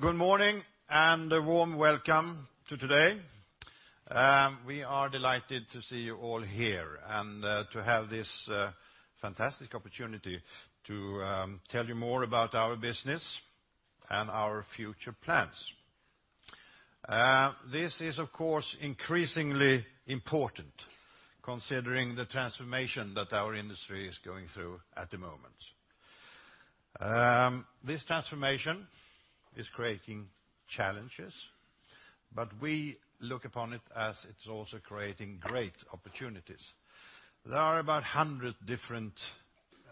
Good morning and a warm welcome to today. We are delighted to see you all here and to have this fantastic opportunity to tell you more about our business and our future plans. This is, of course, increasingly important considering the transformation that our industry is going through at the moment. This transformation is creating challenges, but we look upon it as it is also creating great opportunities. There are about 100 different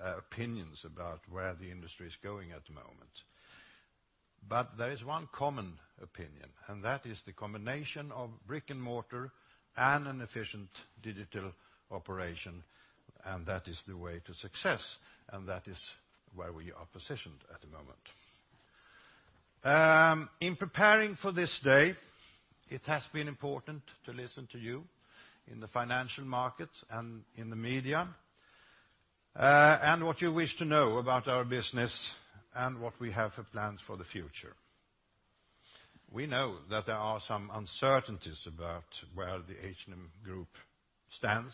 opinions about where the industry is going at the moment. There is one common opinion, and that is the combination of brick and mortar and an efficient digital operation, and that is the way to success, and that is where we are positioned at the moment. In preparing for this day, it has been important to listen to you in the financial markets and in the media, what you wish to know about our business and what we have for plans for the future. We know that there are some uncertainties about where the H&M Group stands,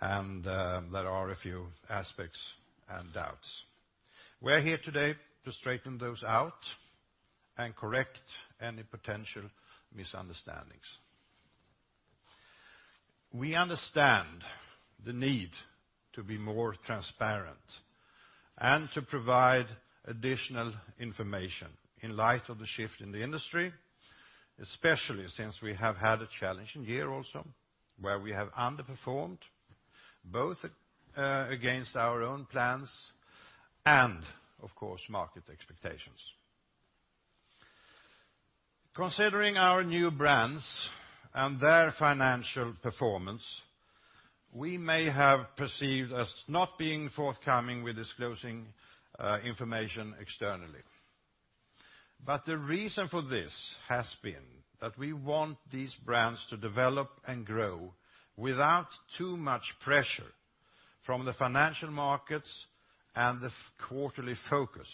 there are a few aspects and doubts. We are here today to straighten those out and correct any potential misunderstandings. We understand the need to be more transparent and to provide additional information in light of the shift in the industry, especially since we have had a challenging year also, where we have underperformed both against our own plans and, of course, market expectations. Considering our new brands and their financial performance, we may have perceived as not being forthcoming with disclosing information externally. The reason for this has been that we want these brands to develop and grow without too much pressure from the financial markets and the quarterly focus.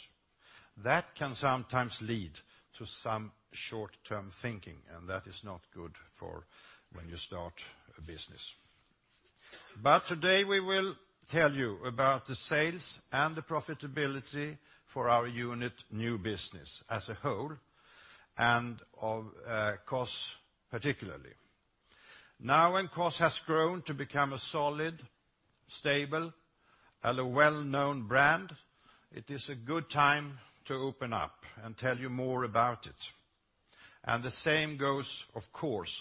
That can sometimes lead to some short-term thinking, and that is not good for when you start a business. Today we will tell you about the sales and the profitability for our unit new business as a whole, and of COS particularly. Now when COS has grown to become a solid, stable, and a well-known brand, it is a good time to open up and tell you more about it. The same goes, of course,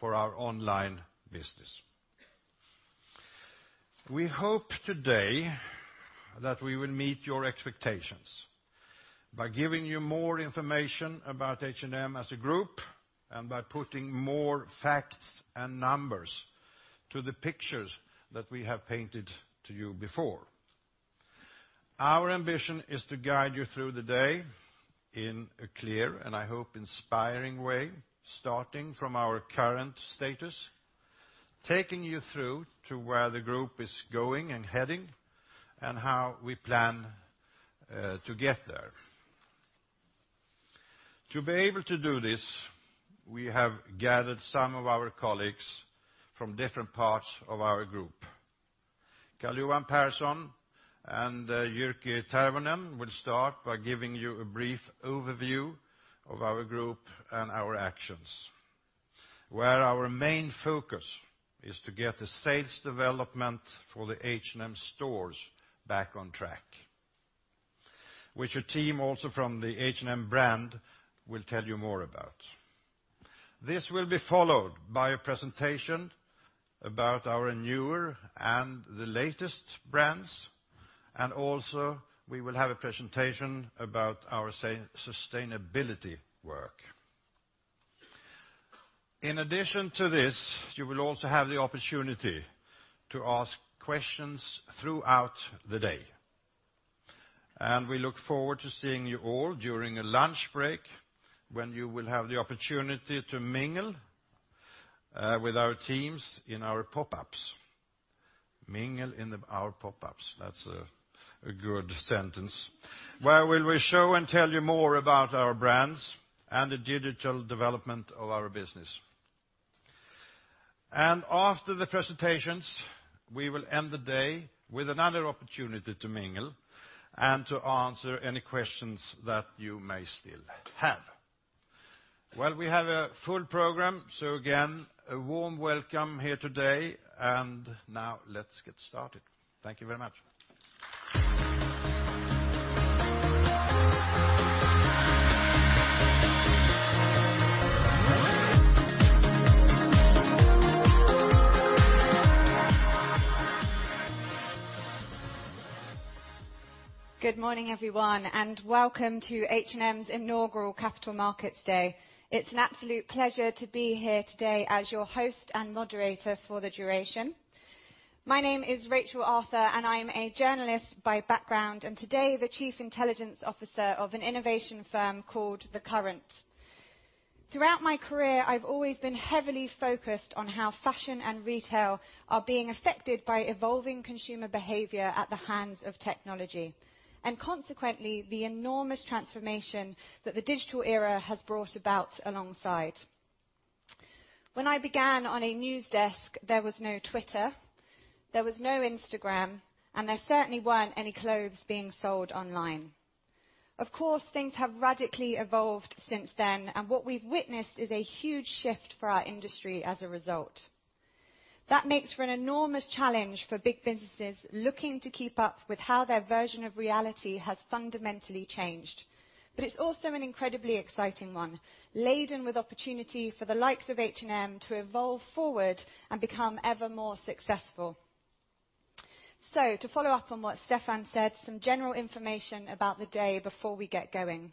for our online business. We hope today that we will meet your expectations by giving you more information about H&M as a group and by putting more facts and numbers to the pictures that we have painted to you before. Our ambition is to guide you through the day in a clear and, I hope, inspiring way, starting from our current status, taking you through to where the group is going and heading, and how we plan to get there. To be able to do this, we have gathered some of our colleagues from different parts of our group. Karl-Johan Persson and Jyrki Tervonen will start by giving you a brief overview of our group and our actions. Where our main focus is to get the sales development for the H&M stores back on track, which a team also from the H&M brand will tell you more about. This will be followed by a presentation about our newer and the latest brands, also we will have a presentation about our sustainability work. In addition to this, you will also have the opportunity to ask questions throughout the day. We look forward to seeing you all during a lunch break when you will have the opportunity to mingle with our teams in our pop-ups. Mingle in our pop-ups, that's a good sentence. Where we will show and tell you more about our brands and the digital development of our business. After the presentations, we will end the day with another opportunity to mingle and to answer any questions that you may still have. We have a full program. Again, a warm welcome here today, and now let's get started. Thank you very much. Good morning, everyone, and welcome to H&M's Inaugural Capital Markets Day. It's an absolute pleasure to be here today as your host and moderator for the duration. My name is Rachel Arthur, and I'm a journalist by background and today the Chief Intelligence Officer of an innovation firm called The Current. Throughout my career, I've always been heavily focused on how fashion and retail are being affected by evolving consumer behavior at the hands of technology, and consequently, the enormous transformation that the digital era has brought about alongside. When I began on a news desk, there was no Twitter, there was no Instagram, and there certainly weren't any clothes being sold online. Things have radically evolved since then, and what we've witnessed is a huge shift for our industry as a result. It's also an incredibly exciting one, laden with opportunity for the likes of H&M to evolve forward and become ever more successful. To follow up on what Stefan said, some general information about the day before we get going.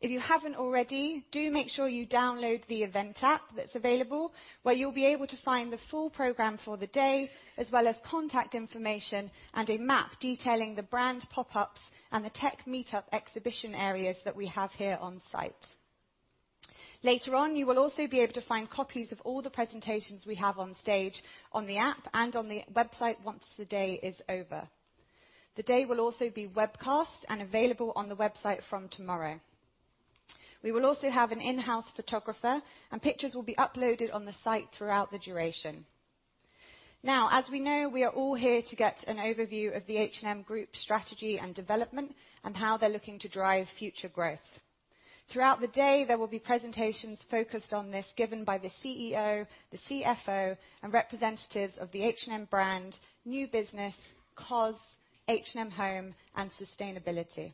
If you haven't already, do make sure you download the event app that's available, where you'll be able to find the full program for the day, as well as contact information and a map detailing the brand pop-ups and the tech meetup exhibition areas that we have here on site. Later on, you will also be able to find copies of all the presentations we have on stage, on the app and on the website once the day is over. The day will also be webcast and available on the website from tomorrow. We will also have an in-house photographer, and pictures will be uploaded on the site throughout the duration. As we know, we are all here to get an overview of the H&M Group strategy and development and how they're looking to drive future growth. Throughout the day, there will be presentations focused on this, given by the CEO, the CFO, and representatives of the H&M brand, new business, COS, H&M Home, and sustainability.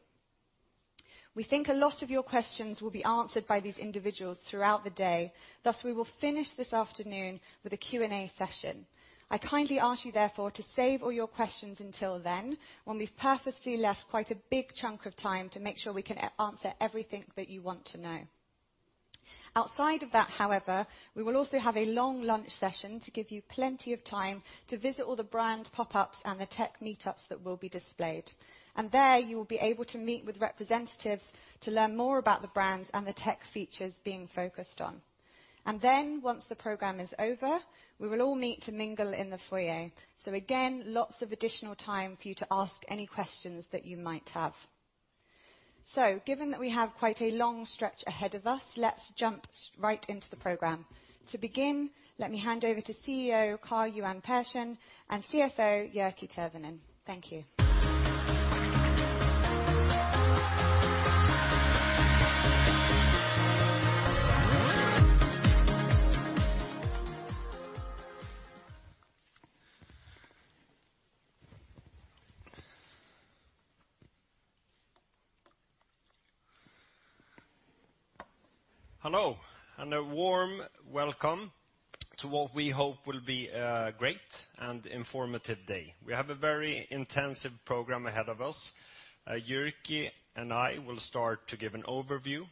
We think a lot of your questions will be answered by these individuals throughout the day. We will finish this afternoon with a Q&A session. I kindly ask you therefore to save all your questions until then, when we've purposely left quite a big chunk of time to make sure we can answer everything that you want to know. Outside of that, however, we will also have a long lunch session to give you plenty of time to visit all the brand pop-ups and the tech meetups that will be displayed. There you will be able to meet with representatives to learn more about the brands and the tech features being focused on. Then once the program is over, we will all meet to mingle in the foyer. Again, lots of additional time for you to ask any questions that you might have. Given that we have quite a long stretch ahead of us, let's jump right into the program. To begin, let me hand over to CEO Karl-Johan Persson and CFO Jyrki Tervonen. Thank you. Hello, a warm welcome to what we hope will be a great and informative day. We have a very intensive program ahead of us. Jyrki and I will start to give an overview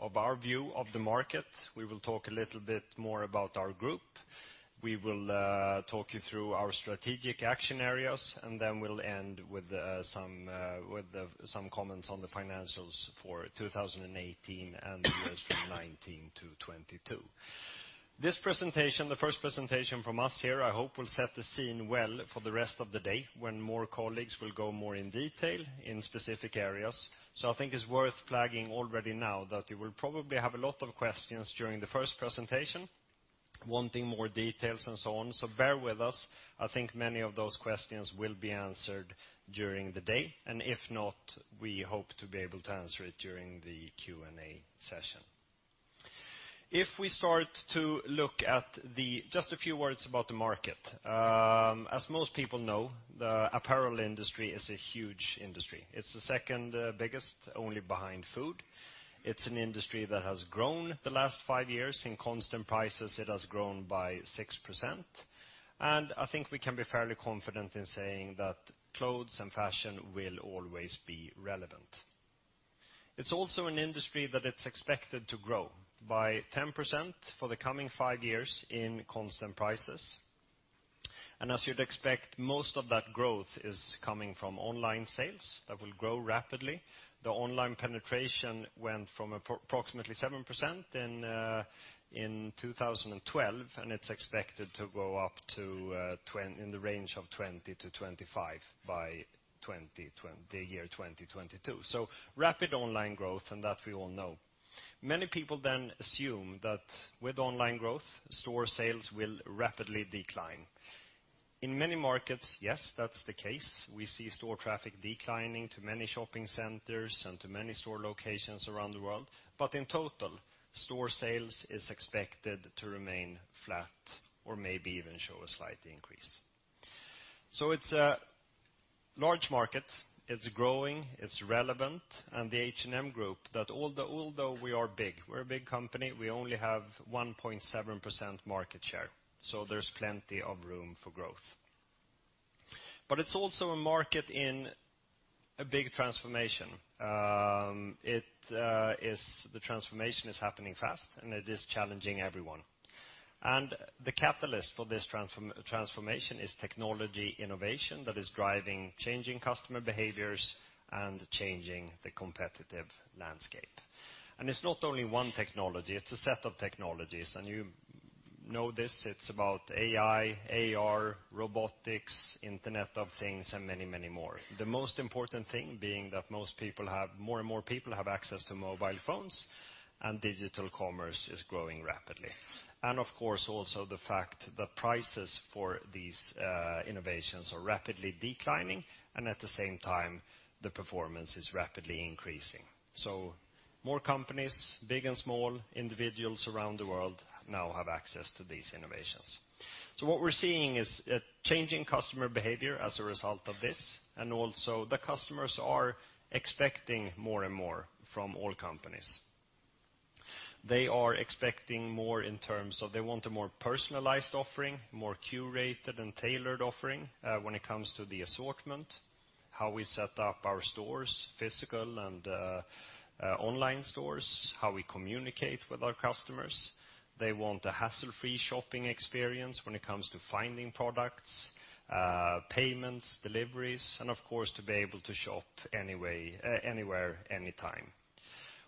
of our view of the market. We will talk a little bit more about our group. We will talk you through our strategic action areas. Then we'll end with some comments on the financials for 2018 and the years from 2019 to 2022. This presentation, the first presentation from us here, I hope will set the scene well for the rest of the day when more colleagues will go more in detail in specific areas. I think it's worth flagging already now that you will probably have a lot of questions during the first presentation, wanting more details and so on. Bear with us. I think many of those questions will be answered during the day. If not, we hope to be able to answer it during the Q&A session. If we start to look at just a few words about the market. As most people know, the apparel industry is a huge industry. It's the second biggest, only behind food. It's an industry that has grown the last five years. In constant prices, it has grown by 6%. I think we can be fairly confident in saying that clothes and fashion will always be relevant. It's also an industry that it's expected to grow by 10% for the coming five years in constant prices. As you'd expect, most of that growth is coming from online sales. That will grow rapidly. The online penetration went from approximately 7% in 2012, and it's expected to go up to in the range of 20-25 by the year 2022. Rapid online growth, and that we all know. Many people then assume that with online growth, store sales will rapidly decline. In many markets, yes, that's the case. We see store traffic declining to many shopping centers and to many store locations around the world. In total, store sales is expected to remain flat or maybe even show a slight increase. It's a large market. It's growing, it's relevant, and the H&M Group, that although we are big, we're a big company, we only have 1.7% market share. There's plenty of room for growth. It's also a market in a big transformation. The transformation is happening fast, and it is challenging everyone. The catalyst for this transformation is technology innovation that is driving changing customer behaviors and changing the competitive landscape. It's not only one technology, it's a set of technologies. You know this, it's about AI, AR, robotics, Internet of Things, and many more. The most important thing being that more and more people have access to mobile phones and digital commerce is growing rapidly. Of course, also the fact that prices for these innovations are rapidly declining and at the same time, the performance is rapidly increasing. More companies, big and small, individuals around the world now have access to these innovations. What we're seeing is a change in customer behavior as a result of this, and also the customers are expecting more and more from all companies. They are expecting more in terms of they want a more personalized offering, more curated and tailored offering when it comes to the assortment, how we set up our stores, physical and online stores, how we communicate with our customers. They want a hassle-free shopping experience when it comes to finding products, payments, deliveries, and of course, to be able to shop anywhere, anytime.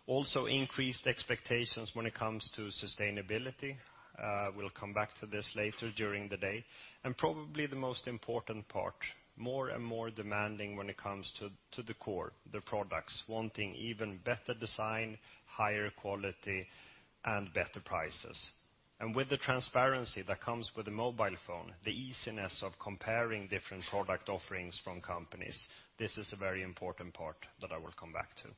Also increased expectations when it comes to sustainability. We'll come back to this later during the day. Probably the most important part, more and more demanding when it comes to the core, the products, wanting even better design, higher quality, and better prices. With the transparency that comes with a mobile phone, the easiness of comparing different product offerings from companies, this is a very important part that I will come back to.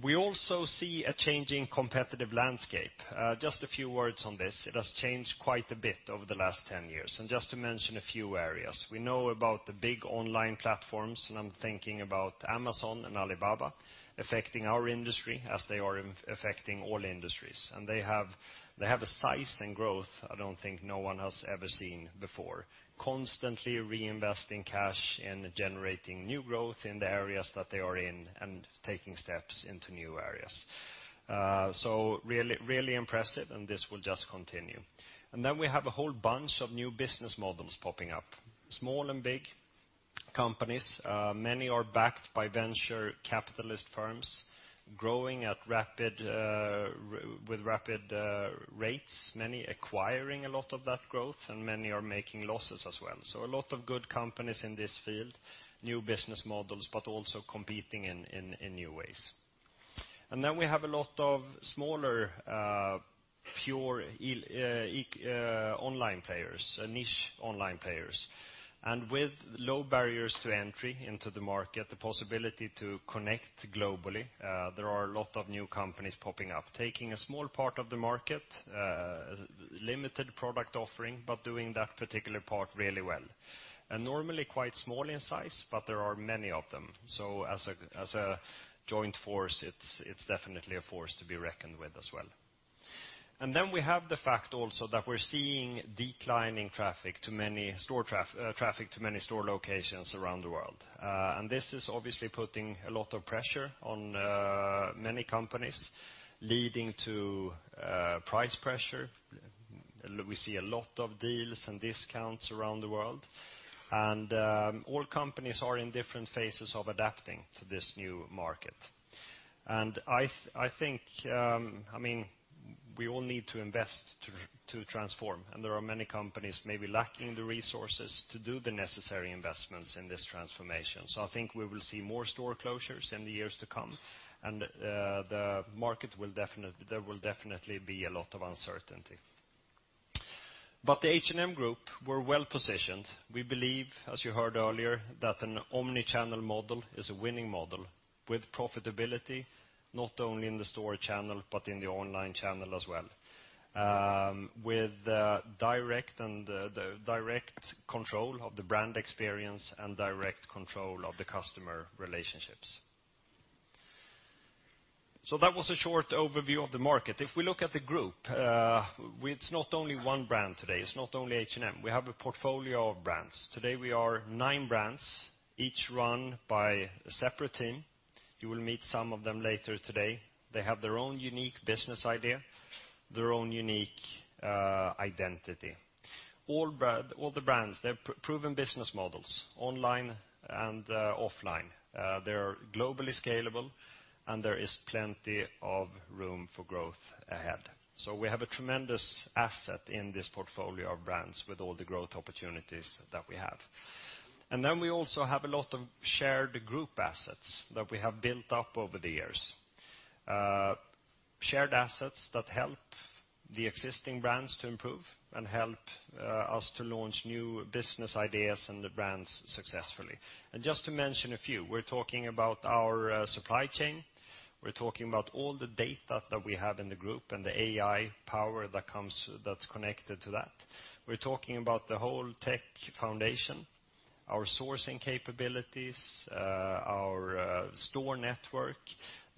We also see a change in competitive landscape. Just a few words on this. It has changed quite a bit over the last 10 years. Just to mention a few areas. We know about the big online platforms, and I'm thinking about Amazon and Alibaba affecting our industry as they are affecting all industries. They have a size and growth I don't think no one has ever seen before. Constantly reinvesting cash and generating new growth in the areas that they are in and taking steps into new areas. Really impressive, and this will just continue. Then we have a whole bunch of new business models popping up. Small and big companies. Many are backed by venture capitalist firms growing with rapid rates. Many acquiring a lot of that growth and many are making losses as well. A lot of good companies in this field, new business models, but also competing in new ways. Then we have a lot of smaller pure online players, niche online players. With low barriers to entry into the market, the possibility to connect globally, there are a lot of new companies popping up, taking a small part of the market, limited product offering, but doing that particular part really well. Normally quite small in size, but there are many of them. As a joint force, it's definitely a force to be reckoned with as well. Then we have the fact also that we're seeing declining traffic to many store locations around the world. This is obviously putting a lot of pressure on many companies, leading to price pressure. We see a lot of deals and discounts around the world. All companies are in different phases of adapting to this new market. I think we all need to invest to transform, and there are many companies maybe lacking the resources to do the necessary investments in this transformation. I think we will see more store closures in the years to come, and there will definitely be a lot of uncertainty. The H&M Group, we're well-positioned. We believe, as you heard earlier, that an omni-channel model is a winning model with profitability, not only in the store channel, but in the online channel as well, with direct control of the brand experience and direct control of the customer relationships. That was a short overview of the market. If we look at the group, it's not only one brand today. It's not only H&M. We have a portfolio of brands. Today we are nine brands, each run by a separate team. You will meet some of them later today. They have their own unique business idea, their own unique identity. All the brands, they're proven business models, online and offline. They're globally scalable, and there is plenty of room for growth ahead. We have a tremendous asset in this portfolio of brands with all the growth opportunities that we have. Then we also have a lot of shared group assets that we have built up over the years. Shared assets that help the existing brands to improve and help us to launch new business ideas and the brands successfully. Just to mention a few, we're talking about our supply chain. We're talking about all the data that we have in the group and the AI power that's connected to that. We're talking about the whole tech foundation, our sourcing capabilities, our store network,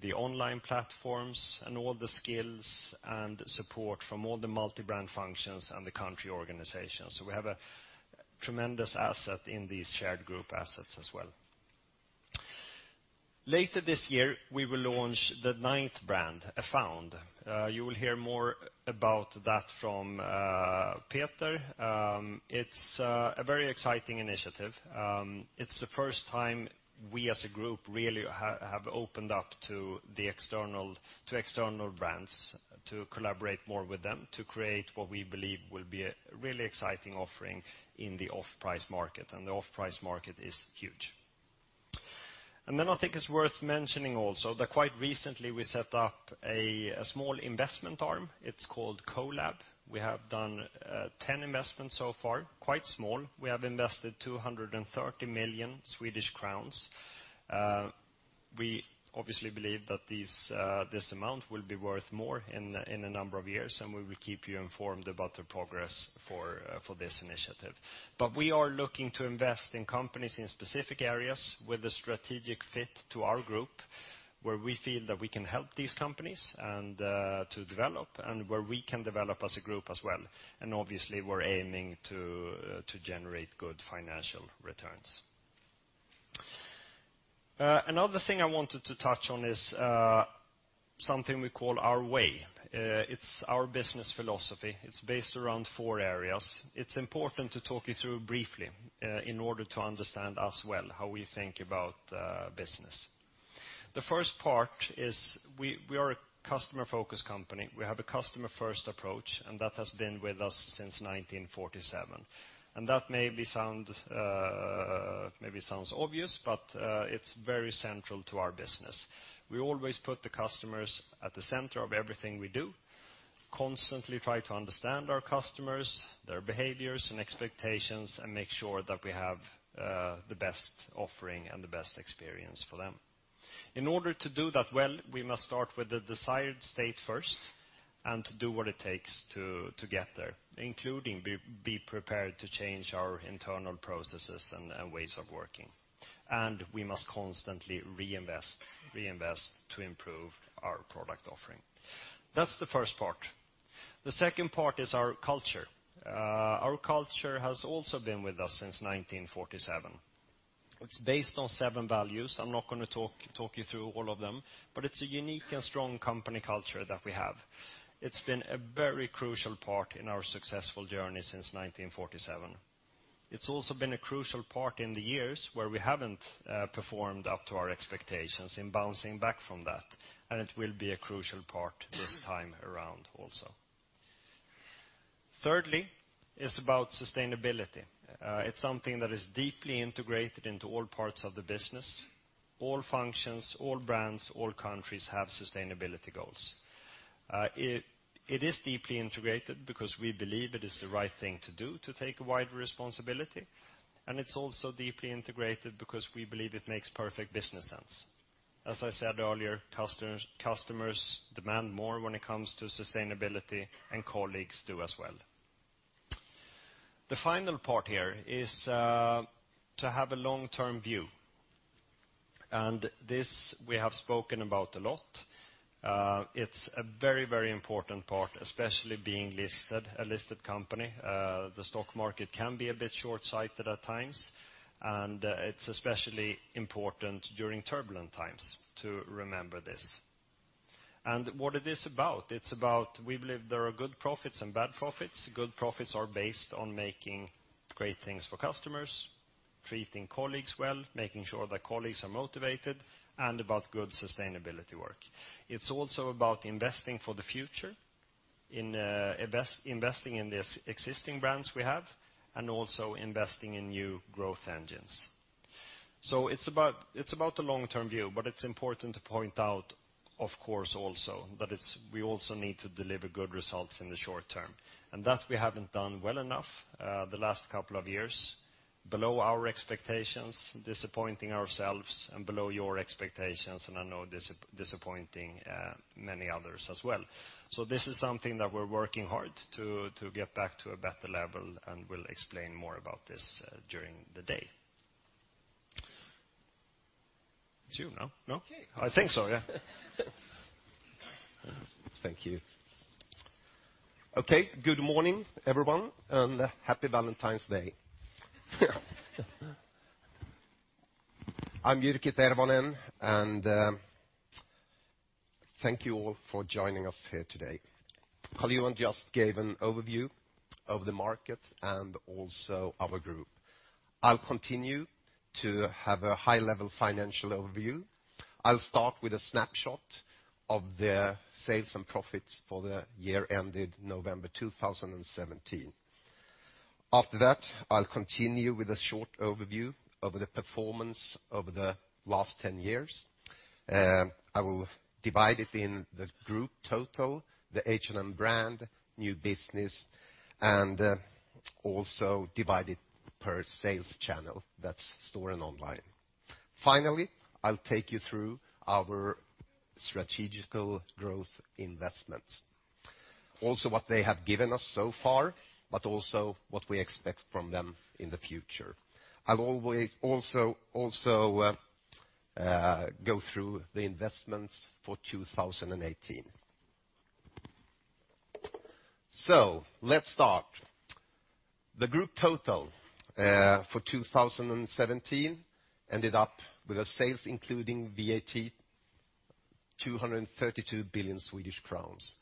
the online platforms, and all the skills and support from all the multi-brand functions and the country organizations. We have a tremendous asset in these shared group assets as well. Later this year, we will launch the ninth brand, Afound. You will hear more about that from Peter. It's a very exciting initiative. It's the first time we, as a group, really have opened up to external brands to collaborate more with them to create what we believe will be a really exciting offering in the off-price market. The off-price market is huge. Then I think it's worth mentioning also that quite recently we set up a small investment arm. It's called CO:LAB. We have done 10 investments so far, quite small. We have invested 230 million Swedish crowns. We obviously believe that this amount will be worth more in a number of years, and we will keep you informed about the progress for this initiative. We are looking to invest in companies in specific areas with a strategic fit to our group, where we feel that we can help these companies to develop and where we can develop as a group as well. Obviously, we're aiming to generate good financial returns. Another thing I wanted to touch on is something we call Our Way. It's our business philosophy. It's based around four areas. It's important to talk you through briefly in order to understand us well, how we think about business. The first part is we are a customer-focused company. We have a customer-first approach, and that has been with us since 1947. That maybe sounds obvious, but it's very central to our business. We always put the customers at the center of everything we do, constantly try to understand our customers, their behaviors, and expectations, and make sure that we have the best offering and the best experience for them. In order to do that well, we must start with the desired state first and do what it takes to get there, including be prepared to change our internal processes and ways of working. We must constantly reinvest to improve our product offering. That's the first part. The second part is our culture. Our culture has also been with us since 1947. It's based on seven values. I'm not going to talk you through all of them, but it's a unique and strong company culture that we have. It's been a very crucial part in our successful journey since 1947. It's also been a crucial part in the years where we haven't performed up to our expectations in bouncing back from that, it will be a crucial part this time around also. Thirdly is about sustainability. It's something that is deeply integrated into all parts of the business. All functions, all brands, all countries have sustainability goals. It is deeply integrated because we believe it is the right thing to do to take wide responsibility, and it's also deeply integrated because we believe it makes perfect business sense. As I said earlier, customers demand more when it comes to sustainability, and colleagues do as well. The final part here is to have a long-term view. This we have spoken about a lot. It's a very important part, especially being a listed company. The stock market can be a bit short-sighted at times, it's especially important during turbulent times to remember this. What it is about? It's about we believe there are good profits and bad profits. Good profits are based on making great things for customers, treating colleagues well, making sure that colleagues are motivated, and about good sustainability work. It's also about investing for the future, investing in these existing brands we have, and also investing in new growth engines. It's about the long-term view, but it's important to point out, of course, also, that we also need to deliver good results in the short term. That we haven't done well enough the last couple of years, below our expectations, disappointing ourselves, and below your expectations, and I know disappointing many others as well. This is something that we're working hard to get back to a better level, and we'll explain more about this during the day. It's you now, no? Okay. I think so, yeah. Thank you. Okay, good morning, everyone, and happy Valentine's Day. I'm Jyrki Tervonen, and thank you all for joining us here today. Karl-Johan just gave an overview of the market and also our group. I'll continue to have a high-level financial overview. I'll start with a snapshot of the sales and profits for the year ended November 2017. After that, I'll continue with a short overview of the performance over the last 10 years. I will divide it in the group total, the H&M brand, new business, and also divide it per sales channel. That's store and online. Finally, I'll take you through our strategical growth investments. Also what they have given us so far, but also what we expect from them in the future. I'll also go through the investments for 2018. Let's start. The group total for 2017 ended up with a sales including VAT, 232 billion Swedish crowns.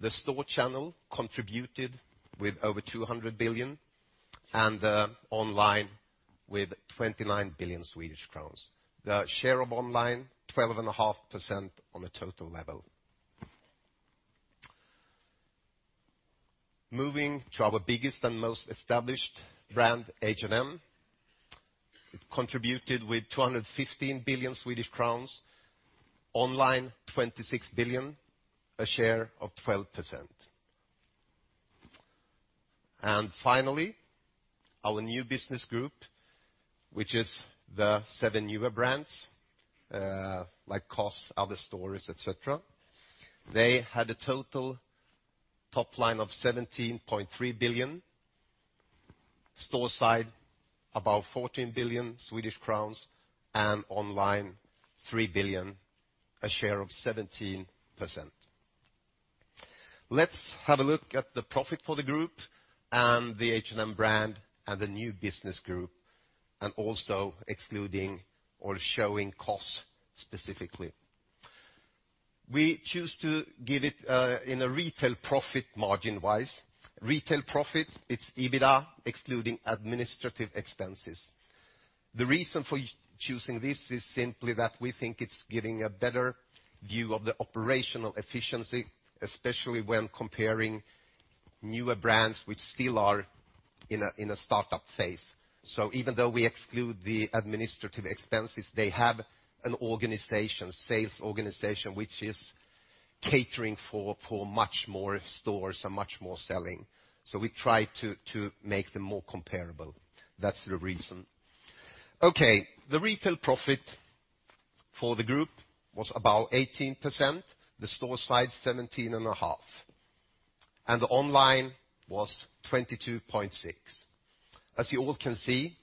The store channel contributed with over 200 billion and the online with 29 billion Swedish crowns. The share of online, 12.5% on a total level. Moving to our biggest and most established brand, H&M. It contributed with 215 billion Swedish crowns, online 26 billion, a share of 12%. Finally, our new business group, which is the seven newer brands, like COS, & Other Stories, et cetera. They had a total top line of 17.3 billion. Store side, about 14 billion Swedish crowns, and online, 3 billion, a share of 17%. Let's have a look at the profit for the group and the H&M brand and the new business group, and also excluding or showing costs specifically. We choose to give it in a retail profit margin-wise. Retail profit, it's EBITDA excluding administrative expenses. The reason for choosing this is simply that we think it's giving a better view of the operational efficiency, especially when comparing newer brands, which still are in a startup phase. Even though we exclude the administrative expenses, they have an organization, sales organization, which is catering for much more stores and much more selling. We try to make them more comparable. That's the reason. Okay. The retail profit for the group was about 18%, the store side 17.5%, and online was 22.6%. As you all can see,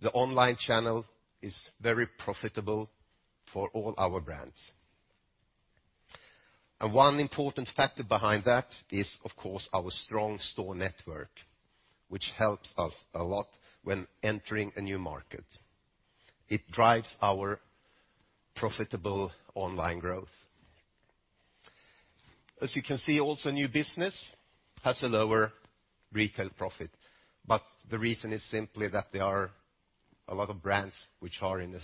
the online channel is very profitable for all our brands. One important factor behind that is, of course, our strong store network, which helps us a lot when entering a new market. It drives our profitable online growth. As you can see, also, new business has a lower retail profit, but the reason is simply that there are a lot of brands which are in the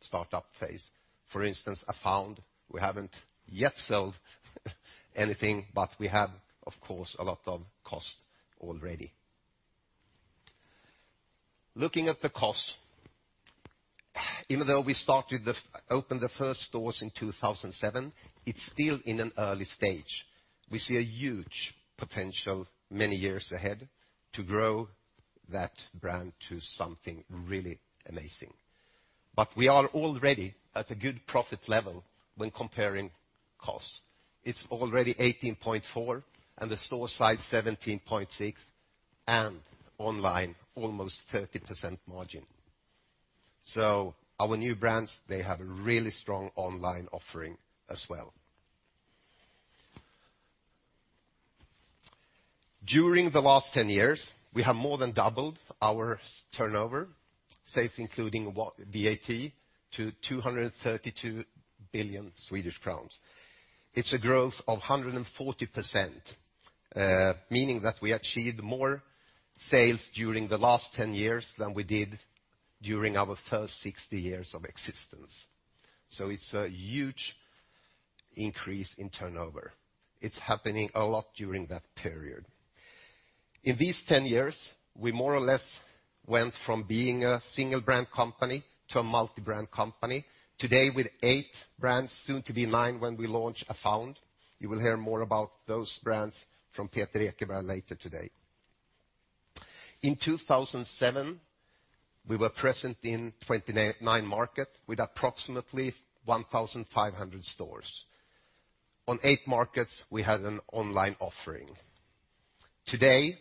startup phase. For instance, Afound, we haven't yet sold anything, but we have, of course, a lot of cost already. Looking at the COS, even though we opened the first stores in 2007, it's still in an early stage. We see a huge potential many years ahead to grow that brand to something really amazing. But we are already at a good profit level when comparing COS. It's already 18.4%, and the store side 17.6%, and online almost 30% margin. Our new brands, they have a really strong online offering as well. During the last 10 years, we have more than doubled our turnover, sales including VAT, to 232 billion Swedish crowns. It's a growth of 140%, meaning that we achieved more sales during the last 10 years than we did during our first 60 years of existence. It's a huge increase in turnover. It's happening a lot during that period. In these 10 years, we more or less went from being a single brand company to a multi-brand company. Today with 8 brands, soon to be 9 when we launch Afound. You will hear more about those brands from Peter Ekeberg later today. In 2007, we were present in 29 markets with approximately 1,500 stores. On 8 markets, we had an online offering. Today,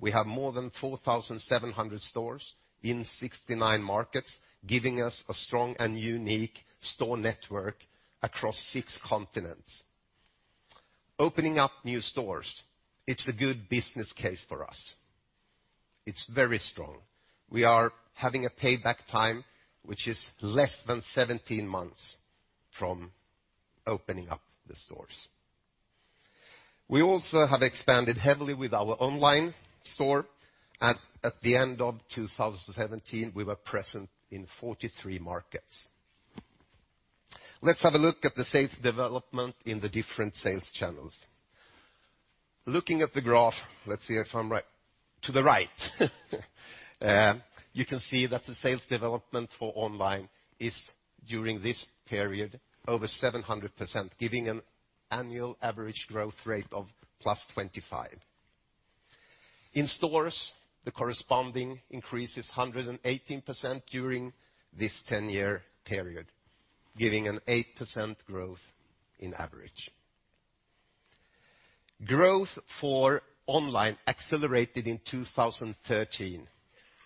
we have more than 4,700 stores in 69 markets, giving us a strong and unique store network across 6 continents. Opening up new stores, it's a good business case for us. It's very strong. We are having a payback time, which is less than 17 months from opening up the stores. We also have expanded heavily with our online store, and at the end of 2017, we were present in 43 markets. Let's have a look at the sales development in the different sales channels. Looking at the graph, let's see if I'm right. To the right. You can see that the sales development for online is, during this period, over 700%, giving an annual average growth rate of +25%. In stores, the corresponding increase is 118% during this 10-year period, giving an 8% growth in average. Growth for online accelerated in 2013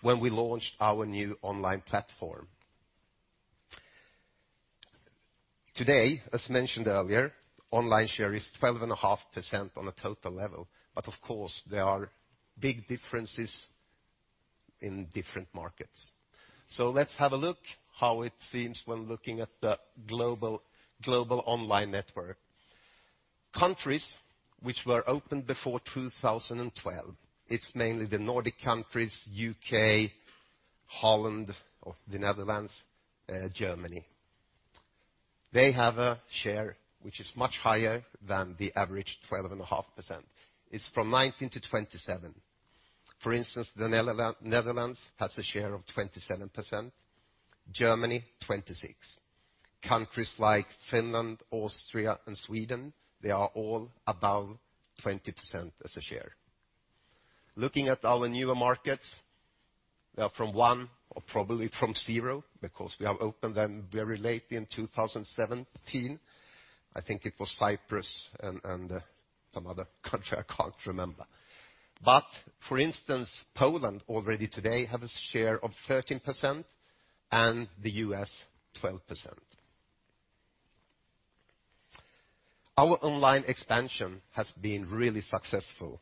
when we launched our new online platform. Today, as mentioned earlier, online share is 12.5% on a total level, but of course, there are big differences in different markets. Let's have a look how it seems when looking at the global online network. Countries which were opened before 2012, it's mainly the Nordic countries, U.K., Holland or the Netherlands, Germany. They have a share which is much higher than the average 12.5%. It's from 19% to 27%. For instance, the Netherlands has a share of 27%, Germany 26%. Countries like Finland, Austria, and Sweden, they are all above 20% as a share. Looking at our newer markets, they are from one or probably from zero because we have opened them very late in 2017. I think it was Cyprus and some other country I can't remember. But for instance, Poland already today have a share of 13% and the U.S. 12%. Our online expansion has been really successful,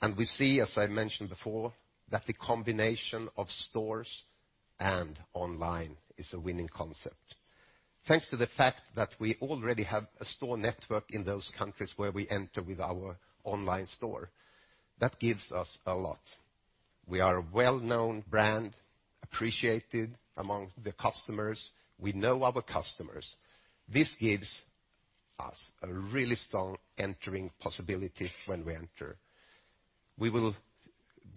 and we see, as I mentioned before, that the combination of stores and online is a winning concept. Thanks to the fact that we already have a store network in those countries where we enter with our online store. That gives us a lot. We are a well-known brand, appreciated amongst the customers. We know our customers. This gives us a really strong entering possibility when we enter. We will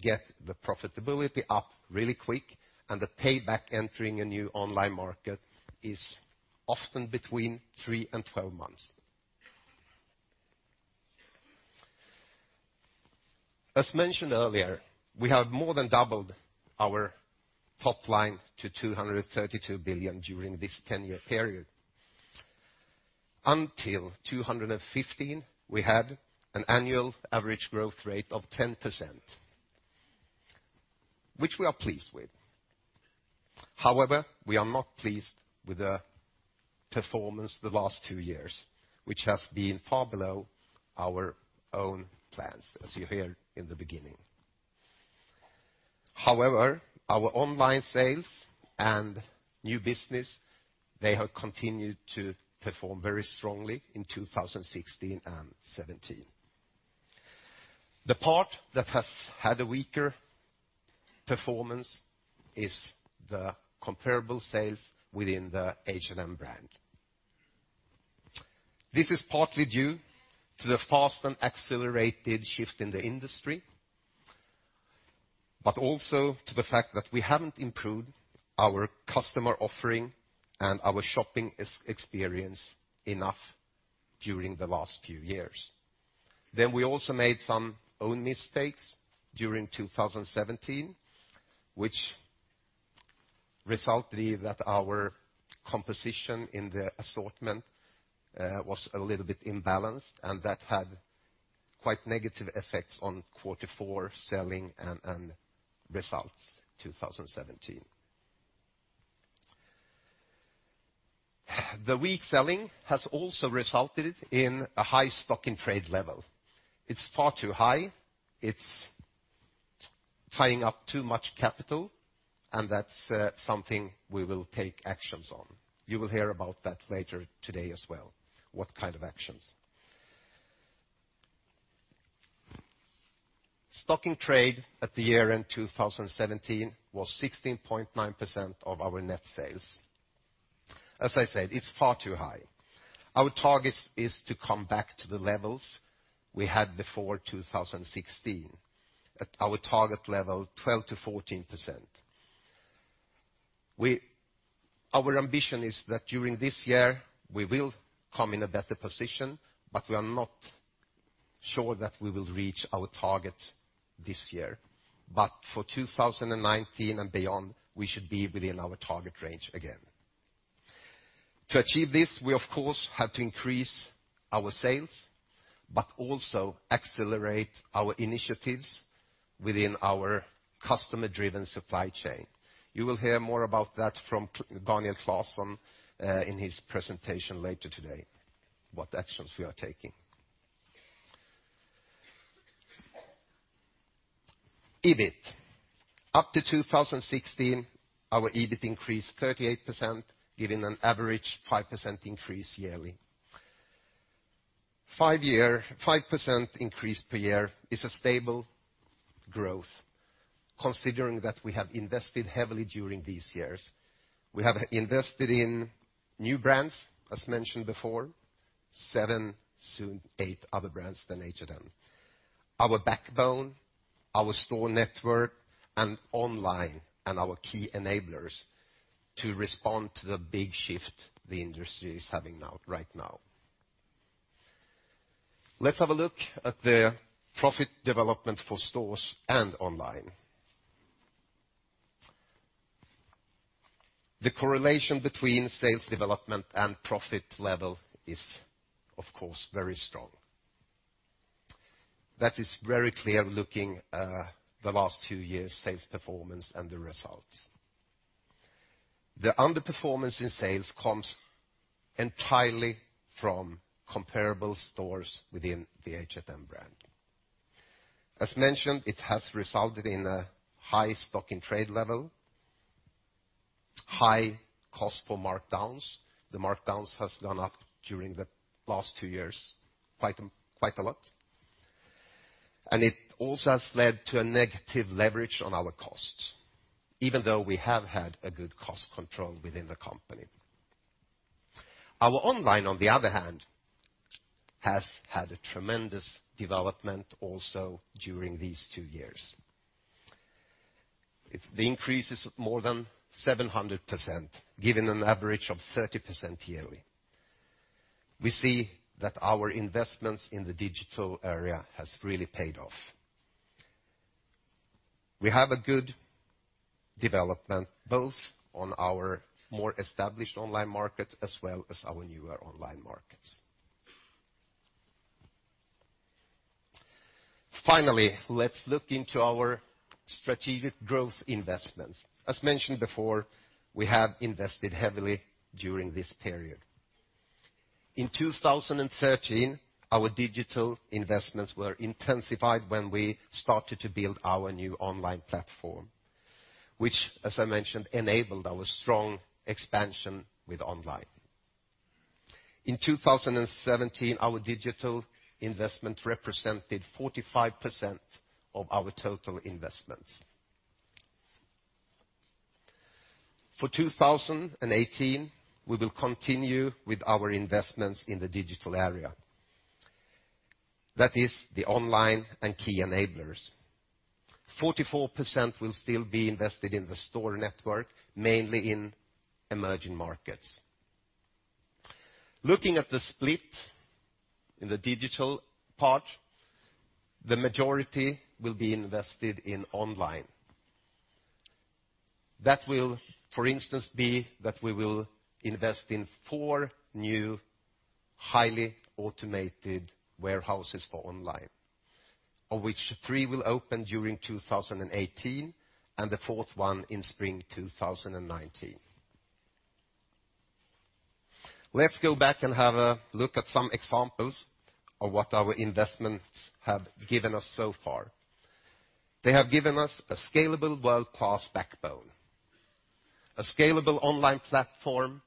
get the profitability up really quick and the payback entering a new online market is often between 3 and 12 months. As mentioned earlier, we have more than doubled our top line to 232 billion during this 10-year period. Until 2015, we had an annual average growth rate of 10%, which we are pleased with. We are not pleased with the performance the last two years, which has been far below our own plans, as you heard in the beginning. Our online sales and new business, they have continued to perform very strongly in 2016 and 2017. The part that has had a weaker performance is the comparable sales within the H&M brand. This is partly due to the fast and accelerated shift in the industry, but also to the fact that we haven't improved our customer offering and our shopping experience enough during the last few years. We also made some own mistakes during 2017, which resulted that our composition in the assortment was a little bit imbalanced, and that had quite negative effects on Q4 selling and results 2017. The weak selling has also resulted in a high stock in trade level. It's far too high. It's tying up too much capital, and that's something we will take actions on. You will hear about that later today as well, what kind of actions. Stock in trade at the year end 2017 was 16.9% of our net sales. As I said, it's far too high. Our target is to come back to the levels we had before 2016. At our target level, 12%-14%. Our ambition is that during this year, we will come in a better position, but we are not sure that we will reach our target this year. For 2019 and beyond, we should be within our target range again. To achieve this, we, of course, have to increase our sales, but also accelerate our initiatives within our customer-driven supply chain. You will hear more about that from Daniel Claesson in his presentation later today, what actions we are taking. EBIT. Up to 2016, our EBIT increased 38%, giving an average 5% increase yearly. 5% increase per year is a stable growth considering that we have invested heavily during these years. We have invested in new brands, as mentioned before, 7, soon 8 other brands than H&M. Our backbone, our store network, and online and our key enablers to respond to the big shift the industry is having right now. Let's have a look at the profit development for stores and online. The correlation between sales development and profit level is, of course, very strong. That is very clear looking the last two years' sales performance and the results. The underperformance in sales comes entirely from comparable stores within the H&M brand. As mentioned, it has resulted in a high stock in trade level, high cost for markdowns. The markdowns has gone up during the last two years quite a lot, and it also has led to a negative leverage on our costs, even though we have had a good cost control within the company. Our online, on the other hand, has had a tremendous development also during these two years. The increase is more than 700%, giving an average of 30% yearly. We see that our investments in the digital area has really paid off. We have a good development both on our more established online markets as well as our newer online markets. Finally, let's look into our strategic growth investments. As mentioned before, we have invested heavily during this period. In 2013, our digital investments were intensified when we started to build our new online platform, which, as I mentioned, enabled our strong expansion with online. In 2017, our digital investment represented 45% of our total investments. For 2018, we will continue with our investments in the digital area. That is the online and key enablers. 44% will still be invested in the store network, mainly in emerging markets. Looking at the split in the digital part, the majority will be invested in online. That will, for instance, be that we will invest in 4 new highly automated warehouses for online, of which three will open during 2018 and the fourth one in spring 2019. Let's go back and have a look at some examples of what our investments have given us so far. They have given us a scalable world-class backbone, a scalable online platform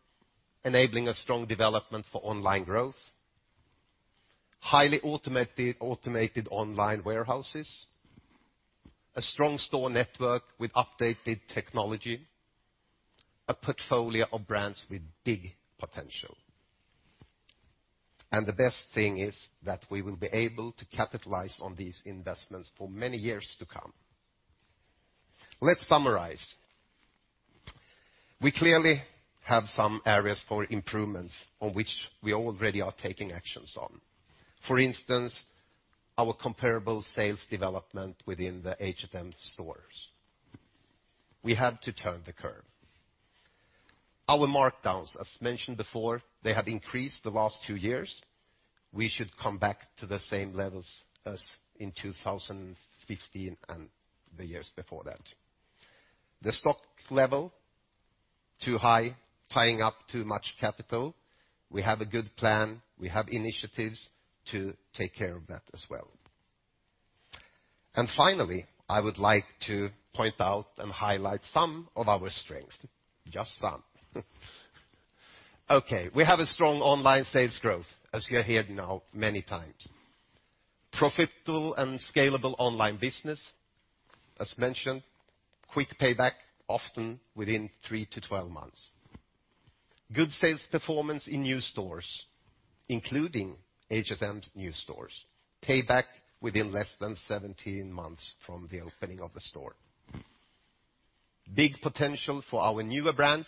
enabling a strong development for online growth, highly automated online warehouses, a strong store network with updated technology, a portfolio of brands with big potential. The best thing is that we will be able to capitalize on these investments for many years to come. Let's summarize. We clearly have some areas for improvements on which we already are taking actions on. For instance, our comparable sales development within the H&M stores. We had to turn the curve. Our markdowns, as mentioned before, they have increased the last two years. We should come back to the same levels as in 2015 and the years before that. The stock level, too high, tying up too much capital. We have a good plan. We have initiatives to take care of that as well. Finally, I would like to point out and highlight some of our strengths. Just some. Okay, we have a strong online sales growth, as you have heard now many times. Profitable and scalable online business. As mentioned, quick payback, often within three to 12 months. Good sales performance in new stores, including H&M's new stores. Payback within less than 17 months from the opening of the store. Big potential for our newer brands.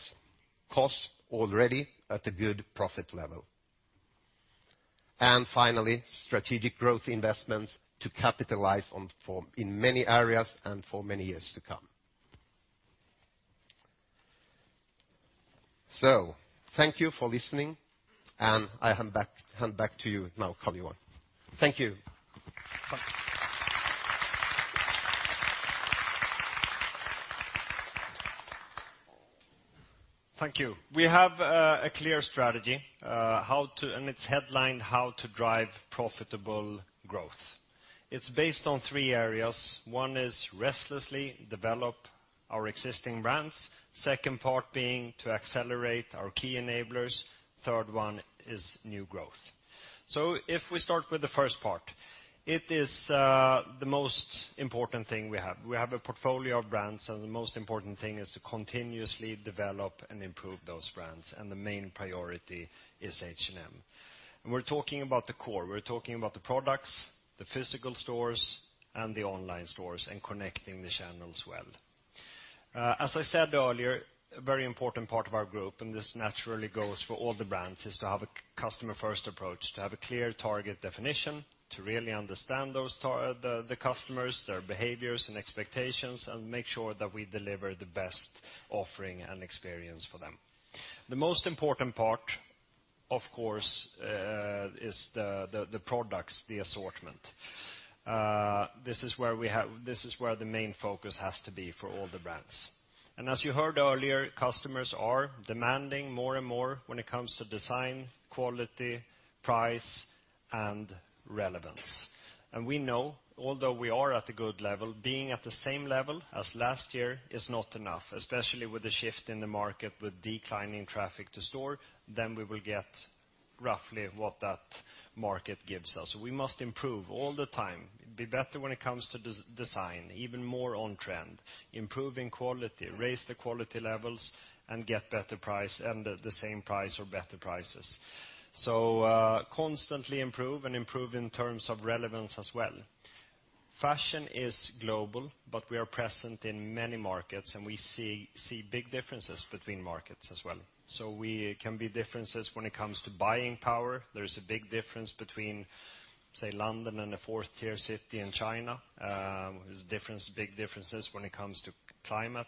Costs already at a good profit level. Finally, strategic growth investments to capitalize on in many areas and for many years to come. Thank you for listening, and I hand back to you now, Karl-Johan. Thank you. Thank you. We have a clear strategy, and it's headlined How to Drive Profitable Growth. It's based on three areas. One is restlessly develop our existing brands. Second part being to accelerate our key enablers. Third one is new growth. If we start with the first part, it is the most important thing we have. We have a portfolio of brands, and the most important thing is to continuously develop and improve those brands, and the main priority is H&M. We're talking about the core. We're talking about the products, the physical stores, and the online stores, and connecting the channels well. As I said earlier, a very important part of our group, and this naturally goes for all the brands, is to have a customer-first approach, to have a clear target definition, to really understand the customers, their behaviors and expectations, and make sure that we deliver the best offering and experience for them. The most important part, of course, it's the products, the assortment. This is where the main focus has to be for all the brands. As you heard earlier, customers are demanding more and more when it comes to design, quality, price, and relevance. We know although we are at a good level, being at the same level as last year is not enough, especially with the shift in the market with declining traffic to store, then we will get roughly what that market gives us. We must improve all the time, be better when it comes to design, even more on trend, improving quality, raise the quality levels, and get better price and the same price or better prices. Constantly improve and improve in terms of relevance as well. Fashion is global, but we are present in many markets, and we see big differences between markets as well. We can be differences when it comes to buying power. There is a big difference between, say, London and a fourth-tier city in China. There's big differences when it comes to climate,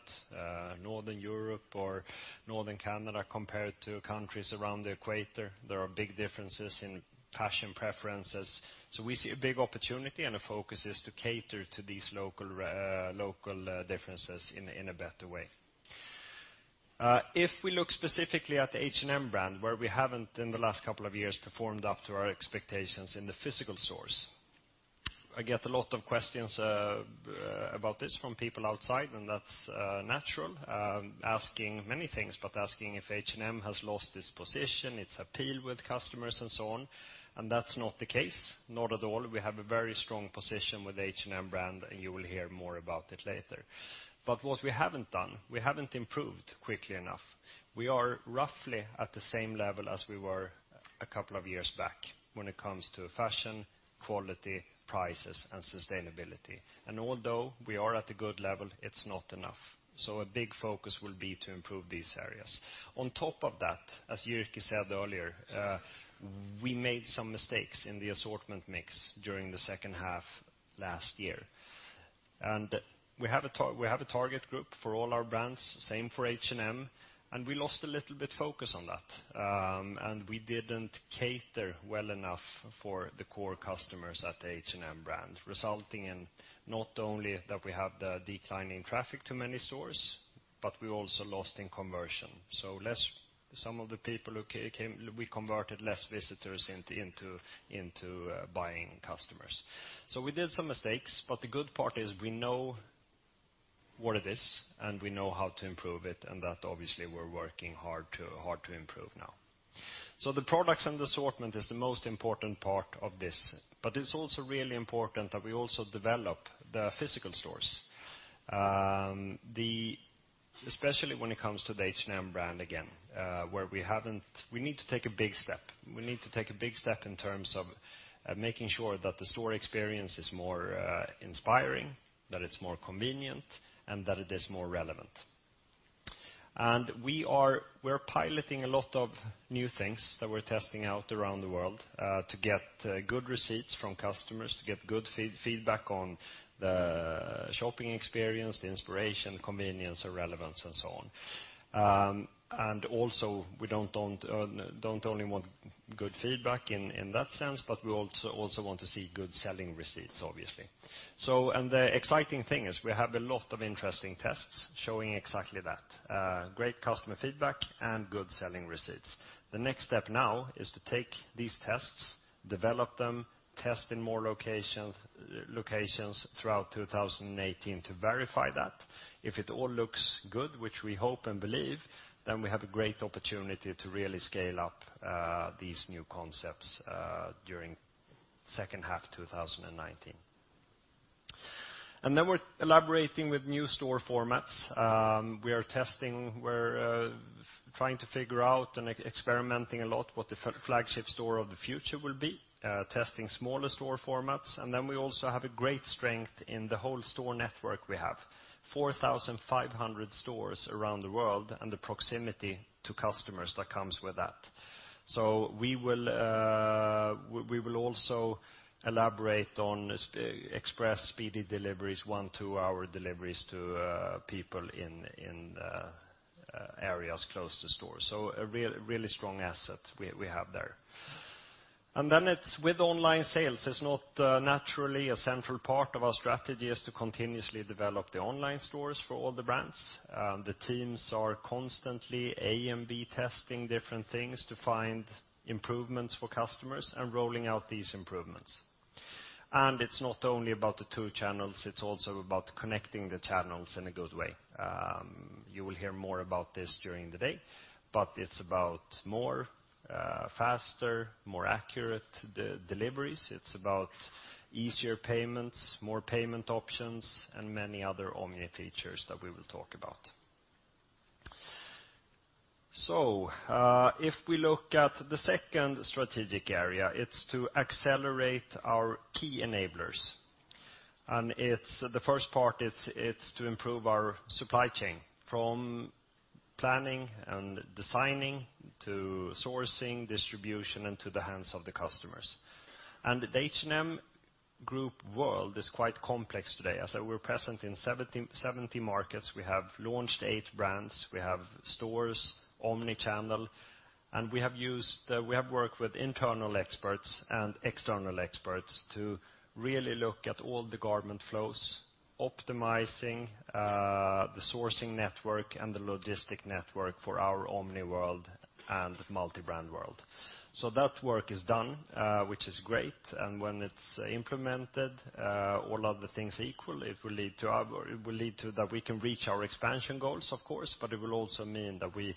Northern Europe or northern Canada compared to countries around the equator. There are big differences in fashion preferences. We see a big opportunity and the focus is to cater to these local differences in a better way. If we look specifically at the H&M brand, where we haven't in the last couple of years performed up to our expectations in the physical stores. I get a lot of questions about this from people outside, and that's natural, asking many things, but asking if H&M has lost its position, its appeal with customers and so on, and that's not the case. Not at all. We have a very strong position with the H&M brand, and you will hear more about it later. What we haven't done, we haven't improved quickly enough. We are roughly at the same level as we were a couple of years back when it comes to fashion, quality, prices, and sustainability. Although we are at a good level, it's not enough. A big focus will be to improve these areas. On top of that, as Jyrki said earlier, we made some mistakes in the assortment mix during the second half last year. We have a target group for all our brands, same for H&M, and we lost a little bit focus on that. We didn't cater well enough for the core customers at the H&M brand, resulting in not only that we have the decline in traffic to many stores, but we also lost in conversion. We converted less visitors into buying customers. We did some mistakes, but the good part is we know what it is and we know how to improve it and that obviously we're working hard to improve now. The products and assortment is the most important part of this, but it's also really important that we also develop the physical stores. Especially when it comes to the H&M brand again, where we need to take a big step. We need to take a big step in terms of making sure that the store experience is more inspiring, that it's more convenient, and that it is more relevant. We're piloting a lot of new things that we're testing out around the world, to get good receipts from customers, to get good feedback on the shopping experience, the inspiration, convenience, relevance, and so on. Also we don't only want good feedback in that sense, but we also want to see good selling receipts, obviously. The exciting thing is we have a lot of interesting tests showing exactly that. Great customer feedback and good selling receipts. The next step now is to take these tests, develop them, test in more locations throughout 2018 to verify that. If it all looks good, which we hope and believe, we have a great opportunity to really scale up these new concepts, during second half 2019. We're elaborating with new store formats. We're trying to figure out and experimenting a lot what the flagship store of the future will be, testing smaller store formats. We also have a great strength in the whole store network we have, 4,500 stores around the world and the proximity to customers that comes with that. We will also elaborate on express speedy deliveries, one to two-hour deliveries to people in areas close to stores. A really strong asset we have there. It's with online sales, it's not naturally a central part of our strategy is to continuously develop the online stores for all the brands. The teams are constantly A/B testing different things to find improvements for customers and rolling out these improvements. It's not only about the two channels, it's also about connecting the channels in a good way. You will hear more about this during the day, but it's about more, faster, more accurate deliveries. It's about easier payments, more payment options, and many other omni features that we will talk about. If we look at the second strategic area, it's to accelerate our key enablers. The first part it's to improve our supply chain from planning and designing to sourcing, distribution, and to the hands of the customers. At H&M Group world is quite complex today. As I said, we're present in 70 markets. We have launched eight brands. We have stores, omni-channel, and we have worked with internal experts and external experts to really look at all the garment flows, optimizing the sourcing network and the logistic network for our omni-world and multi-brand world. That work is done, which is great. When it's implemented, all other things equal, it will lead to that we can reach our expansion goals, of course, but it will also mean that we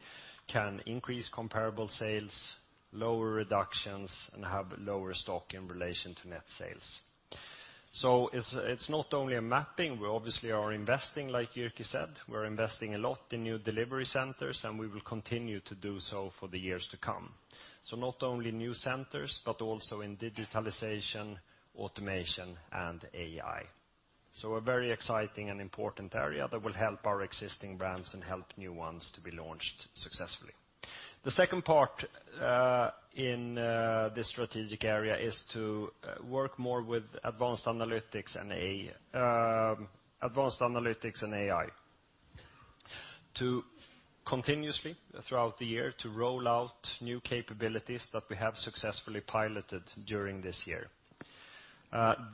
can increase comparable sales, lower reductions, and have lower stock in relation to net sales. It's not only a mapping. We obviously are investing, like Jürg said. We're investing a lot in new delivery centers, and we will continue to do so for the years to come. Not only new centers, but also in digitalization, automation, and AI. A very exciting and important area that will help our existing brands and help new ones to be launched successfully. The second part in this strategic area is to work more with advanced analytics and AI to continuously, throughout the year, to roll out new capabilities that we have successfully piloted during this year.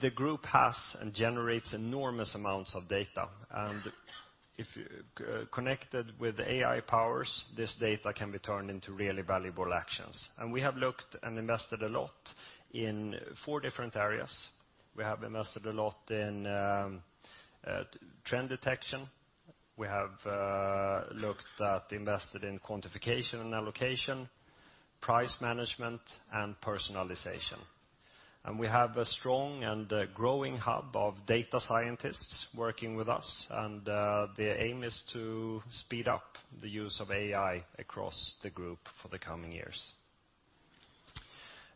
The group has and generates enormous amounts of data, and if connected with AI powers, this data can be turned into really valuable actions. We have looked and invested a lot in four different areas. We have invested a lot in trend detection. We have looked at, invested in quantification and allocation, price management, and personalization. We have a strong and growing hub of data scientists working with us. Their aim is to speed up the use of AI across the group for the coming years.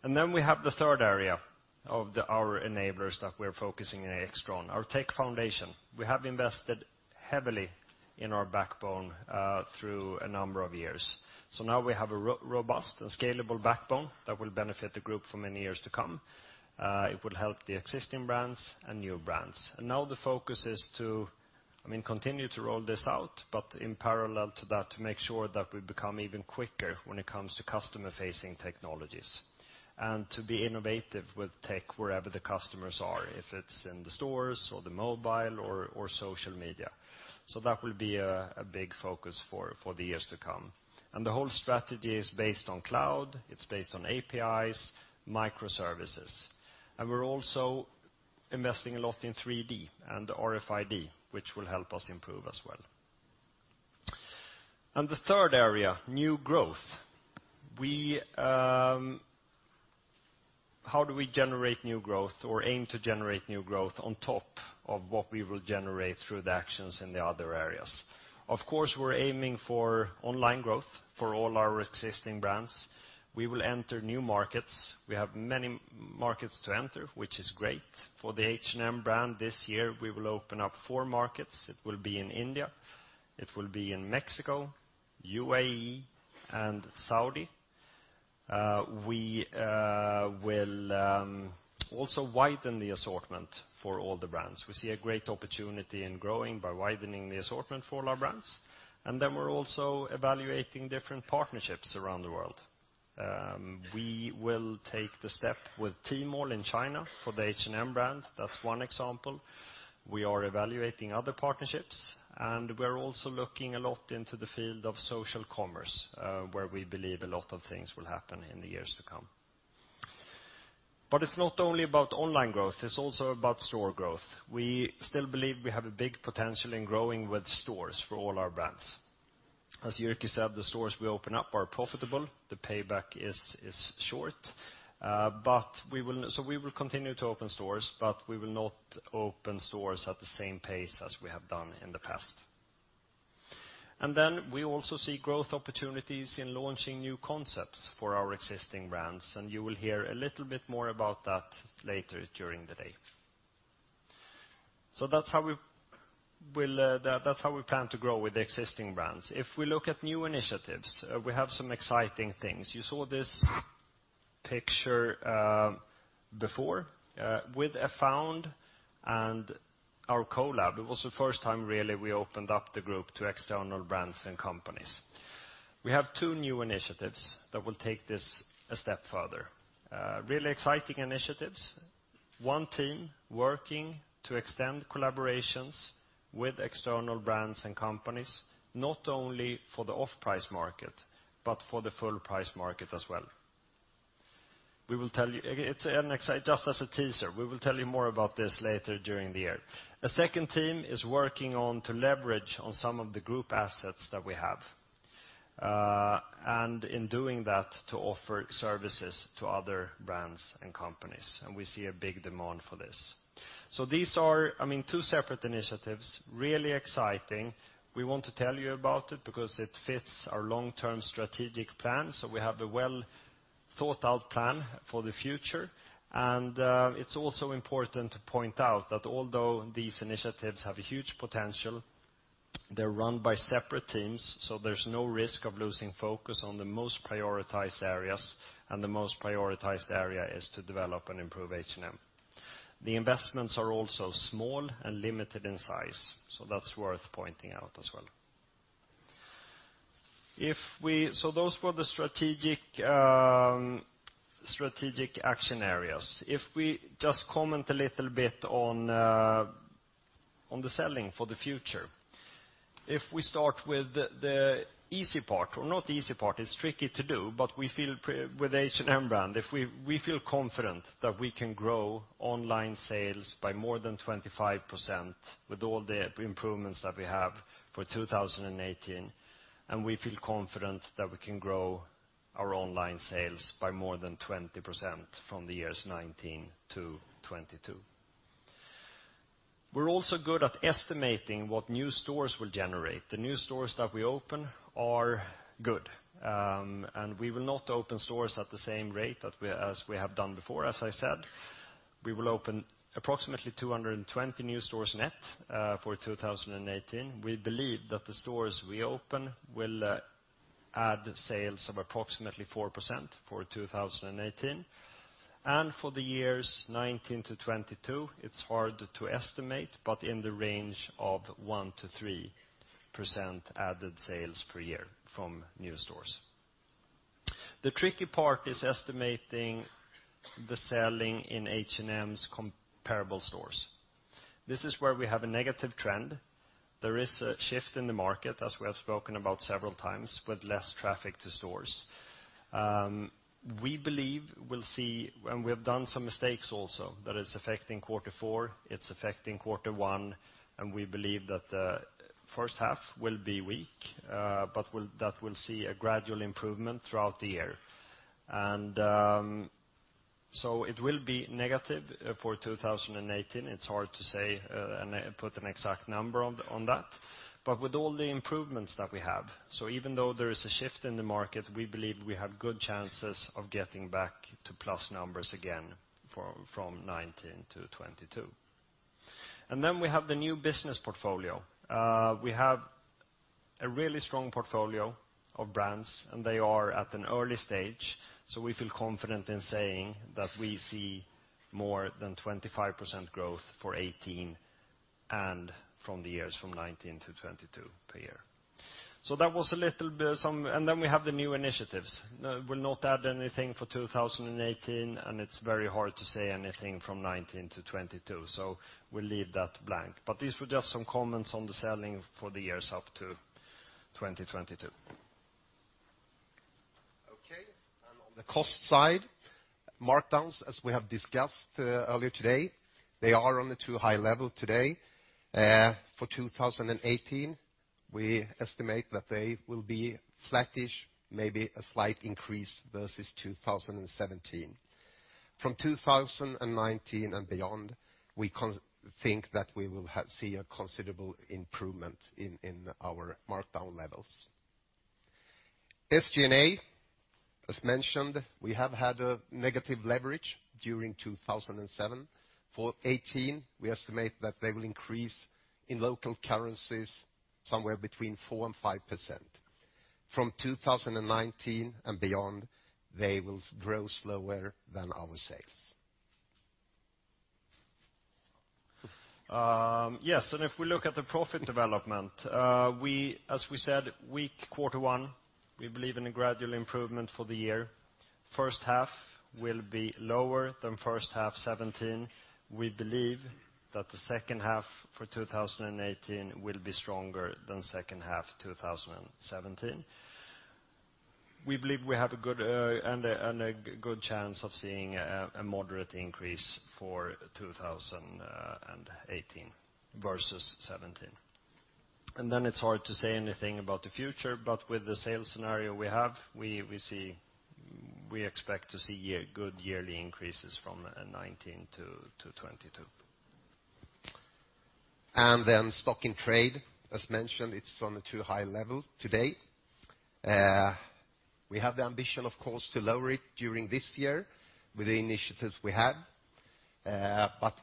We have the third area of our enablers that we're focusing on at Afound, our tech foundation. We have invested heavily in our backbone through a number of years. Now we have a robust and scalable backbone that will benefit the group for many years to come. It will help the existing brands and new brands. Now the focus is to continue to roll this out, but in parallel to that, to make sure that we become even quicker when it comes to customer-facing technologies and to be innovative with tech wherever the customers are, if it's in the stores or the mobile or social media. That will be a big focus for the years to come. The whole strategy is based on cloud, it's based on APIs, microservices. We're also investing a lot in 3D and RFID, which will help us improve as well. The third area, new growth. How do we generate new growth or aim to generate new growth on top of what we will generate through the actions in the other areas? Of course, we're aiming for online growth for all our existing brands. We will enter new markets. We have many markets to enter, which is great. For the H&M brand this year, we will open up four markets. It will be in India, it will be in Mexico, UAE, and Saudi. We will also widen the assortment for all the brands. We see a great opportunity in growing by widening the assortment for all our brands. Then we're also evaluating different partnerships around the world. We will take the step with Tmall in China for the H&M brand. That's one example. We are evaluating other partnerships. We're also looking a lot into the field of social commerce, where we believe a lot of things will happen in the years to come. It's not only about online growth, it's also about store growth. We still believe we have a big potential in growing with stores for all our brands. As Jyrki said, the stores we open up are profitable. The payback is short. We will continue to open stores, but we will not open stores at the same pace as we have done in the past. We also see growth opportunities in launching new concepts for our existing brands. You will hear a little bit more about that later during the day. That's how we plan to grow with the existing brands. If we look at new initiatives, we have some exciting things. You saw this picture before with Afound and our CO:LAB. It was the first time, really, we opened up the group to external brands and companies. We have two new initiatives that will take this a step further. Really exciting initiatives. One team working to extend collaborations with external brands and companies, not only for the off-price market, but for the full-price market as well. Just as a teaser, we will tell you more about this later during the year. A second team is working on to leverage on some of the group assets that we have. In doing that, to offer services to other brands and companies. We see a big demand for this. These are two separate initiatives, really exciting. We want to tell you about it because it fits our long-term strategic plan. We have a well-thought-out plan for the future. It's also important to point out that although these initiatives have a huge potential. They're run by separate teams, so there's no risk of losing focus on the most prioritized areas. The most prioritized area is to develop and improve H&M. The investments are also small and limited in size, so that's worth pointing out as well. Those were the strategic action areas. If we just comment a little bit on the selling for the future, if we start with the easy part, or not the easy part, it's tricky to do, but we feel with H&M brand, we feel confident that we can grow online sales by more than 25% with all the improvements that we have for 2018. We feel confident that we can grow our online sales by more than 20% from the years 2019 to 2022. We're also good at estimating what new stores will generate. The new stores that we open are good. We will not open stores at the same rate as we have done before, as I said. We will open approximately 220 new stores net, for 2018. We believe that the stores we open will add sales of approximately 4% for 2018. For the years 2019 to 2022, it's hard to estimate, but in the range of 1%-3% added sales per year from new stores. The tricky part is estimating the selling in H&M's comparable stores. This is where we have a negative trend. There is a shift in the market, as we have spoken about several times, with less traffic to stores. We believe we'll see, and we have done some mistakes also that is affecting quarter four, it's affecting quarter one, and we believe that the first half will be weak, but that we'll see a gradual improvement throughout the year. It will be negative for 2018. It's hard to say and put an exact number on that. With all the improvements that we have, even though there is a shift in the market, we believe we have good chances of getting back to plus numbers again from 2019 to 2022. We have the new business portfolio. We have a really strong portfolio of brands, and they are at an early stage, so we feel confident in saying that we see more than 25% growth for 2018 and from the years from 2019 to 2022 per year. We have the new initiatives. We'll not add anything for 2018, and it's very hard to say anything from 2019 to 2022, so we'll leave that blank. These were just some comments on the selling for the years up to 2022. On the cost side, markdowns, as we have discussed earlier today, they are on a too high level today. For 2018, we estimate that they will be flattish, maybe a slight increase versus 2017. From 2019 and beyond, we think that we will see a considerable improvement in our markdown levels. SG&A, as mentioned, we have had a negative leverage during 2017. For 2018, we estimate that they will increase in local currencies somewhere between 4% and 5%. From 2019 and beyond, they will grow slower than our sales. If we look at the profit development, as we said, weak quarter one, we believe in a gradual improvement for the year. First half will be lower than first half 2017. We believe that the second half for 2018 will be stronger than second half 2017. We believe we have a good chance of seeing a moderate increase for 2018 versus 2017. It's hard to say anything about the future, with the sales scenario we have, we expect to see good yearly increases from 2019 to 2022. Then stock in trade, as mentioned, it is on a too high level today. We have the ambition, of course, to lower it during this year with the initiatives we have.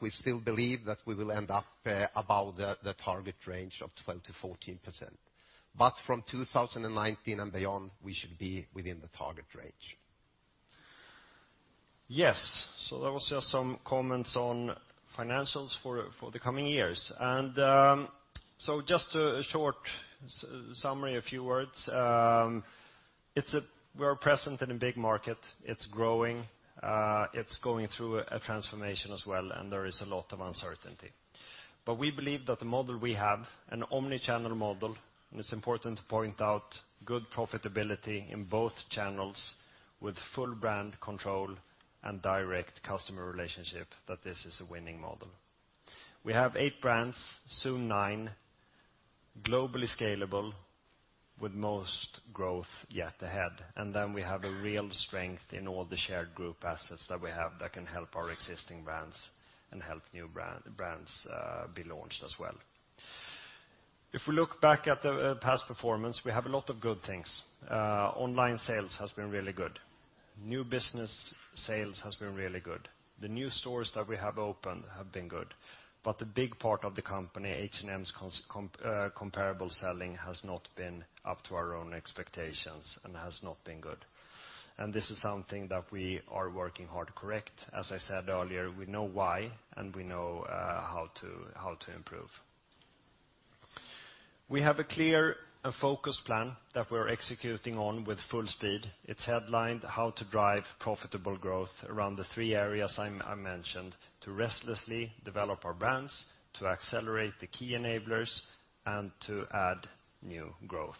We still believe that we will end up above the target range of 12%-14%. From 2019 and beyond, we should be within the target range. Yes. That was just some comments on financials for the coming years. Just a short summary, a few words. We are present in a big market. It is growing. It is going through a transformation as well, and there is a lot of uncertainty. We believe that the model we have, an omni-channel model, and it is important to point out good profitability in both channels with full brand control and direct customer relationship, that this is a winning model. We have eight brands, soon nine, globally scalable with most growth yet ahead. Then we have a real strength in all the shared group assets that we have that can help our existing brands and help new brands be launched as well. If we look back at the past performance, we have a lot of good things. Online sales has been really good. New business sales has been really good. The new stores that we have opened have been good. The big part of the company, H&M's comparable selling, has not been up to our own expectations and has not been good. This is something that we are working hard to correct. As I said earlier, we know why, and we know how to improve. We have a clear and focused plan that we are executing on with full speed. It is headlined how to drive profitable growth around the three areas I mentioned, to restlessly develop our brands, to accelerate the key enablers, and to add new growth.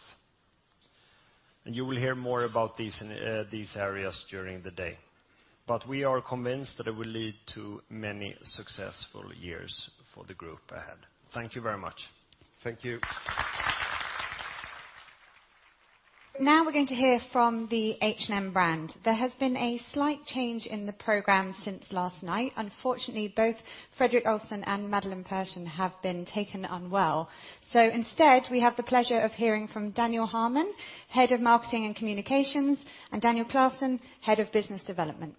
You will hear more about these areas during the day. We are convinced that it will lead to many successful years for the group ahead. Thank you very much. Thank you. We're going to hear from the H&M brand. There has been a slight change in the program since last night. Unfortunately, both Fredrik Olsson and Madeleine Persson have been taken unwell. Instead, we have the pleasure of hearing from Daniel Ervér, Head of Marketing and Communications, and Daniel Claesson, Head of Business Development.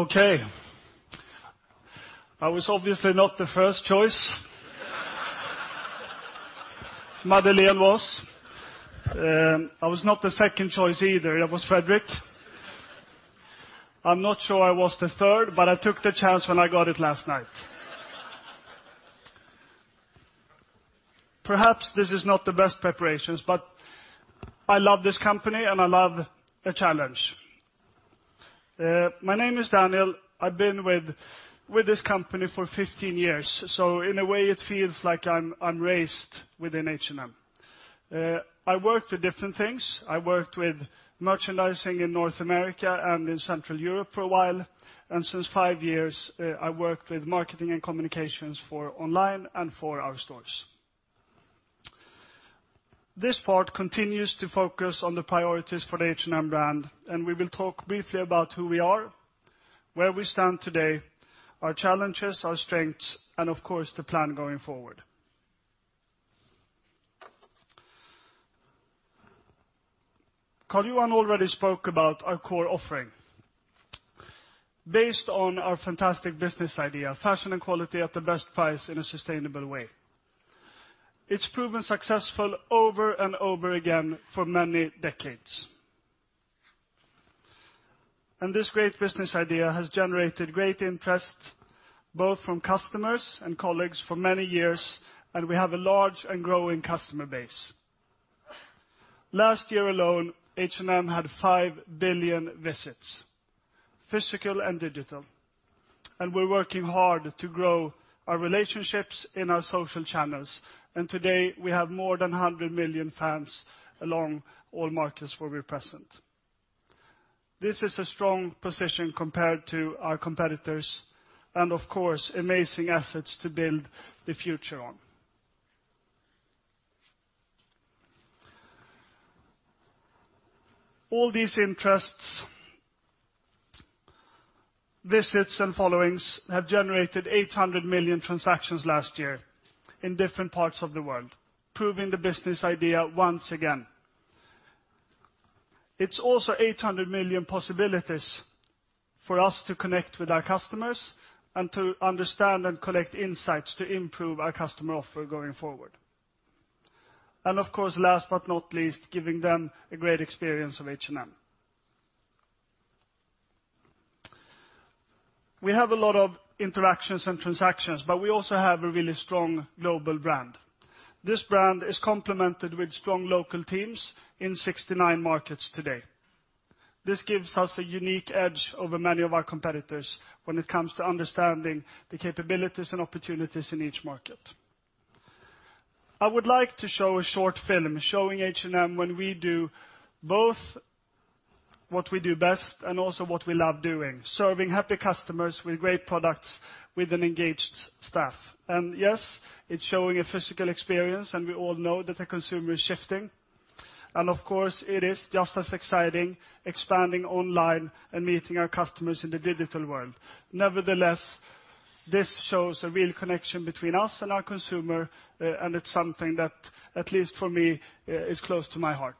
Okay. I was obviously not the first choice. Madeleine was. I was not the second choice either. That was Fredrik. I'm not sure I was the third, but I took the chance when I got it last night. Perhaps this is not the best preparations, but I love this company, and I love a challenge. My name is Daniel. I've been with this company for 15 years, so in a way, it feels like I'm raised within H&M. I worked with different things. I worked with merchandising in North America and in Central Europe for a while, and since 5 years, I worked with marketing and communications for online and for our stores. This part continues to focus on the priorities for the H&M brand, and we will talk briefly about who we are, where we stand today, our challenges, our strengths, and of course, the plan going forward. Karl-Johan already spoke about our core offering based on our fantastic business idea, fashion and quality at the best price in a sustainable way. It's proven successful over and over again for many decades. This great business idea has generated great interest, both from customers and colleagues for many years, and we have a large and growing customer base. Last year alone, H&M had 5 billion visits, physical and digital, and we're working hard to grow our relationships in our social channels. Today, we have more than 100 million fans along all markets where we're present. This is a strong position compared to our competitors, and of course, amazing assets to build the future on. All these interests, visits, and followings have generated 800 million transactions last year in different parts of the world, proving the business idea once again. It's also 800 million possibilities for us to connect with our customers and to understand and collect insights to improve our customer offer going forward. Of course, last but not least, giving them a great experience of H&M. We have a lot of interactions and transactions, but we also have a really strong global brand. This brand is complemented with strong local teams in 69 markets today. This gives us a unique edge over many of our competitors when it comes to understanding the capabilities and opportunities in each market. I would like to show a short film showing H&M when we do both what we do best and also what we love doing, serving happy customers with great products, with an engaged staff. Yes, it's showing a physical experience, and we all know that the consumer is shifting. Of course, it is just as exciting expanding online and meeting our customers in the digital world. Nevertheless, this shows a real connection between us and our consumer, and it's something that, at least for me, is close to my heart.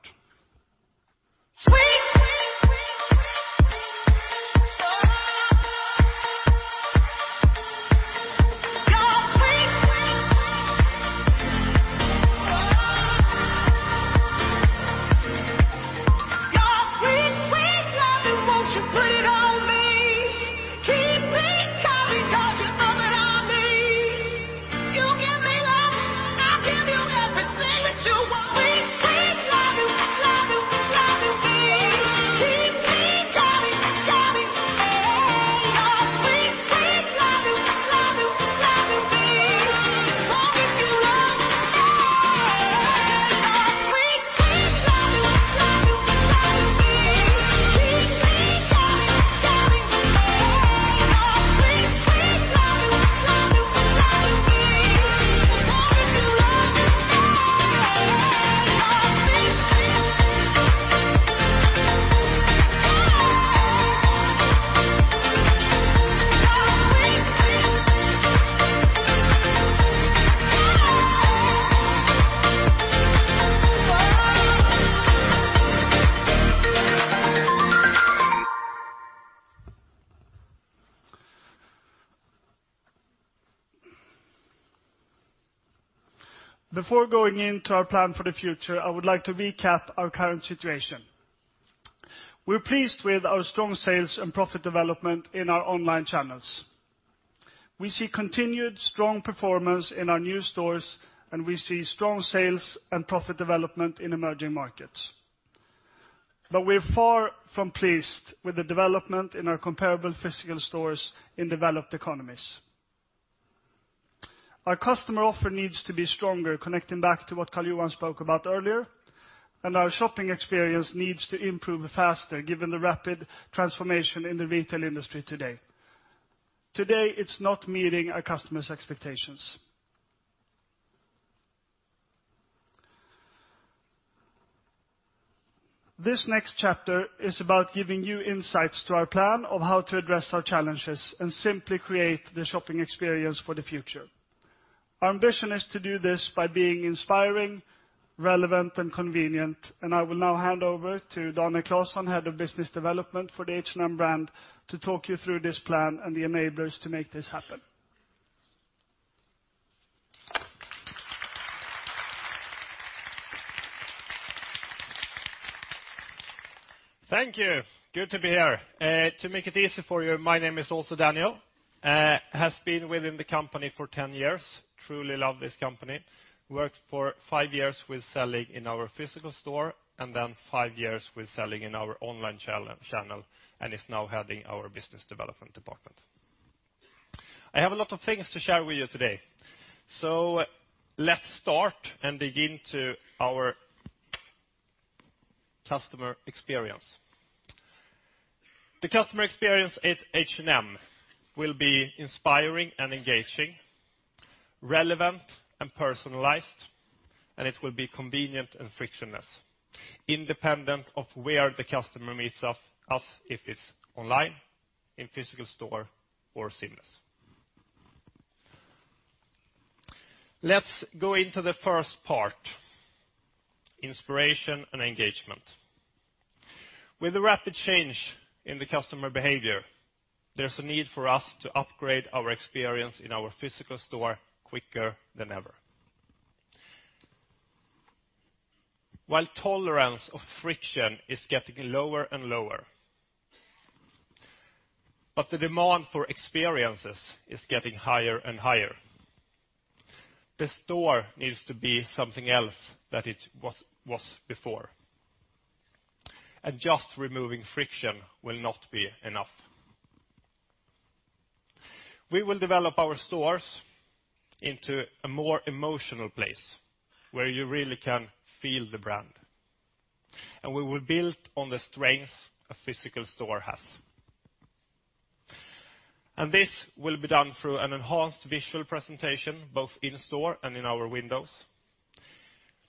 Sweet. Oh. Your sweet. Oh. Your sweet loving, won't you put it on me? Keep me coming, 'cause you're all that I need. You give me loving. I'll give you everything that you want. Sweet, sweet loving, loving me. Keep me coming. Hey. Your sweet loving, loving me. Oh, give me love. Hey. Your sweet loving, loving me. Before going into our plan for the future, I would like to recap our current situation. We're pleased with our strong sales and profit development in our online channels. We see continued strong performance in our new stores. We see strong sales and profit development in emerging markets. We're far from pleased with the development in our comparable physical stores in developed economies. Our customer offer needs to be stronger, connecting back to what Karl-Johan spoke about earlier. Our shopping experience needs to improve faster given the rapid transformation in the retail industry today. Today, it's not meeting our customers' expectations. This next chapter is about giving you insights to our plan of how to address our challenges and simply create the shopping experience for the future. Our ambition is to do this by being inspiring, relevant, and convenient. I will now hand over to Daniel Claesson, Head of Business Development for the H&M brand, to talk you through this plan and the enablers to make this happen. Thank you. Good to be here. To make it easy for you, my name is also Daniel. Have been within the company for 10 years, truly love this company. Worked for 5 years with selling in our physical store and then 5 years with selling in our online channel, and it's now heading our business development department. I have a lot of things to share with you today. Let's start and begin to our customer experience. The customer experience at H&M will be inspiring and engaging, relevant and personalized, and it will be convenient and frictionless, independent of where the customer meets us if it's online, in physical store, or seamless. Let's go into the first part, inspiration and engagement. With the rapid change in the customer behavior, there's a need for us to upgrade our experience in our physical store quicker than ever. While tolerance of friction is getting lower and lower, the demand for experiences is getting higher and higher. The store needs to be something else that it was before, just removing friction will not be enough. We will develop our stores into a more emotional place where you really can feel the brand, and we will build on the strengths a physical store has. This will be done through an enhanced visual presentation, both in store and in our windows.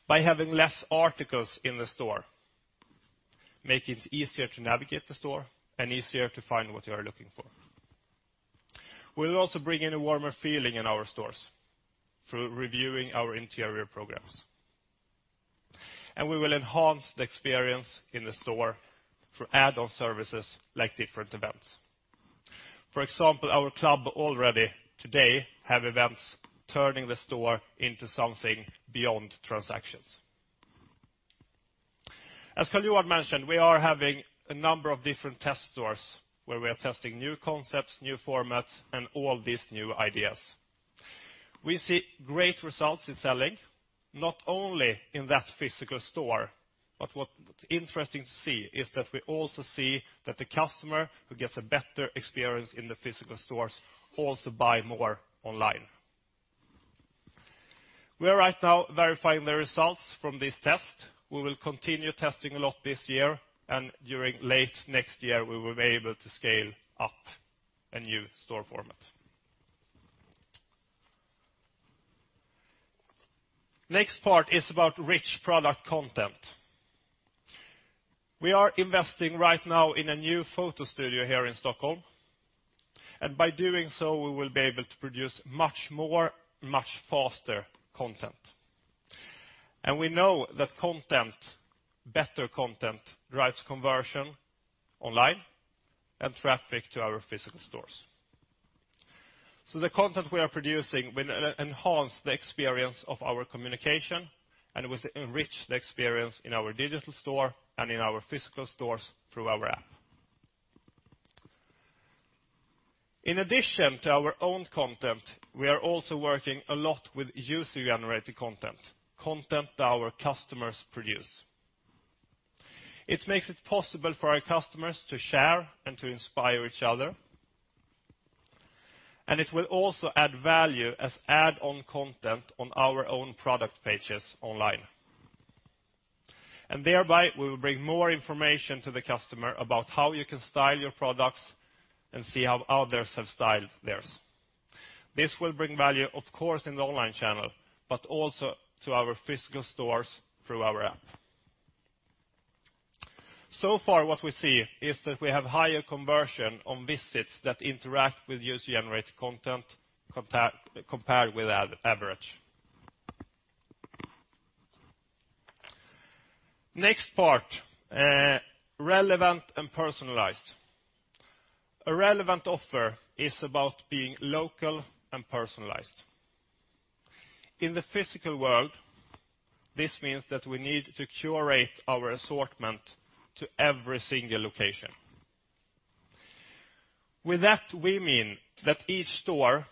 By having less articles in the store, make it easier to navigate the store and easier to find what you are looking for. We will also bring in a warmer feeling in our stores through reviewing our interior programs. We will enhance the experience in the store through add-on services like different events. For example, our club already today have events turning the store into something beyond transactions. As Karl-Johan mentioned, we are having a number of different test stores where we are testing new concepts, new formats, and all these new ideas. We see great results in selling, not only in that physical store, but what's interesting to see is that we also see that the customer who gets a better experience in the physical stores also buy more online. We are right now verifying the results from this test. We will continue testing a lot this year, and during late next year, we will be able to scale up a new store format. Next part is about rich product content. We are investing right now in a new photo studio here in Stockholm, by doing so, we will be able to produce much more, much faster content. We know that content, better content, drives conversion online and traffic to our physical stores. The content we are producing will enhance the experience of our communication, it will enrich the experience in our digital store and in our physical stores through our app. In addition to our own content, we are also working a lot with user-generated content our customers produce. It makes it possible for our customers to share and to inspire each other, it will also add value as add-on content on our own product pages online. Thereby, we will bring more information to the customer about how you can style your products and see how others have styled theirs. This will bring value, of course, in the online channel, but also to our physical stores through our app. So far what we see is that we have higher conversion on visits that interact with user-generated content compared with our average. Next part, relevant and personalized. A relevant offer is about being local and personalized. In the physical world, this means that we need to curate our assortment to every single location. With that, we mean that each store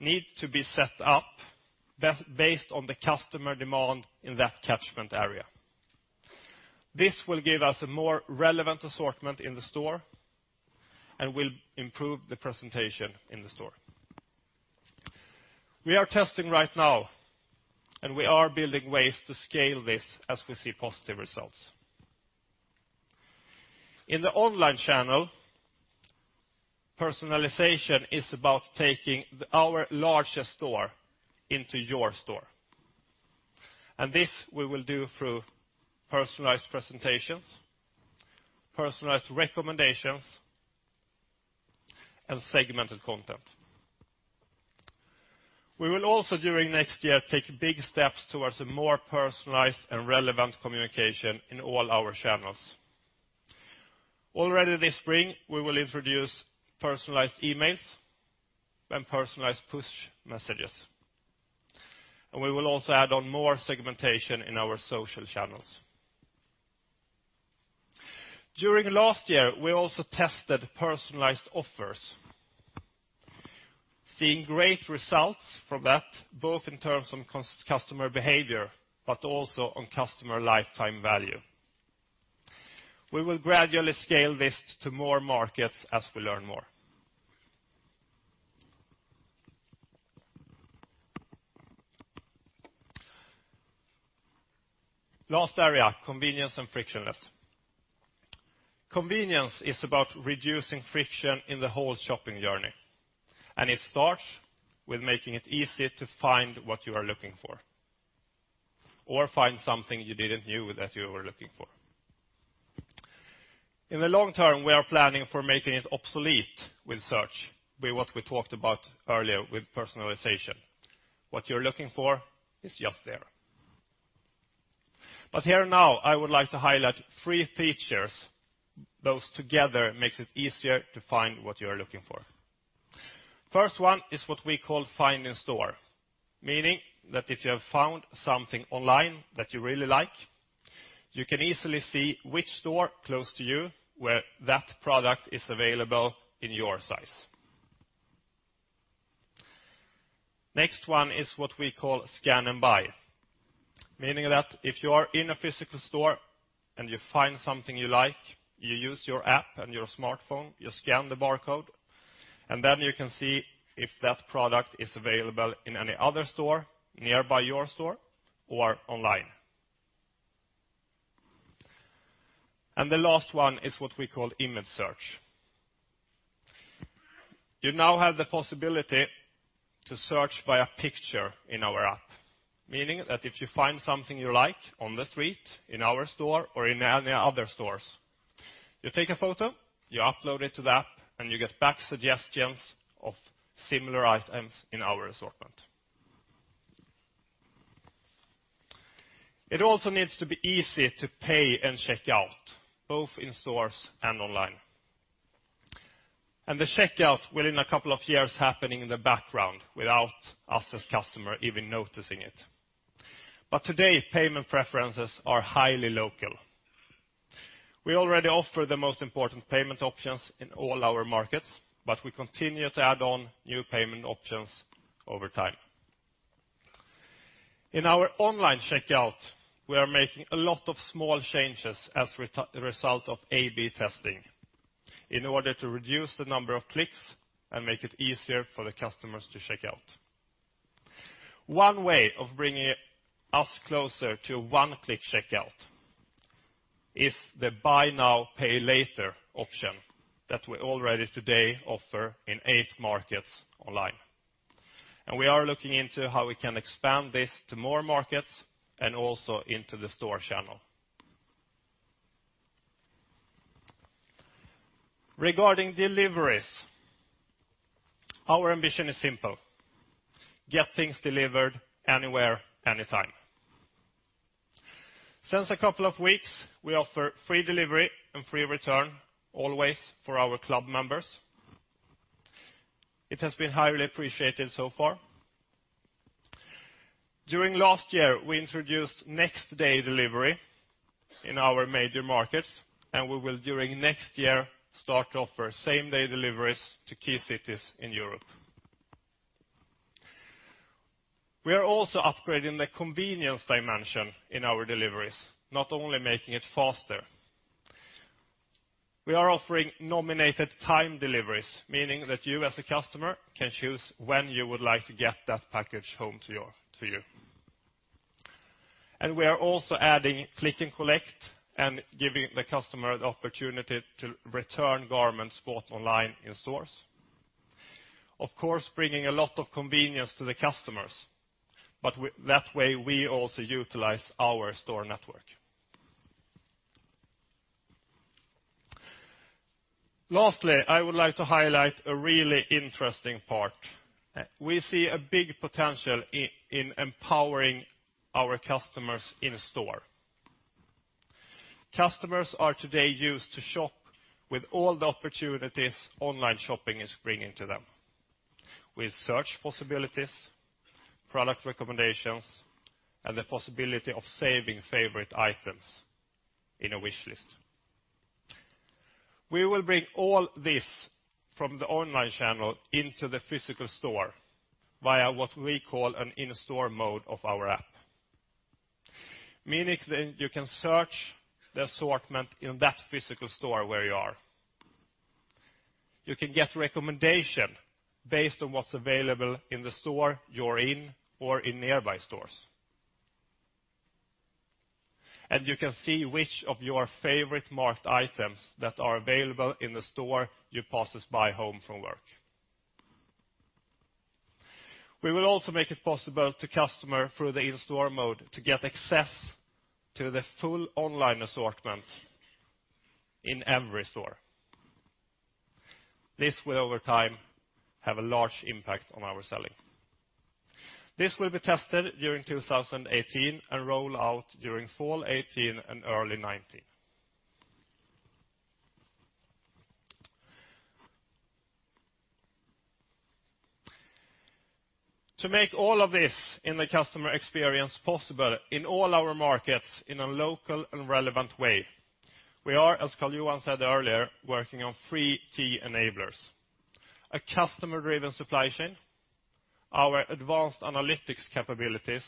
need to be set up based on the customer demand in that catchment area. This will give us a more relevant assortment in the store and will improve the presentation in the store. We are testing right now, and we are building ways to scale this as we see positive results. In the online channel, personalization is about taking our largest store into your store. This we will do through personalized presentations, personalized recommendations, and segmented content. We will also, during next year, take big steps towards a more personalized and relevant communication in all our channels. Already this spring, we will introduce personalized emails and personalized push messages, and we will also add on more segmentation in our social channels. During last year, we also tested personalized offers. Seeing great results from that, both in terms of customer behavior, but also on customer lifetime value. We will gradually scale this to more markets as we learn more. Last area, convenience and frictionless. Convenience is about reducing friction in the whole shopping journey, and it starts with making it easy to find what you are looking for. Find something you didn't know that you were looking for. In the long term, we are planning for making it obsolete with search, with what we talked about earlier with personalization. What you're looking for is just there. Here now, I would like to highlight three features. Those together makes it easier to find what you are looking for. First one is what we call find in store, meaning that if you have found something online that you really like, you can easily see which store close to you where that product is available in your size. Next one is what we call scan and buy, meaning that if you are in a physical store and you find something you like, you use your app and your smartphone, you scan the barcode, and then you can see if that product is available in any other store nearby your store or online. The last one is what we call image search. You now have the possibility to search via picture in our app, meaning that if you find something you like on the street, in our store, or in any other stores, you take a photo, you upload it to the app, and you get back suggestions of similar items in our assortment. It also needs to be easy to pay and check out, both in stores and online. The checkout will in a couple of years happening in the background without us as customer even noticing it. Today, payment preferences are highly local. We already offer the most important payment options in all our markets, but we continue to add on new payment options over time. In our online checkout, we are making a lot of small changes as a result of A/B testing in order to reduce the number of clicks and make it easier for the customers to check out. One way of bringing us closer to one-click checkout is the buy now, pay later option that we already today offer in eight markets online. We are looking into how we can expand this to more markets and also into the store channel. Regarding deliveries, our ambition is simple. Get things delivered anywhere, anytime. Since a couple of weeks, we offer free delivery and free return always for our club members. It has been highly appreciated so far. During last year, we introduced next-day delivery in our major markets, and we will, during next year, start to offer same-day deliveries to key cities in Europe. We are also upgrading the convenience dimension in our deliveries, not only making it faster. We are offering nominated time deliveries, meaning that you as a customer can choose when you would like to get that package home to you. We are also adding click and collect and giving the customer the opportunity to return garments bought online in stores. Of course, bringing a lot of convenience to the customers, but that way we also utilize our store network. Lastly, I would like to highlight a really interesting part. We see a big potential in empowering our customers in store. Customers are today used to shop with all the opportunities online shopping is bringing to them, with search possibilities, product recommendations, and the possibility of saving favorite items in a wish list. We will bring all this from the online channel into the physical store via what we call an in-store mode of our app, meaning that you can search the assortment in that physical store where you are. You can get recommendation based on what's available in the store you're in or in nearby stores. You can see which of your favorite marked items that are available in the store you pass by home from work. We will also make it possible to customer through the in-store mode to get access to the full online assortment in every store. This will over time have a large impact on our selling. This will be tested during 2018 and roll out during fall 2018 and early 2019. To make all of this in the customer experience possible in all our markets in a local and relevant way, we are, as Karl-Johan said earlier, working on three key enablers: a customer-driven supply chain, our advanced analytics capabilities,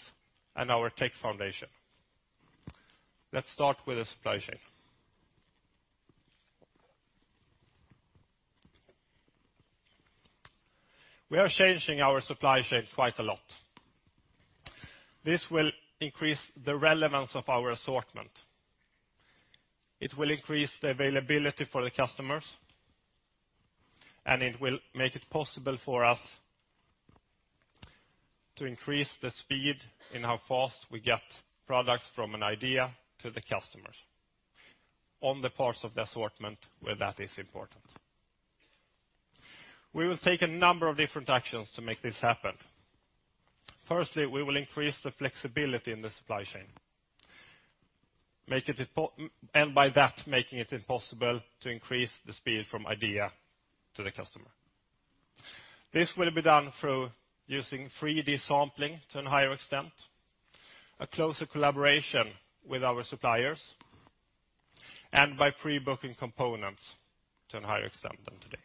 and our tech foundation. Let's start with the supply chain. We are changing our supply chain quite a lot. This will increase the relevance of our assortment. It will increase the availability for the customers, and it will make it possible for us to increase the speed in how fast we get products from an idea to the customers on the parts of the assortment where that is important. We will take a number of different actions to make this happen. Firstly, we will increase the flexibility in the supply chain and by that making it possible to increase the speed from idea to the customer. This will be done through using 3D sampling to a higher extent, a closer collaboration with our suppliers, and by pre-booking components to a higher extent than today.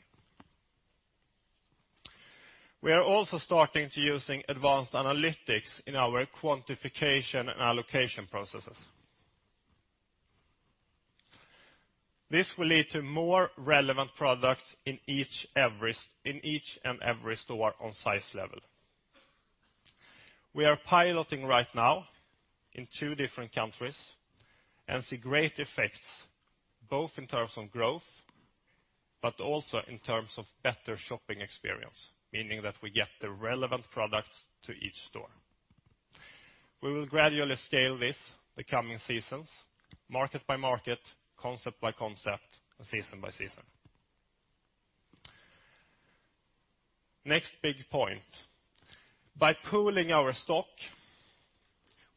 We are also starting to using advanced analytics in our quantification and allocation processes. This will lead to more relevant products in each and every store on size level. We are piloting right now in two different countries and see great effects, both in terms of growth but also in terms of better shopping experience, meaning that we get the relevant products to each store. We will gradually scale this the coming seasons, market by market, concept by concept, and season by season. Next big point. By pooling our stock,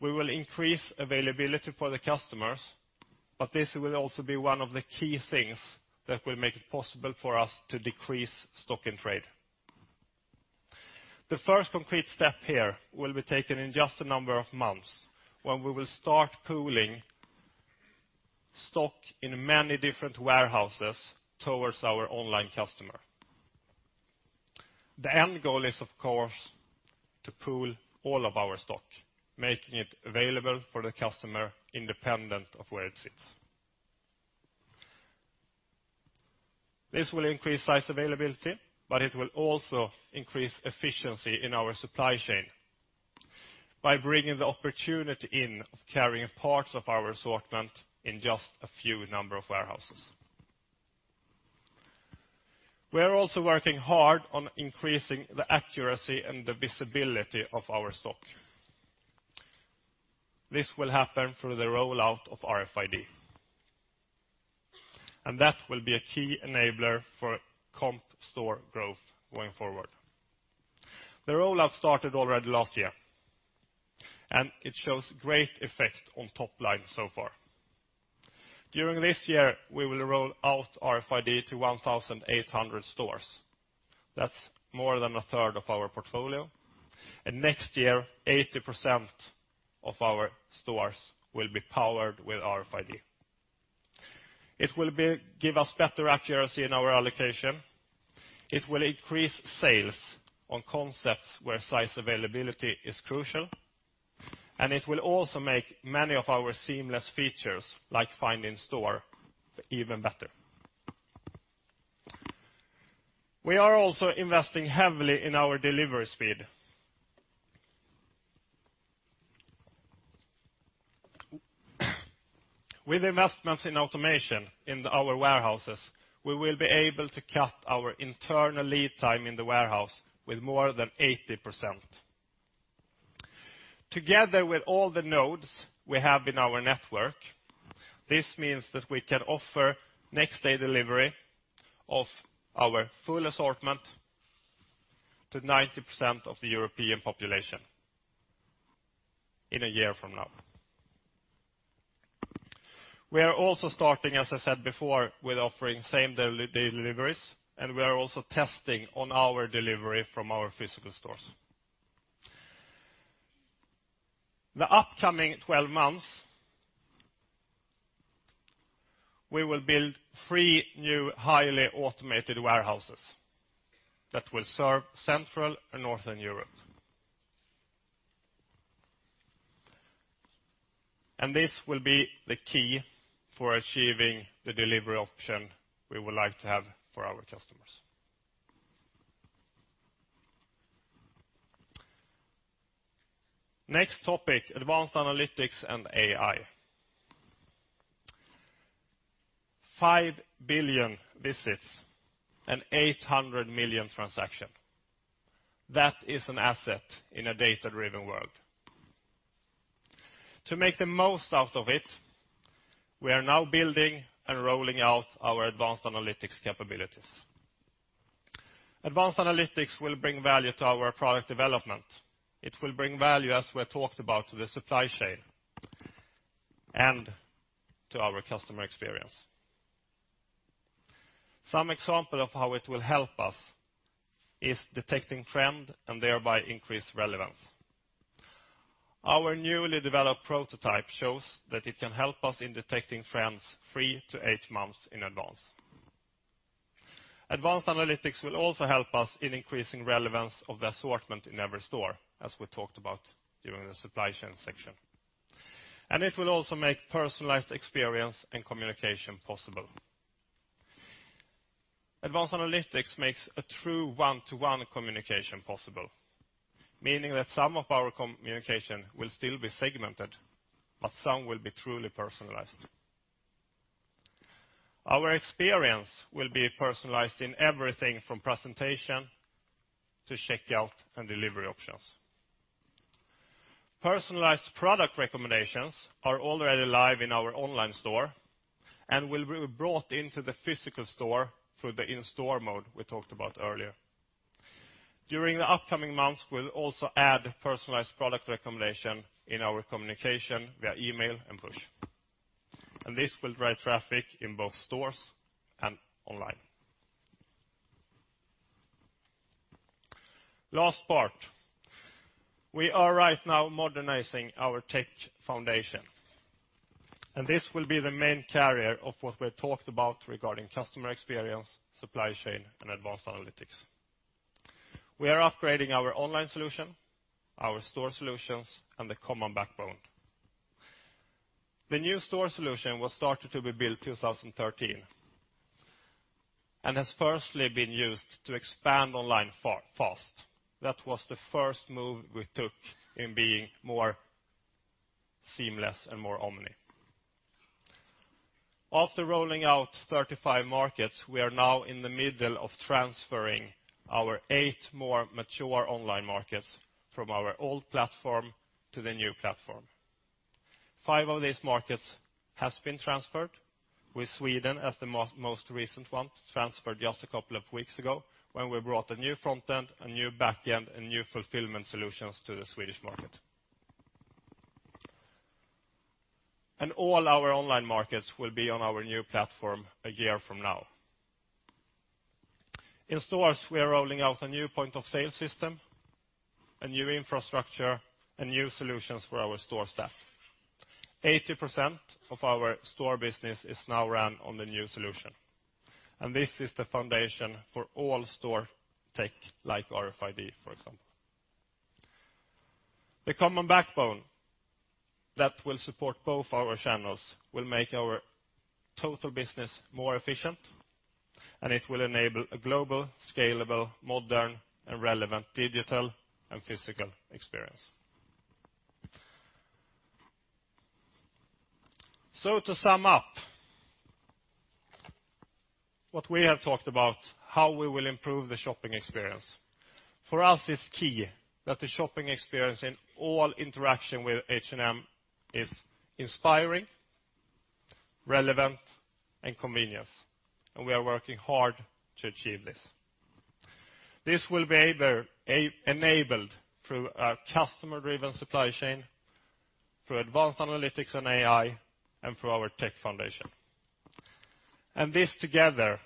we will increase availability for the customers, this will also be one of the key things that will make it possible for us to decrease stock in trade. The first concrete step here will be taken in just a number of months when we will start pooling stock in many different warehouses towards our online customer. The end goal is, of course, to pool all of our stock, making it available for the customer independent of where it sits. This will increase size availability, it will also increase efficiency in our supply chain by bringing the opportunity in of carrying parts of our assortment in just a few number of warehouses. We are also working hard on increasing the accuracy and the visibility of our stock. This will happen through the rollout of RFID, that will be a key enabler for comp store growth going forward. The rollout started already last year, it shows great effect on top line so far. During this year, we will roll out RFID to 1,800 stores. That's more than a third of our portfolio. Next year, 80% of our stores will be powered with RFID. It will give us better accuracy in our allocation. It will increase sales on concepts where size availability is crucial. It will also make many of our seamless features, like find in store, even better. We are also investing heavily in our delivery speed. With investments in automation in our warehouses, we will be able to cut our internal lead time in the warehouse with more than 80%. Together with all the nodes we have in our network, this means that we can offer next-day delivery of our full assortment to 90% of the European population in a year from now. We are also starting, as I said before, with offering same-day deliveries, we are also testing on our delivery from our physical stores. The upcoming 12 months, we will build three new highly automated warehouses that will serve Central and Northern Europe. This will be the key for achieving the delivery option we would like to have for our customers. Next topic, advanced analytics and AI. Five billion visits and 800 million transaction. That is an asset in a data-driven world. To make the most out of it, we are now building and rolling out our advanced analytics capabilities. Advanced analytics will bring value to our product development. It will bring value, as we talked about, to the supply chain and to our customer experience. Some example of how it will help us is detecting trend and thereby increase relevance. Our newly developed prototype shows that it can help us in detecting trends three to eight months in advance. Advanced analytics will also help us in increasing relevance of the assortment in every store, as we talked about during the supply chain section. It will also make personalized experience and communication possible. Advanced analytics makes a true one-to-one communication possible, meaning that some of our communication will still be segmented, but some will be truly personalized. Our experience will be personalized in everything from presentation to checkout and delivery options. Personalized product recommendations are already live in our online store and will be brought into the physical store through the in-store mode we talked about earlier. During the upcoming months, we'll also add personalized product recommendation in our communication via email and push. This will drive traffic in both stores and online. Last part. We are right now modernizing our tech foundation, and this will be the main carrier of what we talked about regarding customer experience, supply chain, and advanced analytics. We are upgrading our online solution, our store solutions, and the common backbone. The new store solution was started to be built 2013 and has firstly been used to expand online fast. That was the first move we took in being more seamless and more omni. After rolling out 35 markets, we are now in the middle of transferring our eight more mature online markets from our old platform to the new platform. Five of these markets has been transferred, with Sweden as the most recent one, transferred just a couple of weeks ago when we brought a new front end, a new back end, and new fulfillment solutions to the Swedish market. All our online markets will be on our new platform a year from now. In stores, we are rolling out a new point of sale system, a new infrastructure, and new solutions for our store staff. 80% of our store business is now run on the new solution, and this is the foundation for all store tech, like RFID, for example. The common backbone that will support both our channels will make our total business more efficient, and it will enable a global, scalable, modern, and relevant digital and physical experience. To sum up, what we have talked about, how we will improve the shopping experience. For us, it's key that the shopping experience and all interaction with H&M is inspiring, relevant, and convenient, and we are working hard to achieve this. This will be enabled through our customer-driven supply chain, through advanced analytics and AI, and through our tech foundation. This together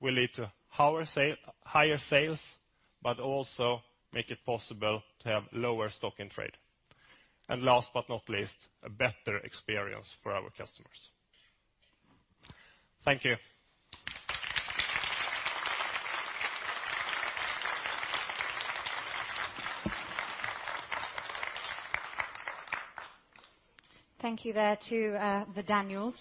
will lead to higher sales, but also make it possible to have lower stock in trade. Last but not least, a better experience for our customers. Thank you Thank you there to the Daniels.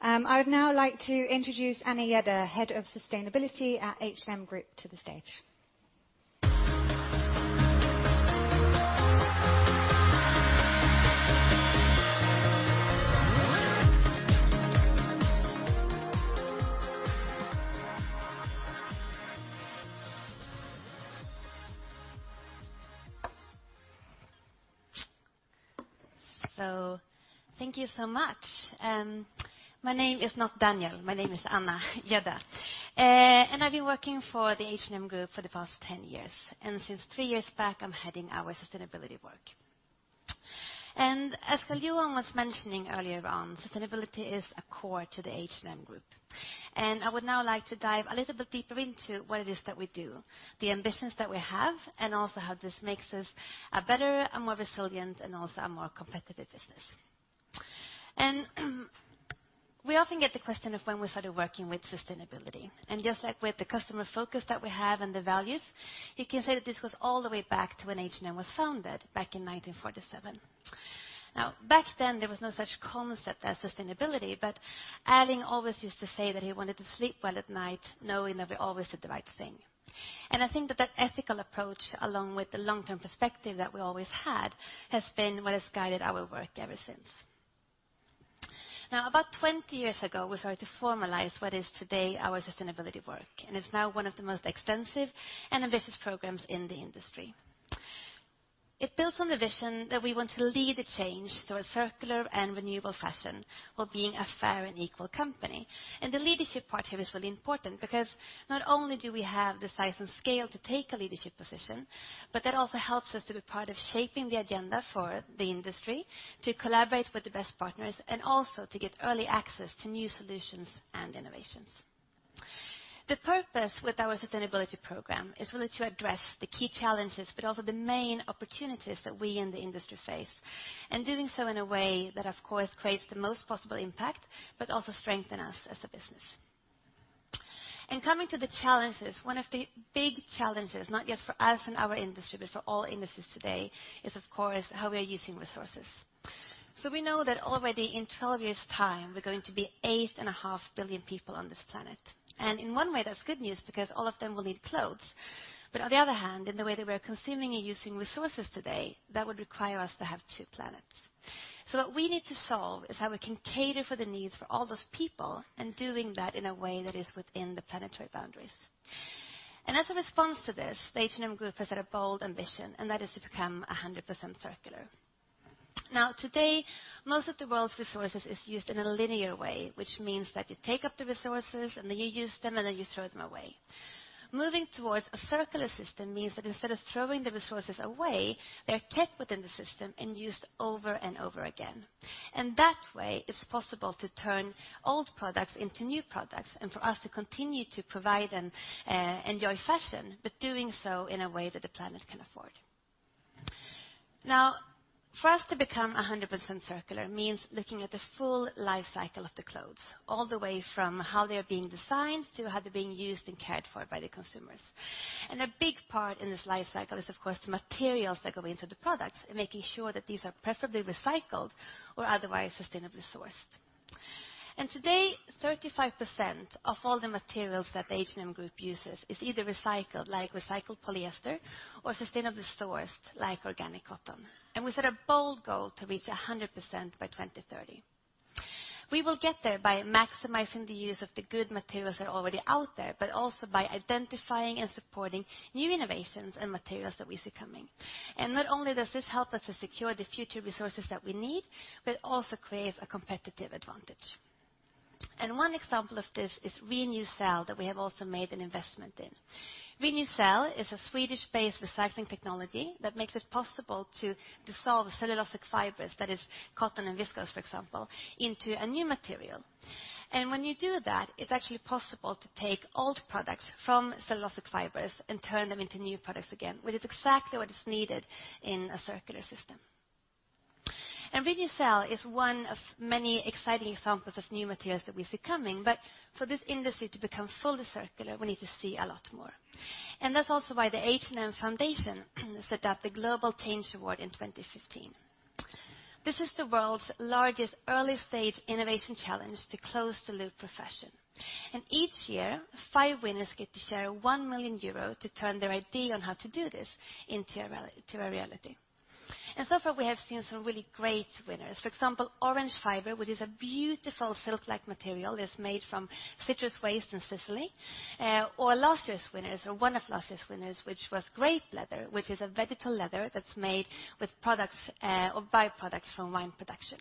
I would now like to introduce Anna Gedda, Head of Sustainability at H&M Group, to the stage. Thank you so much. My name is not Daniel, my name is Anna Gedda. I've been working for the H&M Group for the past 10 years. Since three years back, I'm heading our sustainability work. As Karl-Johan was mentioning earlier on, sustainability is a core to the H&M Group. I would now like to dive a little bit deeper into what it is that we do, the ambitions that we have, and also how this makes us a better and more resilient and also a more competitive business. We often get the question of when we started working with sustainability. Just like with the customer focus that we have and the values, you can say that this goes all the way back to when H&M was founded back in 1947. Now, back then, there was no such concept as sustainability, but Erling always used to say that he wanted to sleep well at night knowing that we always did the right thing. I think that that ethical approach, along with the long-term perspective that we always had, has been what has guided our work ever since. Now, about 20 years ago, we started to formalize what is today our sustainability work, and it's now one of the most extensive and ambitious programs in the industry. It builds on the vision that we want to lead a change to a circular and renewable fashion, while being a fair and equal company. The leadership part here is really important because not only do we have the size and scale to take a leadership position, but that also helps us to be part of shaping the agenda for the industry, to collaborate with the best partners, and also to get early access to new solutions and innovations. The purpose with our sustainability program is really to address the key challenges, but also the main opportunities that we in the industry face, and doing so in a way that, of course, creates the most possible impact, but also strengthen us as a business. Coming to the challenges, one of the big challenges, not just for us and our industry, but for all industries today, is of course how we are using resources. We know that already in 12 years' time, we're going to be 8.5 billion people on this planet. In one way, that's good news because all of them will need clothes. On the other hand, in the way that we are consuming and using resources today, that would require us to have two planets. What we need to solve is how we can cater for the needs for all those people and doing that in a way that is within the planetary boundaries. As a response to this, the H&M Group has set a bold ambition, and that is to become 100% circular. Today, most of the world's resources is used in a linear way, which means that you take up the resources, then you use them, then you throw them away. Moving towards a circular system means that instead of throwing the resources away, they're kept within the system and used over and over again. That way, it's possible to turn old products into new products and for us to continue to provide and enjoy fashion, but doing so in a way that the planet can afford. For us to become 100% circular means looking at the full life cycle of the clothes, all the way from how they are being designed to how they're being used and cared for by the consumers. A big part in this life cycle is, of course, the materials that go into the products and making sure that these are preferably recycled or otherwise sustainably sourced. Today, 35% of all the materials that the H&M Group uses is either recycled, like recycled polyester, or sustainably sourced, like organic cotton. We set a bold goal to reach 100% by 2030. We will get there by maximizing the use of the good materials that are already out there, but also by identifying and supporting new innovations and materials that we see coming. Not only does this help us to secure the future resources that we need, but it also creates a competitive advantage. One example of this is Renewcell that we have also made an investment in. Renewcell is a Swedish-based recycling technology that makes it possible to dissolve cellulosic fibers, that is, cotton and viscose, for example, into a new material. When you do that, it's actually possible to take old products from cellulosic fibers and turn them into new products again, which is exactly what is needed in a circular system. Renewcell is one of many exciting examples of new materials that we see coming. For this industry to become fully circular, we need to see a lot more. That's also why the H&M Foundation set up the Global Change Award in 2015. This is the world's largest early-stage innovation challenge to close the loop for fashion. Each year, five winners get to share 1 million euro to turn their idea on how to do this into a reality. So far, we have seen some really great winners. For example, Orange Fiber, which is a beautiful silk-like material that's made from citrus waste in Sicily. Or last year's winners, or one of last year's winners, which was Grape Leather, which is a vegetal leather that's made with byproducts from wine production.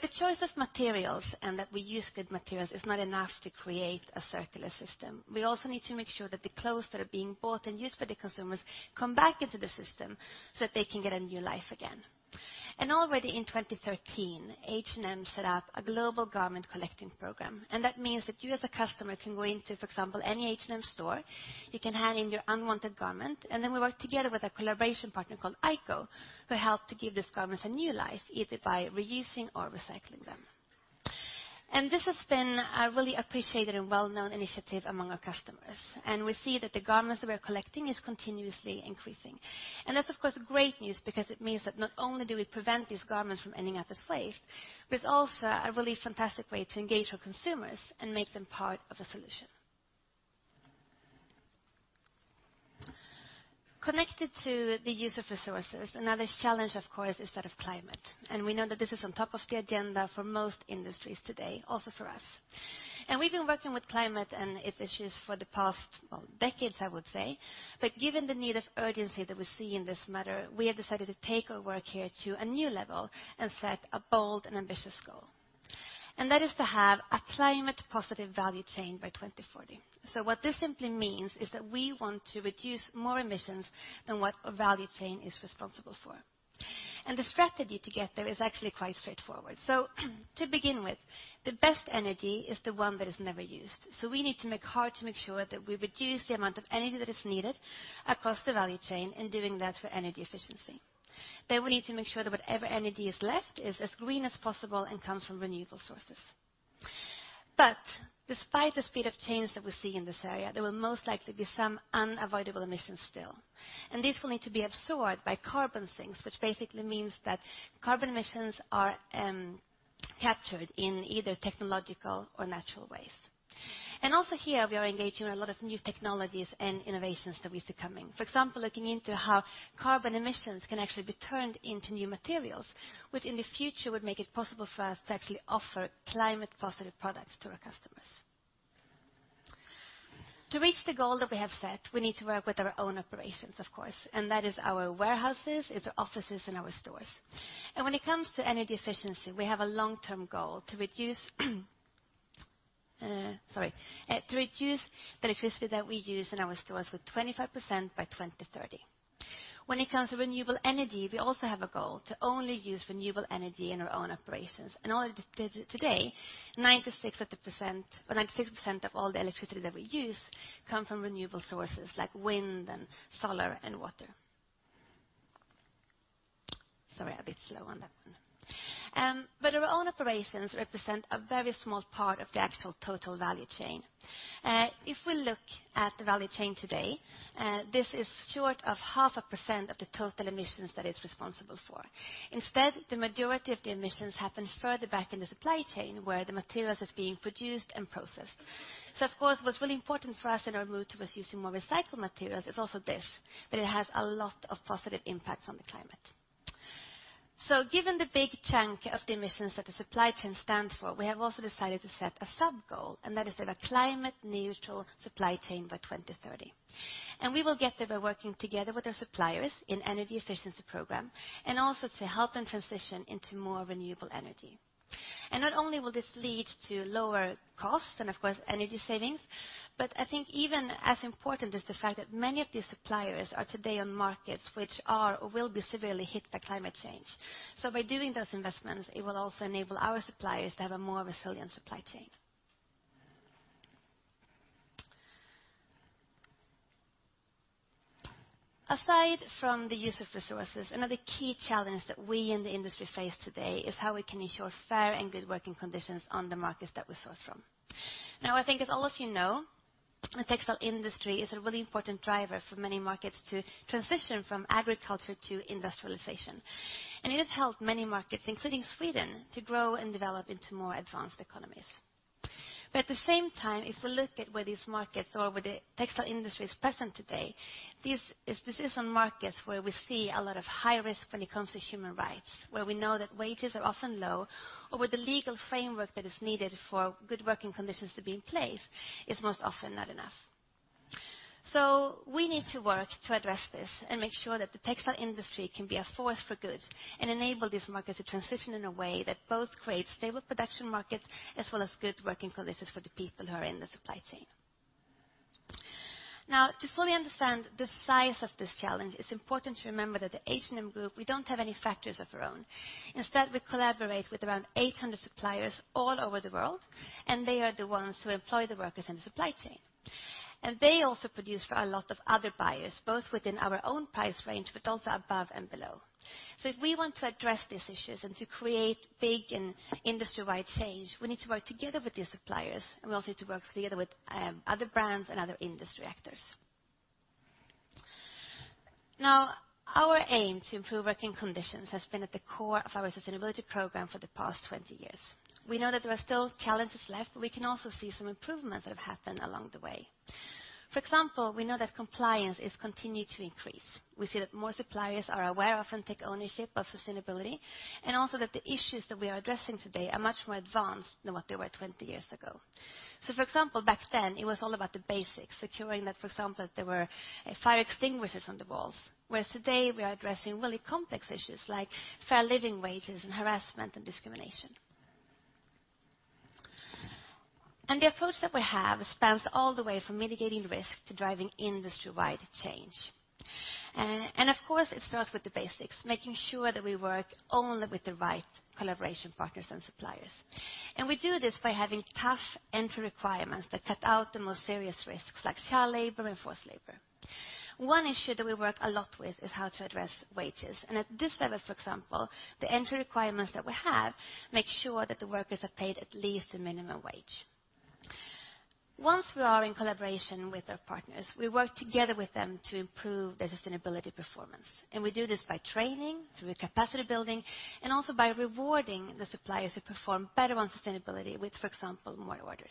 The choice of materials and that we use good materials is not enough to create a circular system. We also need to make sure that the clothes that are being bought and used by the consumers come back into the system so that they can get a new life again. Already in 2013, H&M set up a global garment collecting program, that means that you as a customer can go into, for example, any H&M store, you can hand in your unwanted garment, then we work together with a collaboration partner called I:CO, who help to give these garments a new life, either by reusing or recycling them. This has been a really appreciated and well-known initiative among our customers, and we see that the garments that we are collecting is continuously increasing. That's, of course, great news because it means that not only do we prevent these garments from ending up as waste, but it's also a really fantastic way to engage our consumers and make them part of the solution. Connected to the use of resources, another challenge, of course, is that of climate, we know that this is on top of the agenda for most industries today, also for us. We've been working with climate and its issues for the past decades, I would say. Given the need of urgency that we see in this matter, we have decided to take our work here to a new level and set a bold and ambitious goal. That is to have a climate positive value chain by 2040. What this simply means is that we want to reduce more emissions than what a value chain is responsible for. The strategy to get there is actually quite straightforward. To begin with, the best energy is the one that is never used. We need to work hard to make sure that we reduce the amount of energy that is needed across the value chain and doing that for energy efficiency. We need to make sure that whatever energy is left is as green as possible and comes from renewable sources. Despite the speed of change that we see in this area, there will most likely be some unavoidable emissions still, and these will need to be absorbed by carbon sinks, which basically means that carbon emissions are captured in either technological or natural ways. Also here we are engaging a lot of new technologies and innovations that we see coming. For example, looking into how carbon emissions can actually be turned into new materials, which in the future would make it possible for us to actually offer climate positive products to our customers. To reach the goal that we have set, we need to work with our own operations, of course, that is our warehouses, it's our offices, and our stores. When it comes to energy efficiency, we have a long-term goal to reduce the electricity that we use in our stores with 25% by 2030. When it comes to renewable energy, we also have a goal to only use renewable energy in our own operations. Today, 96% of all the electricity that we use come from renewable sources like wind and solar and water. Sorry, I'm a bit slow on that one. Our own operations represent a very small part of the actual total value chain. If we look at the value chain today, this is short of 0.5% of the total emissions that it's responsible for. Instead, the majority of the emissions happen further back in the supply chain where the materials is being produced and processed. Of course, what's really important for us in our move towards using more recycled materials is also this, that it has a lot of positive impacts on the climate. Given the big chunk of the emissions that the supply chain stands for, we have also decided to set a sub goal, and that is to have a climate neutral supply chain by 2030. We will get there by working together with our suppliers in energy efficiency program and also to help them transition into more renewable energy. Not only will this lead to lower costs and, of course, energy savings, but I think even as important is the fact that many of these suppliers are today on markets which are or will be severely hit by climate change. By doing those investments, it will also enable our suppliers to have a more resilient supply chain. Aside from the use of resources, another key challenge that we in the industry face today is how we can ensure fair and good working conditions on the markets that we source from. I think as all of you know, the textile industry is a really important driver for many markets to transition from agriculture to industrialization. It has helped many markets, including Sweden, to grow and develop into more advanced economies. At the same time, if we look at where these markets or where the textile industry is present today, this is on markets where we see a lot of high risk when it comes to human rights, where we know that wages are often low or where the legal framework that is needed for good working conditions to be in place is most often not enough. We need to work to address this and make sure that the textile industry can be a force for good and enable these markets to transition in a way that both creates stable production markets as well as good working conditions for the people who are in the supply chain. To fully understand the size of this challenge, it's important to remember that at H&M Group, we don't have any factories of our own. Instead, we collaborate with around 800 suppliers all over the world, they are the ones who employ the workers in the supply chain. They also produce for a lot of other buyers, both within our own price range, but also above and below. If we want to address these issues and to create big and industry-wide change, we need to work together with these suppliers, and we also need to work together with other brands and other industry actors. Our aim to improve working conditions has been at the core of our sustainability program for the past 20 years. We know that there are still challenges left, we can also see some improvements that have happened along the way. We know that compliance is continuing to increase. We see that more suppliers are aware of and take ownership of sustainability, and also that the issues that we are addressing today are much more advanced than what they were 20 years ago. For example, back then, it was all about the basics, securing that, for example, there were fire extinguishers on the walls, whereas today, we are addressing really complex issues like fair living wages and harassment and discrimination. The approach that we have spans all the way from mitigating risk to driving industry-wide change. Of course, it starts with the basics, making sure that we work only with the right collaboration partners and suppliers. We do this by having tough entry requirements that cut out the most serious risks like child labor and forced labor. One issue that we work a lot with is how to address wages. At this level, for example, the entry requirements that we have make sure that the workers are paid at least the minimum wage. Once we are in collaboration with our partners, we work together with them to improve their sustainability performance. We do this by training, through capacity building, and also by rewarding the suppliers who perform better on sustainability with, for example, more orders.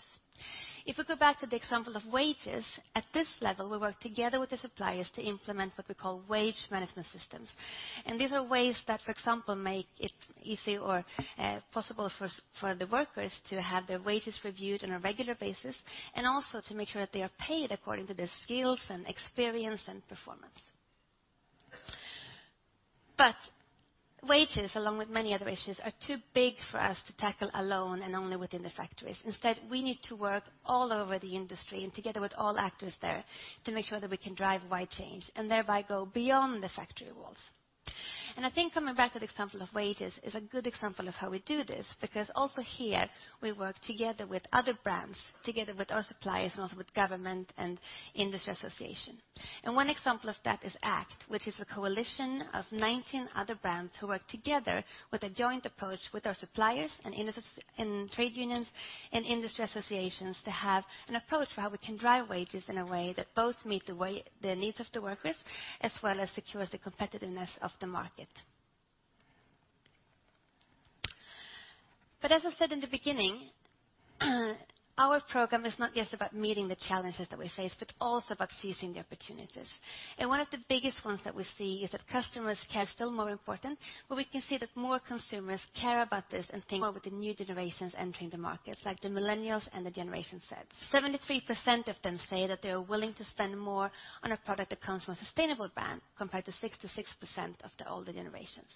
If we go back to the example of wages, at this level, we work together with the suppliers to implement what we call wage management systems. These are ways that, for example, make it easy or possible for the workers to have their wages reviewed on a regular basis, and also to make sure that they are paid according to their skills and experience and performance. Wages, along with many other issues, are too big for us to tackle alone and only within the factories. Instead, we need to work all over the industry and together with all actors there to make sure that we can drive wide change and thereby go beyond the factory walls. I think coming back to the example of wages is a good example of how we do this, because also here, we work together with other brands, together with our suppliers, and also with government and industry association. One example of that is ACT, which is a coalition of 19 other brands who work together with a joint approach with our suppliers and trade unions and industry associations to have an approach for how we can drive wages in a way that both meet the needs of the workers, as well as secures the competitiveness of the market. As I said in the beginning, our program is not just about meeting the challenges that we face, but also about seizing the opportunities. One of the biggest ones that we see is that customer care still more important, but we can see that more consumers care about this and think more with the new generations entering the markets, like the millennials and the Generation Z. 73% of them say that they are willing to spend more on a product that comes from a sustainable brand, compared to 66% of the older generations.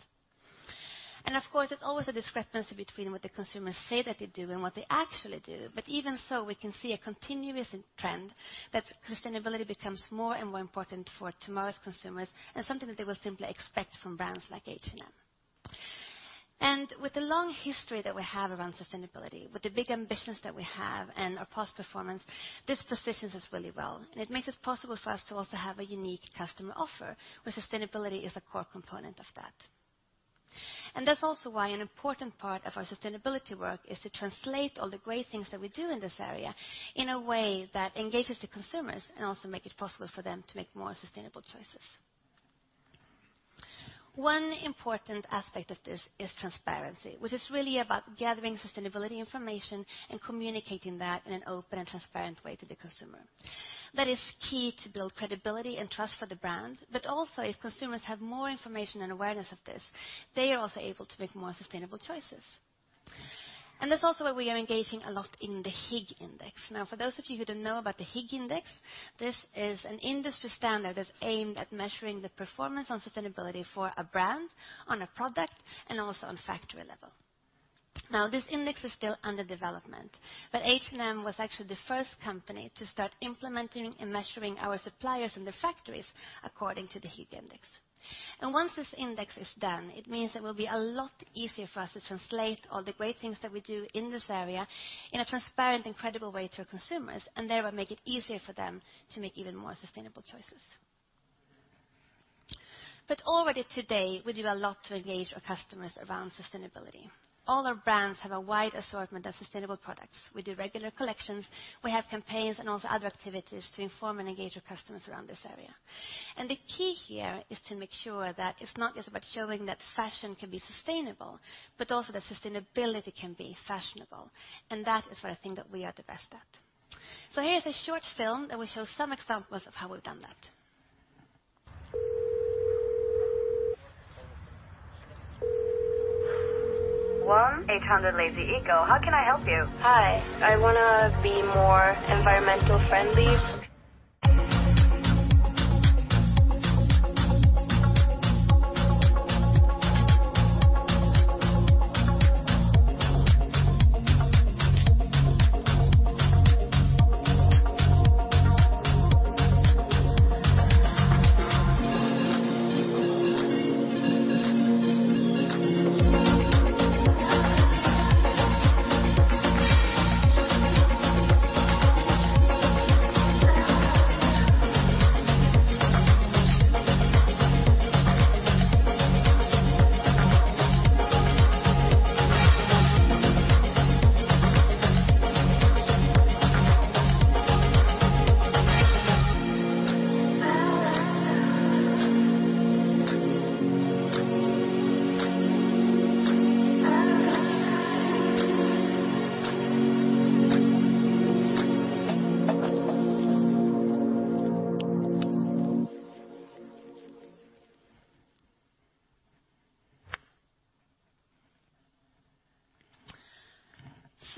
Of course, there's always a discrepancy between what the consumers say that they do and what they actually do. Even so, we can see a continuous trend that sustainability becomes more and more important for tomorrow's consumers and something that they will simply expect from brands like H&M. With the long history that we have around sustainability, with the big ambitions that we have and our past performance, this positions us really well. It makes it possible for us to also have a unique customer offer, where sustainability is a core component of that. That's also why an important part of our sustainability work is to translate all the great things that we do in this area in a way that engages the consumers and also make it possible for them to make more sustainable choices. One important aspect of this is transparency, which is really about gathering sustainability information and communicating that in an open and transparent way to the consumer. That is key to build credibility and trust for the brand, but also if consumers have more information and awareness of this, they are also able to make more sustainable choices. That's also why we are engaging a lot in the Higg Index. For those of you who don't know about the Higg Index, this is an industry standard that's aimed at measuring the performance on sustainability for a brand, on a product, and also on factory level. This index is still under development, but H&M was actually the first company to start implementing and measuring our suppliers and their factories according to the Higg Index. Once this index is done, it means it will be a lot easier for us to translate all the great things that we do in this area in a transparent and credible way to our consumers, and thereby make it easier for them to make even more sustainable choices. Already today, we do a lot to engage our customers around sustainability. All our brands have a wide assortment of sustainable products. We do regular collections, we have campaigns, and also other activities to inform and engage our customers around this area. The key here is to make sure that it's not just about showing that fashion can be sustainable, but also that sustainability can be fashionable. That is what I think that we are the best at. Here's a short film that will show some examples of how we've done that.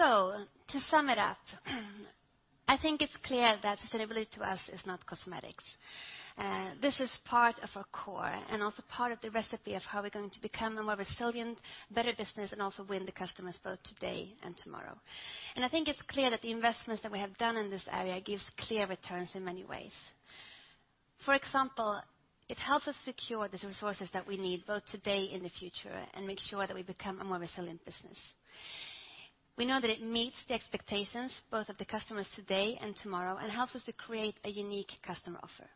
To sum it up, I think it's clear that sustainability to us is not cosmetics. This is part of our core and also part of the recipe of how we're going to become a more resilient, better business and also win the customers both today and tomorrow. I think it's clear that the investments that we have done in this area gives clear returns in many ways. For example, it helps us secure the resources that we need, both today and the future, and make sure that we become a more resilient business. We know that it meets the expectations, both of the customers today and tomorrow, and helps us to create a unique customer offer.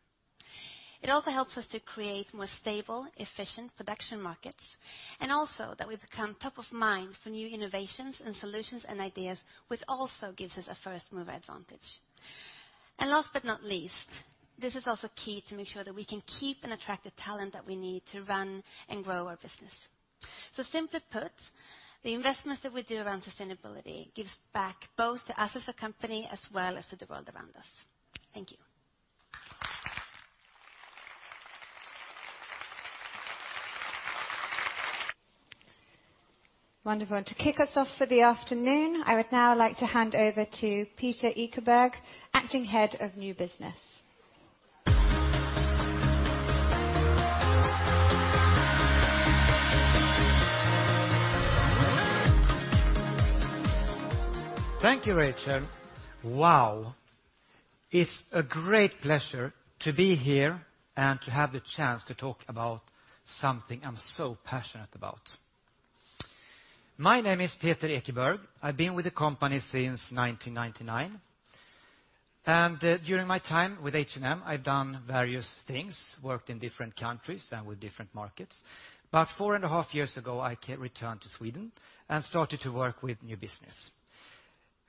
It also helps us to create more stable, efficient production markets. Also that we become top of mind for new innovations and solutions and ideas, which also gives us a first-mover advantage. Last but not least, this is also key to make sure that we can keep and attract the talent that we need to run and grow our business. Simply put, the investments that we do around sustainability gives back both to us as a company as well as to the world around us. Thank you. Wonderful. To kick us off for the afternoon, I would now like to hand over to Peter Ekeberg, Acting Head of New Business. Thank you, Rachel. Wow. It's a great pleasure to be here and to have the chance to talk about something I'm so passionate about. My name is Peter Ekeberg. I've been with the company since 1999. During my time with H&M, I've done various things, worked in different countries and with different markets. About four and a half years ago, I returned to Sweden and started to work with New Business.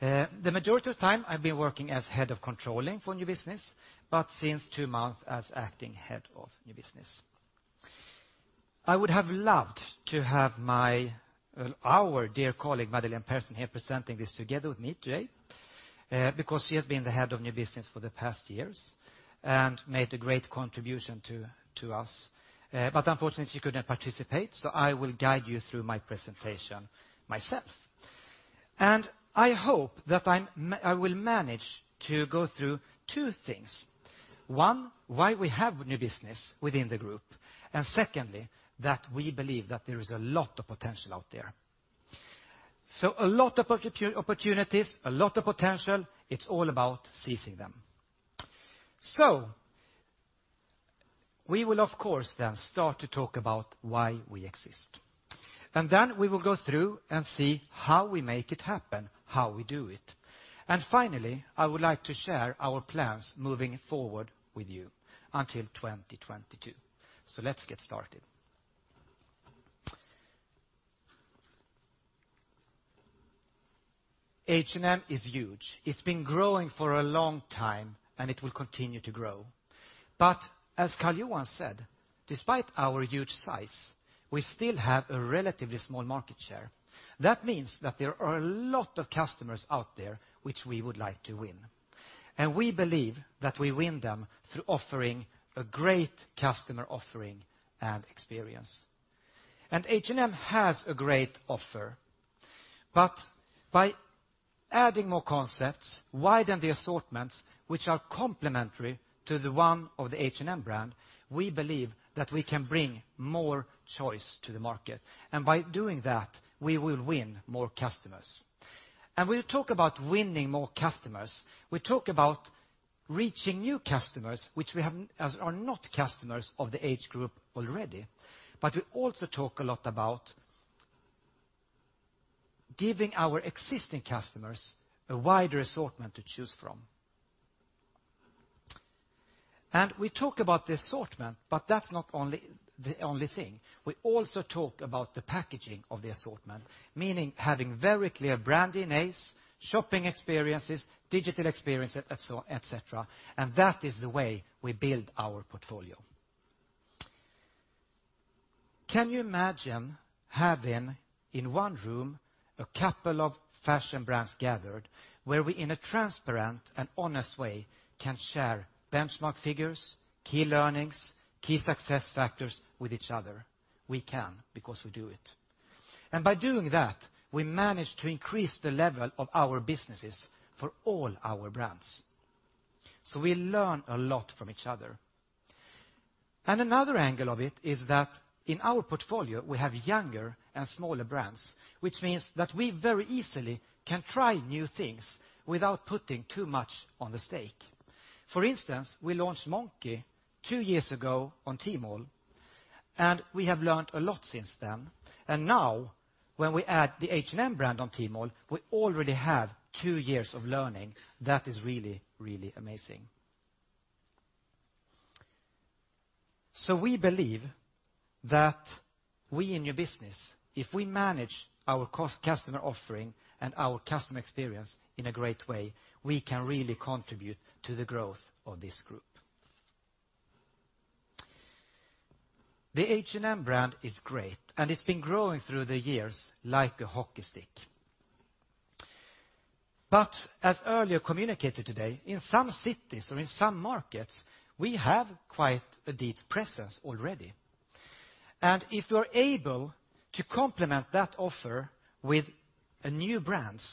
The majority of time, I've been working as Head of Controlling for New Business, but since two months, as acting Head of New Business. I would have loved to have our dear colleague, Madeleine Persson, here presenting this together with me today, because she has been the Head of New Business for the past years and made a great contribution to us. Unfortunately, she couldn't participate, so I will guide you through my presentation myself. I hope that I will manage to go through two things. One, why we have new business within the group, and secondly, that we believe that there is a lot of potential out there. A lot of opportunities, a lot of potential. It's all about seizing them. We will, of course, then start to talk about why we exist. Then we will go through and see how we make it happen, how we do it. Finally, I would like to share our plans moving forward with you until 2022. Let's get started. H&M is huge. It's been growing for a long time, and it will continue to grow. As Karl-Johan said, despite our huge size, we still have a relatively small market share. That means that there are a lot of customers out there which we would like to win. We believe that we win them through offering a great customer offering and experience. H&M has a great offer. By adding more concepts, widen the assortments, which are complementary to the one of the H&M brand, we believe that we can bring more choice to the market. By doing that, we will win more customers. We talk about winning more customers. We talk about reaching new customers, which are not customers of the H&M Group already. We also talk a lot about giving our existing customers a wider assortment to choose from. We talk about the assortment, but that's not the only thing. We also talk about the packaging of the assortment, meaning having very clear branding, shopping experiences, digital experiences, et cetera. That is the way we build our portfolio. Can you imagine having, in one room, a couple of fashion brands gathered where we, in a transparent and honest way, can share benchmark figures, key learnings, key success factors with each other? We can because we do it. By doing that, we manage to increase the level of our businesses for all our brands. We learn a lot from each other. Another angle of it is that in our portfolio, we have younger and smaller brands, which means that we very easily can try new things without putting too much on the stake. For instance, we launched Monki two years ago on Tmall, and we have learned a lot since then. Now, when we add the H&M brand on Tmall, we already have two years of learning. That is really, really amazing. We believe that we in new business, if we manage our customer offering and our customer experience in a great way, we can really contribute to the growth of this group. The H&M brand is great, and it's been growing through the years like a hockey stick. As earlier communicated today, in some cities or in some markets, we have quite a deep presence already. If we are able to complement that offer with new brands,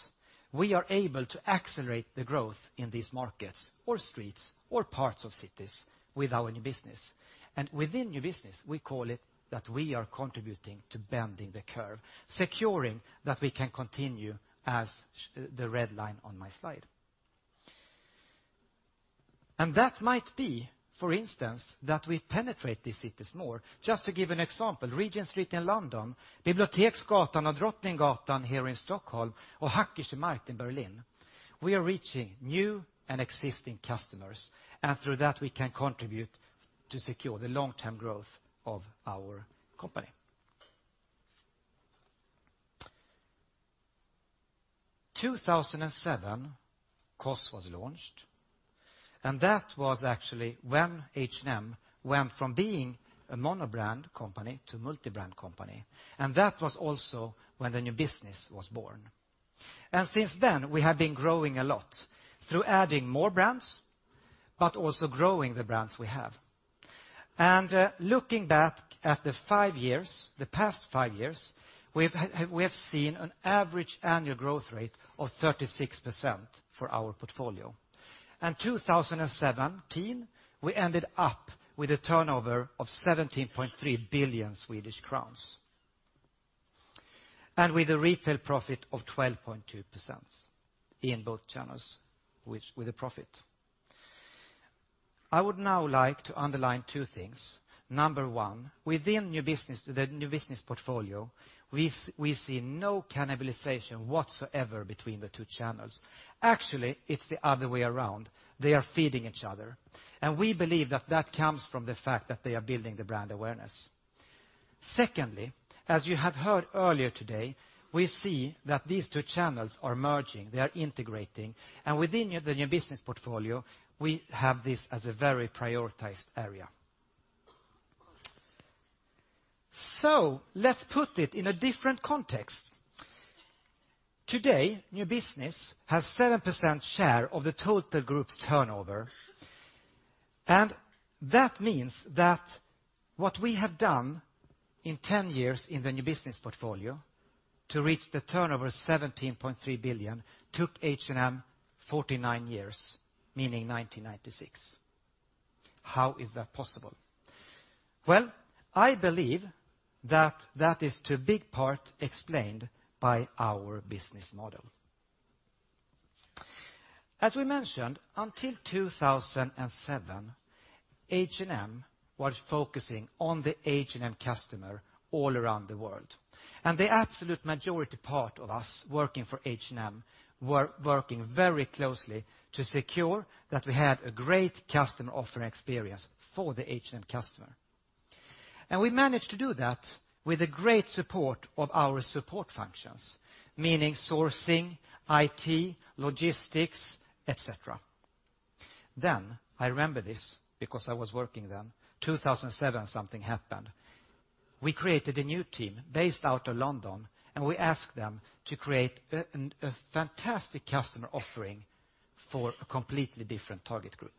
we are able to accelerate the growth in these markets or streets or parts of cities with our new business. Within new business, we call it that we are contributing to bending the curve, securing that we can continue as the red line on my slide. That might be, for instance, that we penetrate these cities more. Just to give an example, Regent Street in London, Biblioteksgatan and Drottninggatan here in Stockholm, and Hackescher Markt in Berlin. We are reaching new and existing customers, through that we can contribute to secure the long-term growth of our company. 2007, COS was launched, that was actually when H&M went from being a mono-brand company to multi-brand company. That was also when the new business was born. Since then, we have been growing a lot through adding more brands, but also growing the brands we have. Looking back at the past five years, we have seen an average annual growth rate of 36% for our portfolio. 2017, we ended up with a turnover of 17.3 billion Swedish crowns. With a retail profit of 12.2% in both channels with a profit. I would now like to underline two things. Number one, within the new business portfolio, we see no cannibalization whatsoever between the two channels. Actually, it's the other way around. They are feeding each other. We believe that that comes from the fact that they are building the brand awareness. Secondly, as you have heard earlier today, we see that these two channels are merging, they are integrating. Within the new business portfolio, we have this as a very prioritized area. Let's put it in a different context. Today, new business has 7% share of the total group's turnover. That means that what we have done in 10 years in the new business portfolio to reach the turnover of 17.3 billion took H&M 49 years, meaning 1996. How is that possible? I believe that that is to a big part explained by our business model. As we mentioned, until 2007, H&M was focusing on the H&M customer all around the world. The absolute majority part of us working for H&M were working very closely to secure that we had a great customer offering experience for the H&M customer. We managed to do that with the great support of our support functions, meaning sourcing, IT, logistics, et cetera. I remember this because I was working then, 2007, something happened. We created a new team based out of London, and we asked them to create a fantastic customer offering for a completely different target group.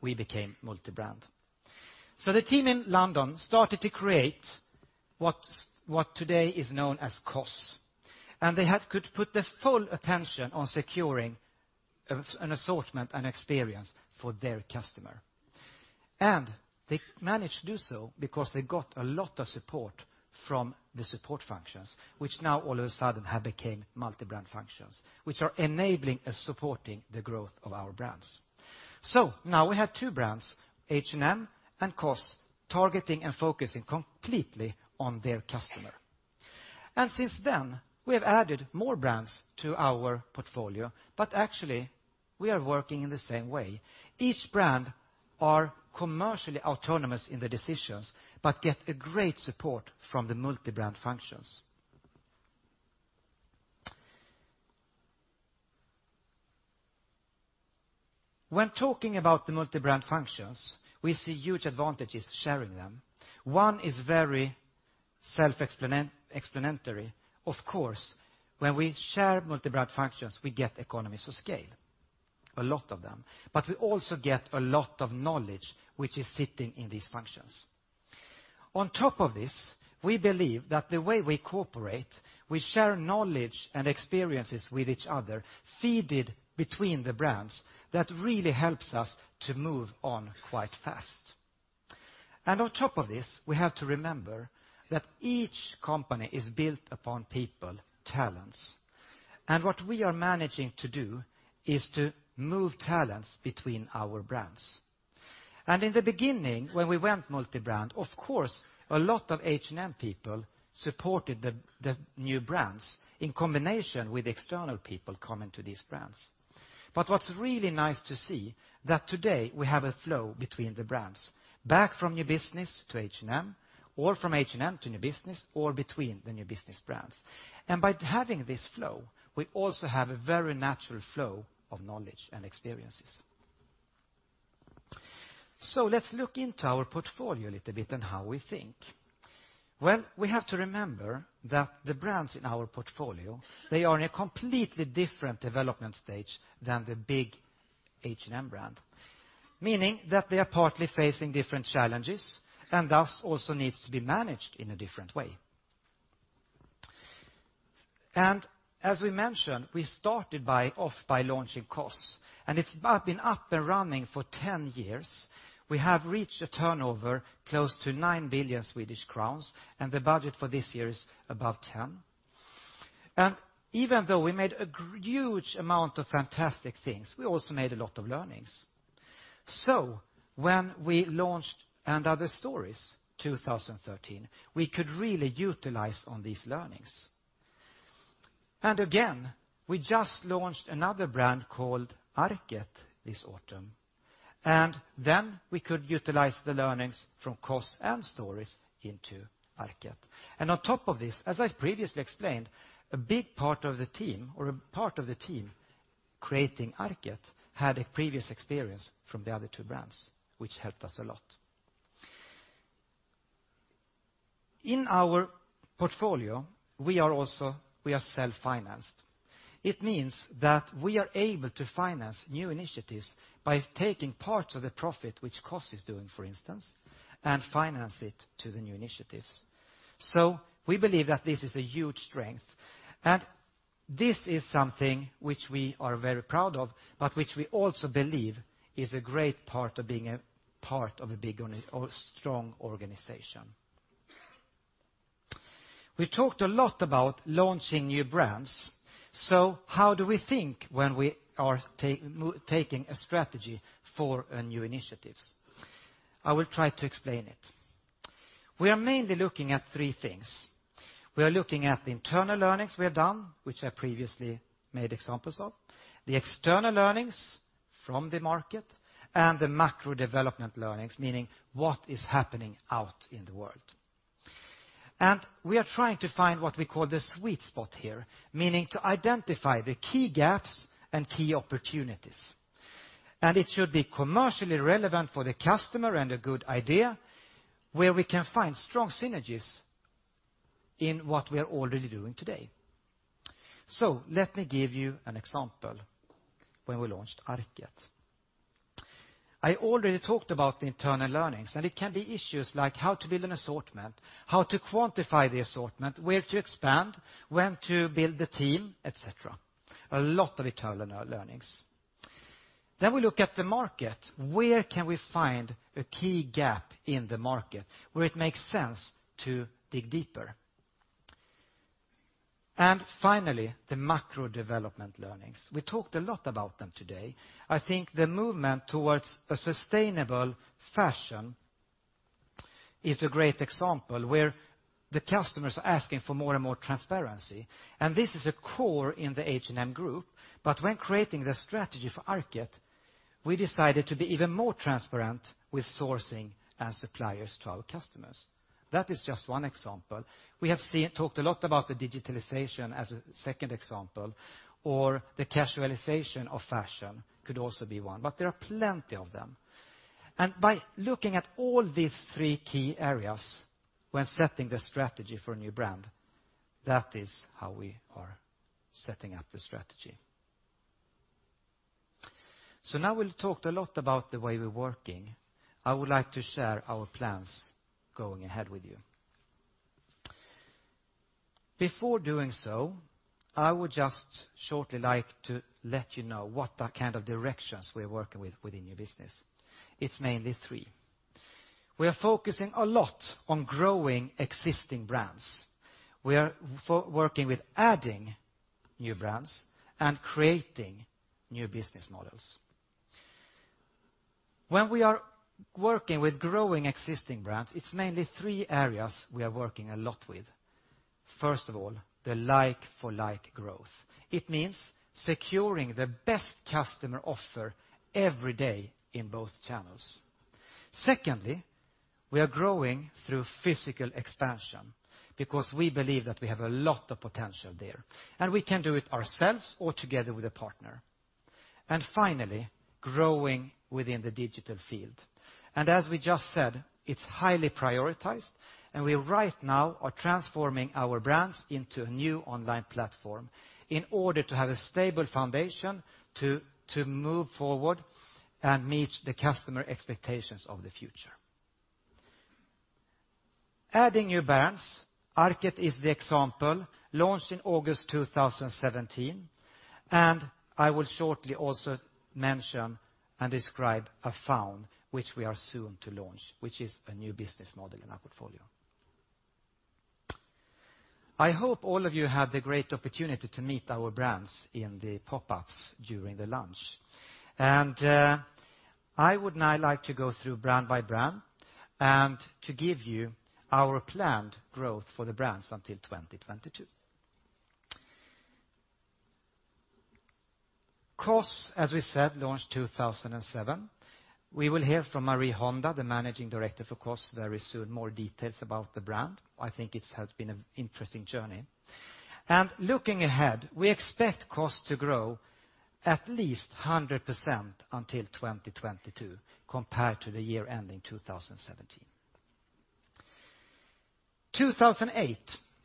We became multi-brand. The team in London started to create what today is known as COS. They could put their full attention on securing an assortment and experience for their customer. They managed to do so because they got a lot of support from the support functions, which now all of a sudden have became multi-brand functions, which are enabling us supporting the growth of our brands. Now we have two brands, H&M and COS, targeting and focusing completely on their customer. Since then, we have added more brands to our portfolio, but actually, we are working in the same way. Each brand are commercially autonomous in their decisions, but get a great support from the multi-brand functions. When talking about the multi-brand functions, we see huge advantages sharing them. One is very self-explanatory. Of course, when we share multi-brand functions, we get economies of scale, a lot of them. We also get a lot of knowledge which is fitting in these functions. On top of this, we believe that the way we cooperate, we share knowledge and experiences with each other, feed it between the brands, that really helps us to move on quite fast. On top of this, we have to remember that each company is built upon people, talents. What we are managing to do is to move talents between our brands. In the beginning, when we went multi-brand, of course, a lot of H&M people supported the new brands in combination with external people coming to these brands. What's really nice to see that today we have a flow between the brands, back from new business to H&M, or from H&M to new business, or between the new business brands. By having this flow, we also have a very natural flow of knowledge and experiences. Let's look into our portfolio a little bit and how we think. We have to remember that the brands in our portfolio, they are in a completely different development stage than the big H&M brand. Meaning that they are partly facing different challenges, and thus also needs to be managed in a different way. As we mentioned, we started off by launching COS, and it's been up and running for 10 years. We have reached a turnover close to 9 billion Swedish crowns, and the budget for this year is above 10 billion. Even though we made a huge amount of fantastic things, we also made a lot of learnings. When we launched & Other Stories 2013, we could really utilize on these learnings. Again, we just launched another brand called ARKET this autumn, and then we could utilize the learnings from COS and Stories into ARKET. On top of this, as I've previously explained, a big part of the team, or a part of the team creating ARKET, had previous experience from the other two brands, which helped us a lot. In our portfolio, we are self-financed. It means that we are able to finance new initiatives by taking parts of the profit, which COS is doing, for instance, and finance it to the new initiatives. We believe that this is a huge strength. This is something which we are very proud of, but which we also believe is a great part of being a part of a big or strong organization. We talked a lot about launching new brands. How do we think when we are taking a strategy for new initiatives? I will try to explain it. We are mainly looking at three things. We are looking at the internal learnings we have done, which I previously made examples of, the external learnings from the market, and the macro development learnings, meaning what is happening out in the world. We are trying to find what we call the sweet spot here, meaning to identify the key gaps and key opportunities. It should be commercially relevant for the customer and a good idea where we can find strong synergies in what we are already doing today. Let me give you an example when we launched ARKET. I already talked about the internal learnings. It can be issues like how to build an assortment, how to quantify the assortment, where to expand, when to build the team, et cetera. A lot of internal learnings. We look at the market. Where can we find a key gap in the market where it makes sense to dig deeper? Finally, the macro development learnings. We talked a lot about them today. I think the movement towards a sustainable fashion is a great example where the customers are asking for more and more transparency. This is a core in the H&M Group. When creating the strategy for ARKET, we decided to be even more transparent with sourcing and suppliers to our customers. That is just one example. We have talked a lot about the digitalization as a second example. The casualization of fashion could also be one. There are plenty of them. By looking at all these three key areas when setting the strategy for a new brand, that is how we are setting up the strategy. Now we've talked a lot about the way we're working. I would like to share our plans going ahead with you. Before doing so, I would just shortly like to let you know what the kind of directions we're working with within new business. It's mainly three. We are focusing a lot on growing existing brands. We are working with adding new brands and creating new business models. When we are working with growing existing brands, it's mainly three areas we are working a lot with. First of all, the like for like growth. It means securing the best customer offer every day in both channels. Secondly, we are growing through physical expansion because we believe that we have a lot of potential there. We can do it ourselves or together with a partner. Finally, growing within the digital field. As we just said, it's highly prioritized. We right now are transforming our brands into a new online platform in order to have a stable foundation to move forward and meet the customer expectations of the future. Adding new brands, ARKET is the example, launched in August 2017. I will shortly also mention and describe Afound, which we are soon to launch, which is a new business model in our portfolio. I hope all of you had the great opportunity to meet our brands in the pop-ups during the launch. I would now like to go through brand by brand to give you our planned growth for the brands until 2022. COS, as we said, launched 2007. We will hear from Marie Honda, the managing director for COS, very soon, more details about the brand. I think it has been an interesting journey. Looking ahead, we expect COS to grow at least 100% until 2022 compared to the year ending 2017. 2008,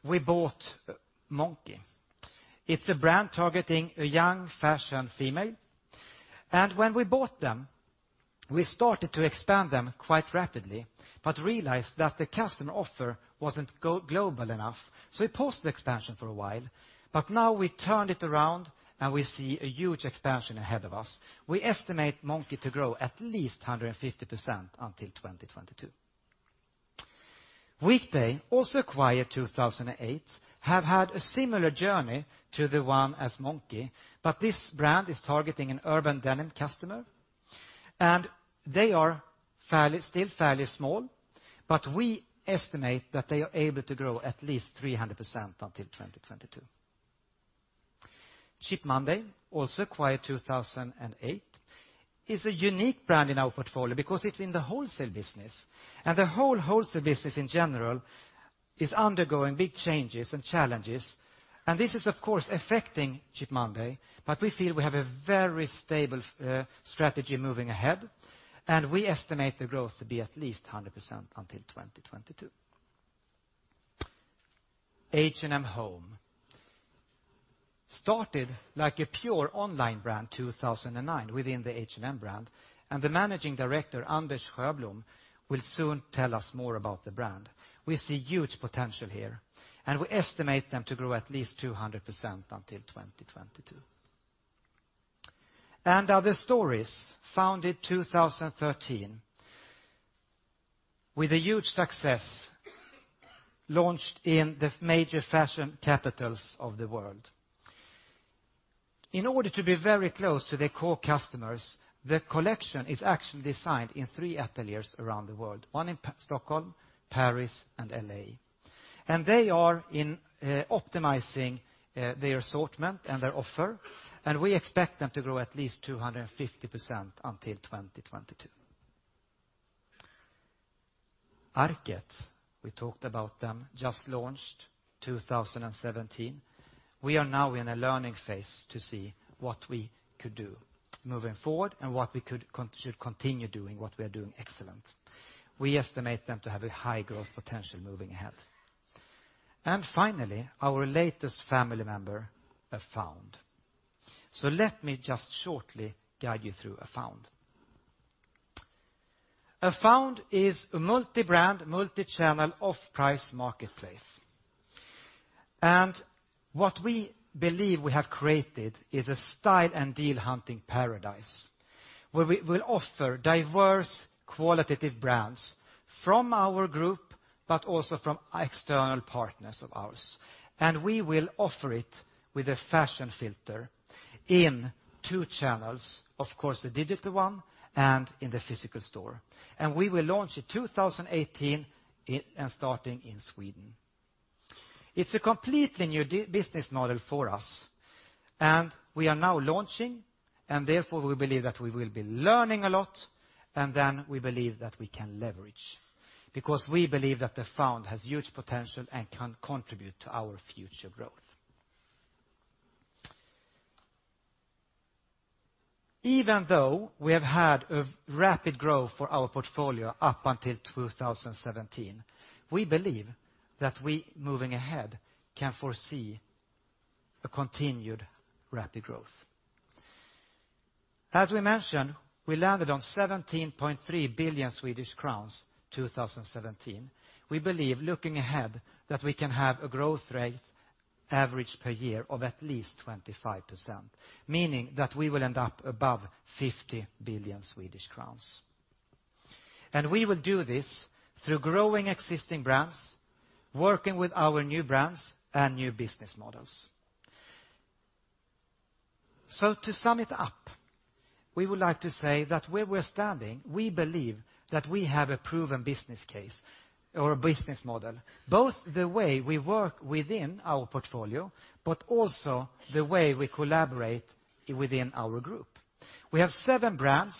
we bought Monki. It's a brand targeting a young fashion female. When we bought them, we started to expand them quite rapidly. Realized that the customer offer wasn't global enough. We paused the expansion for a while. Now we turned it around. We see a huge expansion ahead of us. We estimate Monki to grow at least 150% until 2022. Weekday, also acquired 2008, have had a similar journey to the one as Monki, this brand is targeting an urban denim customer, they are still fairly small, we estimate that they are able to grow at least 300% until 2022. Cheap Monday, also acquired 2008, is a unique brand in our portfolio because it's in the wholesale business, the whole wholesale business in general is undergoing big changes and challenges. This is, of course, affecting Cheap Monday, we feel we have a very stable strategy moving ahead, we estimate the growth to be at least 100% until 2022. H&M Home started like a pure online brand 2009 within the H&M brand, the Managing Director, Anders Sjöblom, will soon tell us more about the brand. We see huge potential here, we estimate them to grow at least 200% until 2022. & Other Stories, founded 2013, with a huge success, launched in the major fashion capitals of the world. In order to be very close to their core customers, the collection is actually designed in three ateliers around the world, one in Stockholm, Paris, and L.A. They are optimizing their assortment and their offer, we expect them to grow at least 250% until 2022. ARKET, we talked about them, just launched 2017. We are now in a learning phase to see what we could do moving forward and what we should continue doing what we are doing excellent. We estimate them to have a high growth potential moving ahead. Finally, our latest family member, Afound. Let me just shortly guide you through Afound. Afound is a multi-brand, multi-channel off-price marketplace. What we believe we have created is a style and deal-hunting paradise where we will offer diverse qualitative brands from our group, also from external partners of ours. We will offer it with a fashion filter in two channels, of course, the digital one and in the physical store. We will launch in 2018 starting in Sweden. It's a completely new business model for us, we are now launching, therefore, we believe that we will be learning a lot, then we believe that we can leverage, we believe that Afound has huge potential and can contribute to our future growth. Even though we have had a rapid growth for our portfolio up until 2017, we believe that we, moving ahead, can foresee a continued rapid growth. As we mentioned, we landed on 17.3 billion Swedish crowns 2017. We believe, looking ahead, that we can have a growth rate average per year of at least 25%, meaning that we will end up above 50 billion Swedish crowns. We will do this through growing existing brands, working with our new brands, new business models. To sum it up, we would like to say that where we're standing, we believe that we have a proven business case or a business model, both the way we work within our portfolio, also the way we collaborate within our group. We have seven brands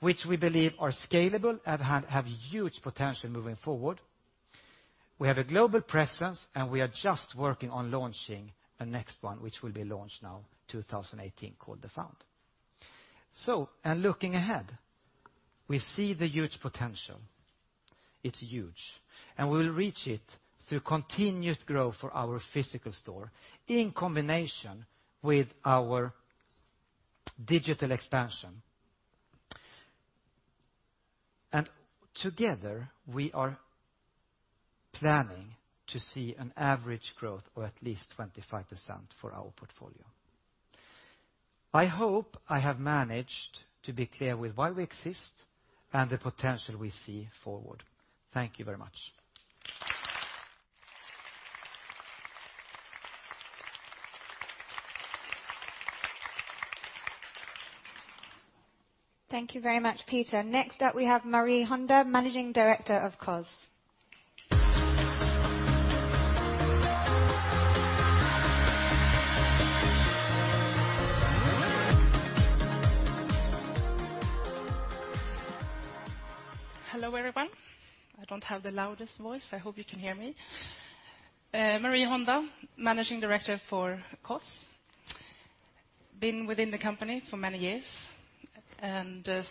which we believe are scalable and have huge potential moving forward. We have a global presence, we are just working on launching the next one, which will be launched now 2018, called Afound. Looking ahead, we see the huge potential. It's huge. We will reach it through continuous growth for our physical store in combination with our digital expansion. Together, we are planning to see an average growth of at least 25% for our portfolio. I hope I have managed to be clear with why we exist and the potential we see forward. Thank you very much. Thank you very much, Peter. Next up, we have Marie Honda, Managing Director of COS. Hello, everyone. I don't have the loudest voice. I hope you can hear me. Marie Honda, Managing Director for COS. Been within the company for many years,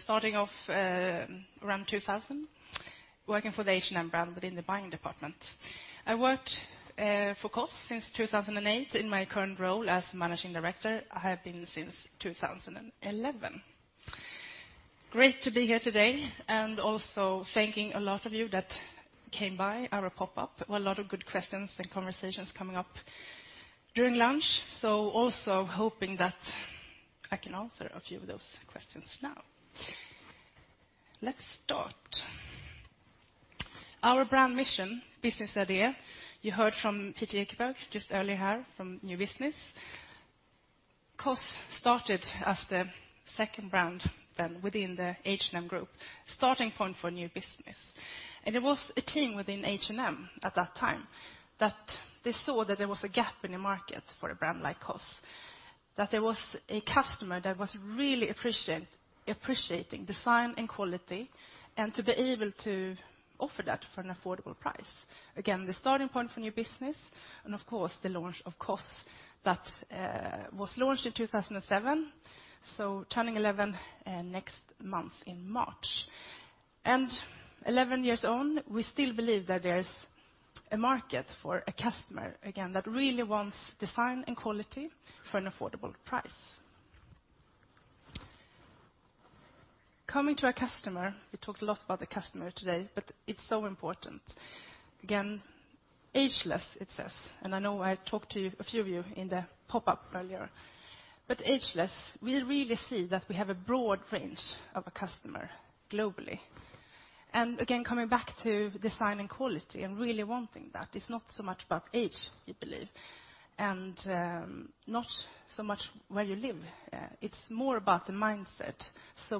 starting off around 2000, working for the H&M brand within the buying department. I worked for COS since 2008. In my current role as Managing Director, I have been since 2011. Great to be here today, also thanking a lot of you that came by our pop-up. A lot of good questions and conversations coming up during lunch, so also hoping that I can answer a few of those questions now. Let's start. Our brand mission, business idea, you heard from Peter Ekeberg just earlier here from new business. COS started as the second brand within the H&M Group, starting point for new business. It was a team within H&M at that time that they saw that there was a gap in the market for a brand like COS, that there was a customer that was really appreciating design and quality and to be able to offer that for an affordable price. Again, the starting point for new business, of course, the launch of COS that was launched in 2007, so turning 11 next month in March. 11 years on, we still believe that there's a market for a customer, again, that really wants design and quality for an affordable price. Coming to our customer, we talked a lot about the customer today, but it's so important. Again, ageless, it says. I know I talked to a few of you in the pop-up earlier, but ageless, we really see that we have a broad range of a customer globally. Again, coming back to design and quality and really wanting that, it's not so much about age, we believe, and not so much where you live. It's more about the mindset.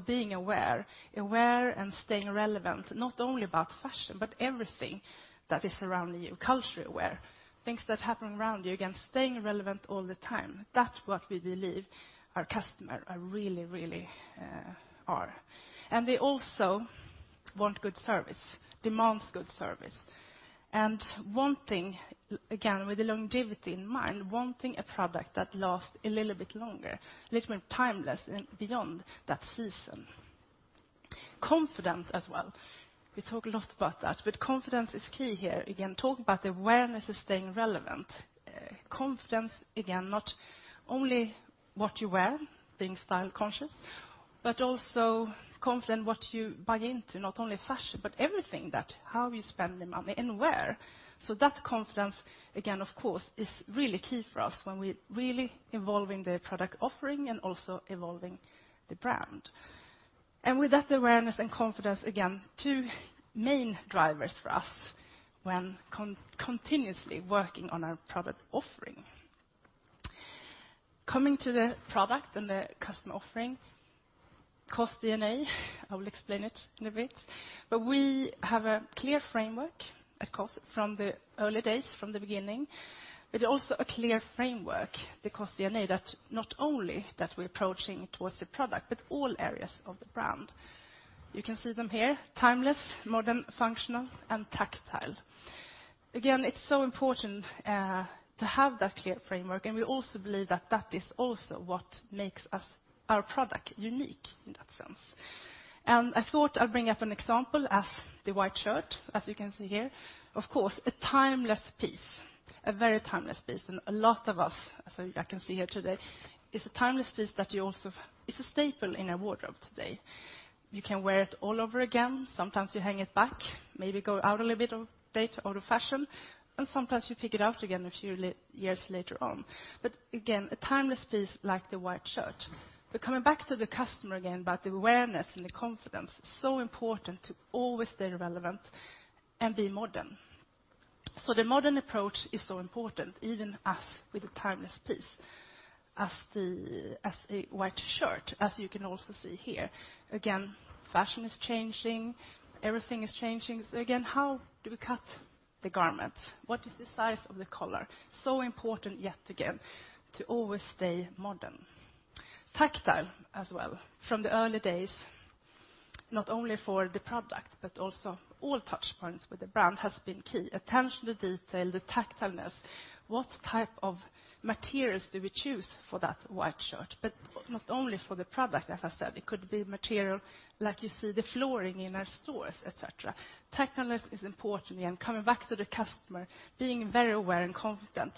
Being aware and staying relevant, not only about fashion, but everything that is surrounding you, culturally aware, things that happen around you. Again, staying relevant all the time. That's what we believe our customers are really are. They also want good service, demands good service, and wanting, again, with the longevity in mind, wanting a product that lasts a little bit longer, a little more timeless and beyond that season. Confidence as well. We talk a lot about that, but confidence is key here. Again, talk about awareness is staying relevant. Confidence, again, not only what you wear, being style conscious, but also confident what you buy into, not only fashion, but everything that how you spend the money and where. That confidence, again, of course, is really key for us when we're really evolving the product offering and also evolving the brand. With that awareness and confidence, again, two main drivers for us when continuously working on our product offering. Coming to the product and the customer offering, COS DNA, I will explain it in a bit. We have a clear framework at COS from the early days, from the beginning, but also a clear framework, the COS DNA, that not only that we're approaching towards the product, but all areas of the brand. You can see them here, timeless, modern, functional, and tactile. Again, it's so important, to have that clear framework, we also believe that that is also what makes our product unique in that sense. I thought I'd bring up an example as the white shirt, as you can see here. Of course, a timeless piece, a very timeless piece. A lot of us, as I can see here today, it's a timeless piece that you also, it's a staple in a wardrobe today. You can wear it all over again. Sometimes you hang it back, maybe go out a little bit of date, out of fashion, sometimes you pick it out again a few years later on. Again, a timeless piece like the white shirt. Coming back to the customer again, about the awareness and the confidence, so important to always stay relevant and be modern. The modern approach is so important, even as with a timeless piece as a white shirt, as you can also see here. Again, fashion is changing, everything is changing. Again, how do we cut the garment? What is the size of the collar? Important yet again, to always stay modern. Tactile as well. From the early days, not only for the product, but also all touch points with the brand has been key. Attention to detail, the tactileness, what type of materials do we choose for that white shirt? Not only for the product, as I said, it could be material like you see the flooring in our stores, et cetera. Tactileness is important, again, coming back to the customer, being very aware and confident.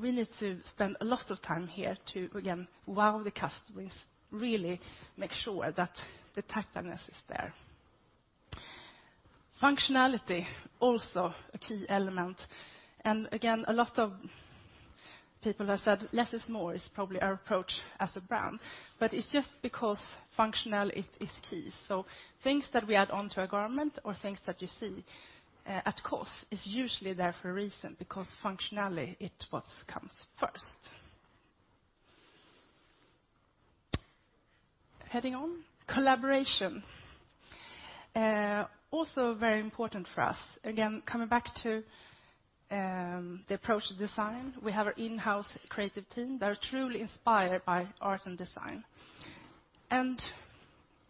We need to spend a lot of time here to, again, wow the customers, really make sure that the tactileness is there. Functionality, also a key element. Again, a lot of people have said less is more, is probably our approach as a brand, but it's just because functional, it is key. Things that we add onto a garment or things that you see, at COS is usually there for a reason, because functionality, it what comes first. Heading on, collaboration. Also very important for us. Again, coming back to the approach to design. We have our in-house creative team. They are truly inspired by art and design.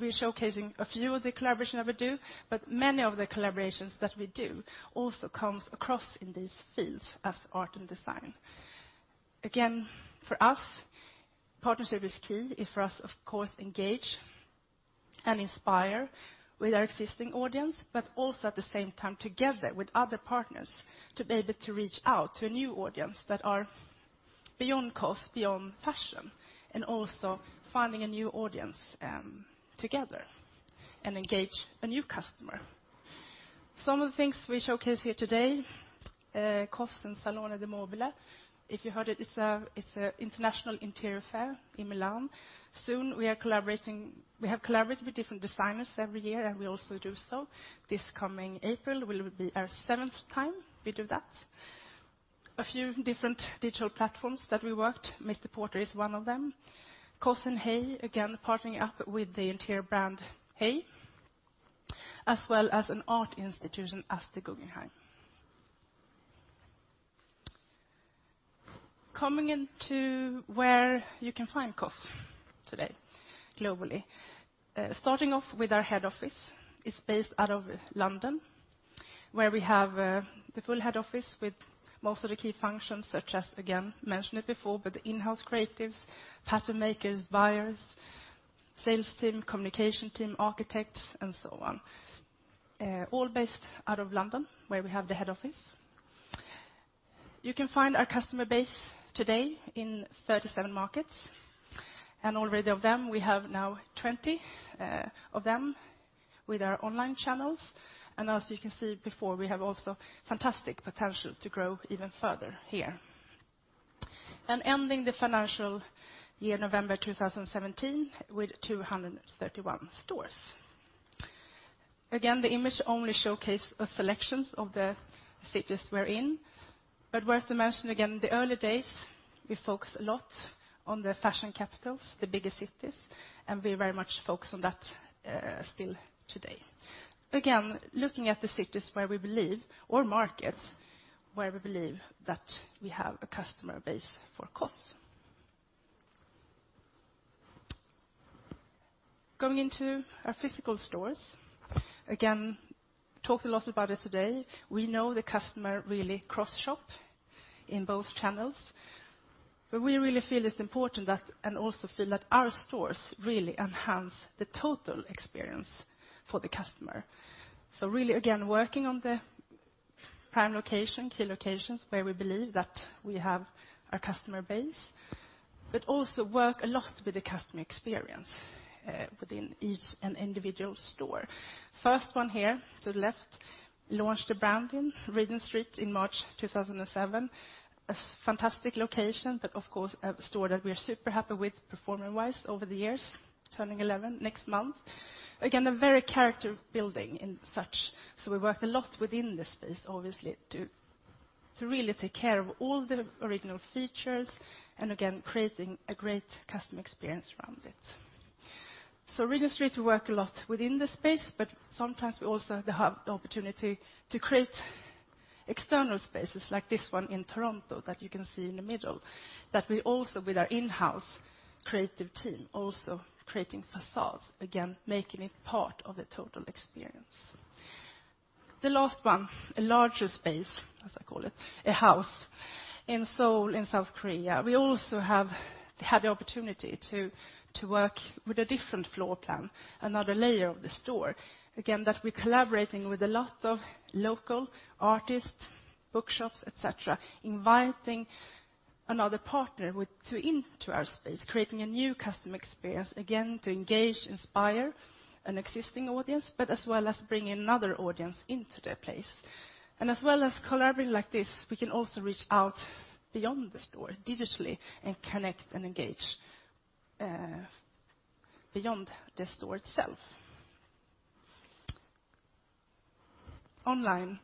We are showcasing a few of the collaboration that we do, but many of the collaborations that we do also comes across in these fields as art and design. Again, for us, partnership is key for us, of course, engage and inspire with our existing audience, but also at the same time together with other partners to be able to reach out to a new audience that are beyond COS, beyond fashion, and also finding a new audience, together and engage a new customer. Some of the things we showcase here today, COS and Salone del Mobile. If you heard it's a international interior fair in Milan. Soon, we have collaborated with different designers every year, and we also do so this coming April will be our seventh time we do that. A few different digital platforms that we worked, MR PORTER is one of them. COS and HAY, again, partnering up with the interior brand, HAY, as well as an art institution as the Guggenheim. Coming into where you can find COS today, globally. Starting off with our head office. It's based out of London, where we have the full head office with most of the key functions such as, again, mentioned it before, but the in-house creatives, pattern makers, buyers, sales team, communication team, architects, and so on. All based out of London, where we have the head office. You can find our customer base today in 37 markets, we are already in 20 of them with our online channels. As you can see before, we have also fantastic potential to grow even further here. Ending the financial year, November 2017, with 231 stores. Again, the image only showcase a selections of the cities we're in. Worth a mention, again, the early days, we focus a lot on the fashion capitals, the bigger cities, and we very much focus on that, still today. Again, looking at the cities where we believe, or markets, where we believe that we have a customer base for COS. Going into our physical stores, again, talked a lot about it today. We know the customer really cross-shop in both channels, but we really feel it's important that, and also feel that our stores really enhance the total experience for the customer. Really, again, working on the prime location, key locations where we believe that we have our customer base, but also work a lot with the customer experience, within each and individual store. First one here, to the left, launched the brand in Regent Street in March 2007. A fantastic location, but of course, a store that we are super happy with performing-wise over the years, turning 11 next month. Again, a very character building in such. We worked a lot within this space, obviously, to really take care of all the original features and again, creating a great customer experience around it. Regent Street, we work a lot within the space, but sometimes we also have the opportunity to create external spaces like this one in Toronto that you can see in the middle, that we also with our in-house creative team, also creating facades, again, making it part of the total experience. The last one, a larger space, as I call it, a house in Seoul in South Korea. We also have had the opportunity to work with a different floor plan, another layer of the store. Again, that we're collaborating with a lot of local artists, bookshops, et cetera, inviting another partner into our space, creating a new customer experience, again, to engage, inspire an existing audience, but as well as bring another audience into the place. As well as collaborating like this, we can also reach out beyond the store digitally and connect and engage beyond the store itself. Online,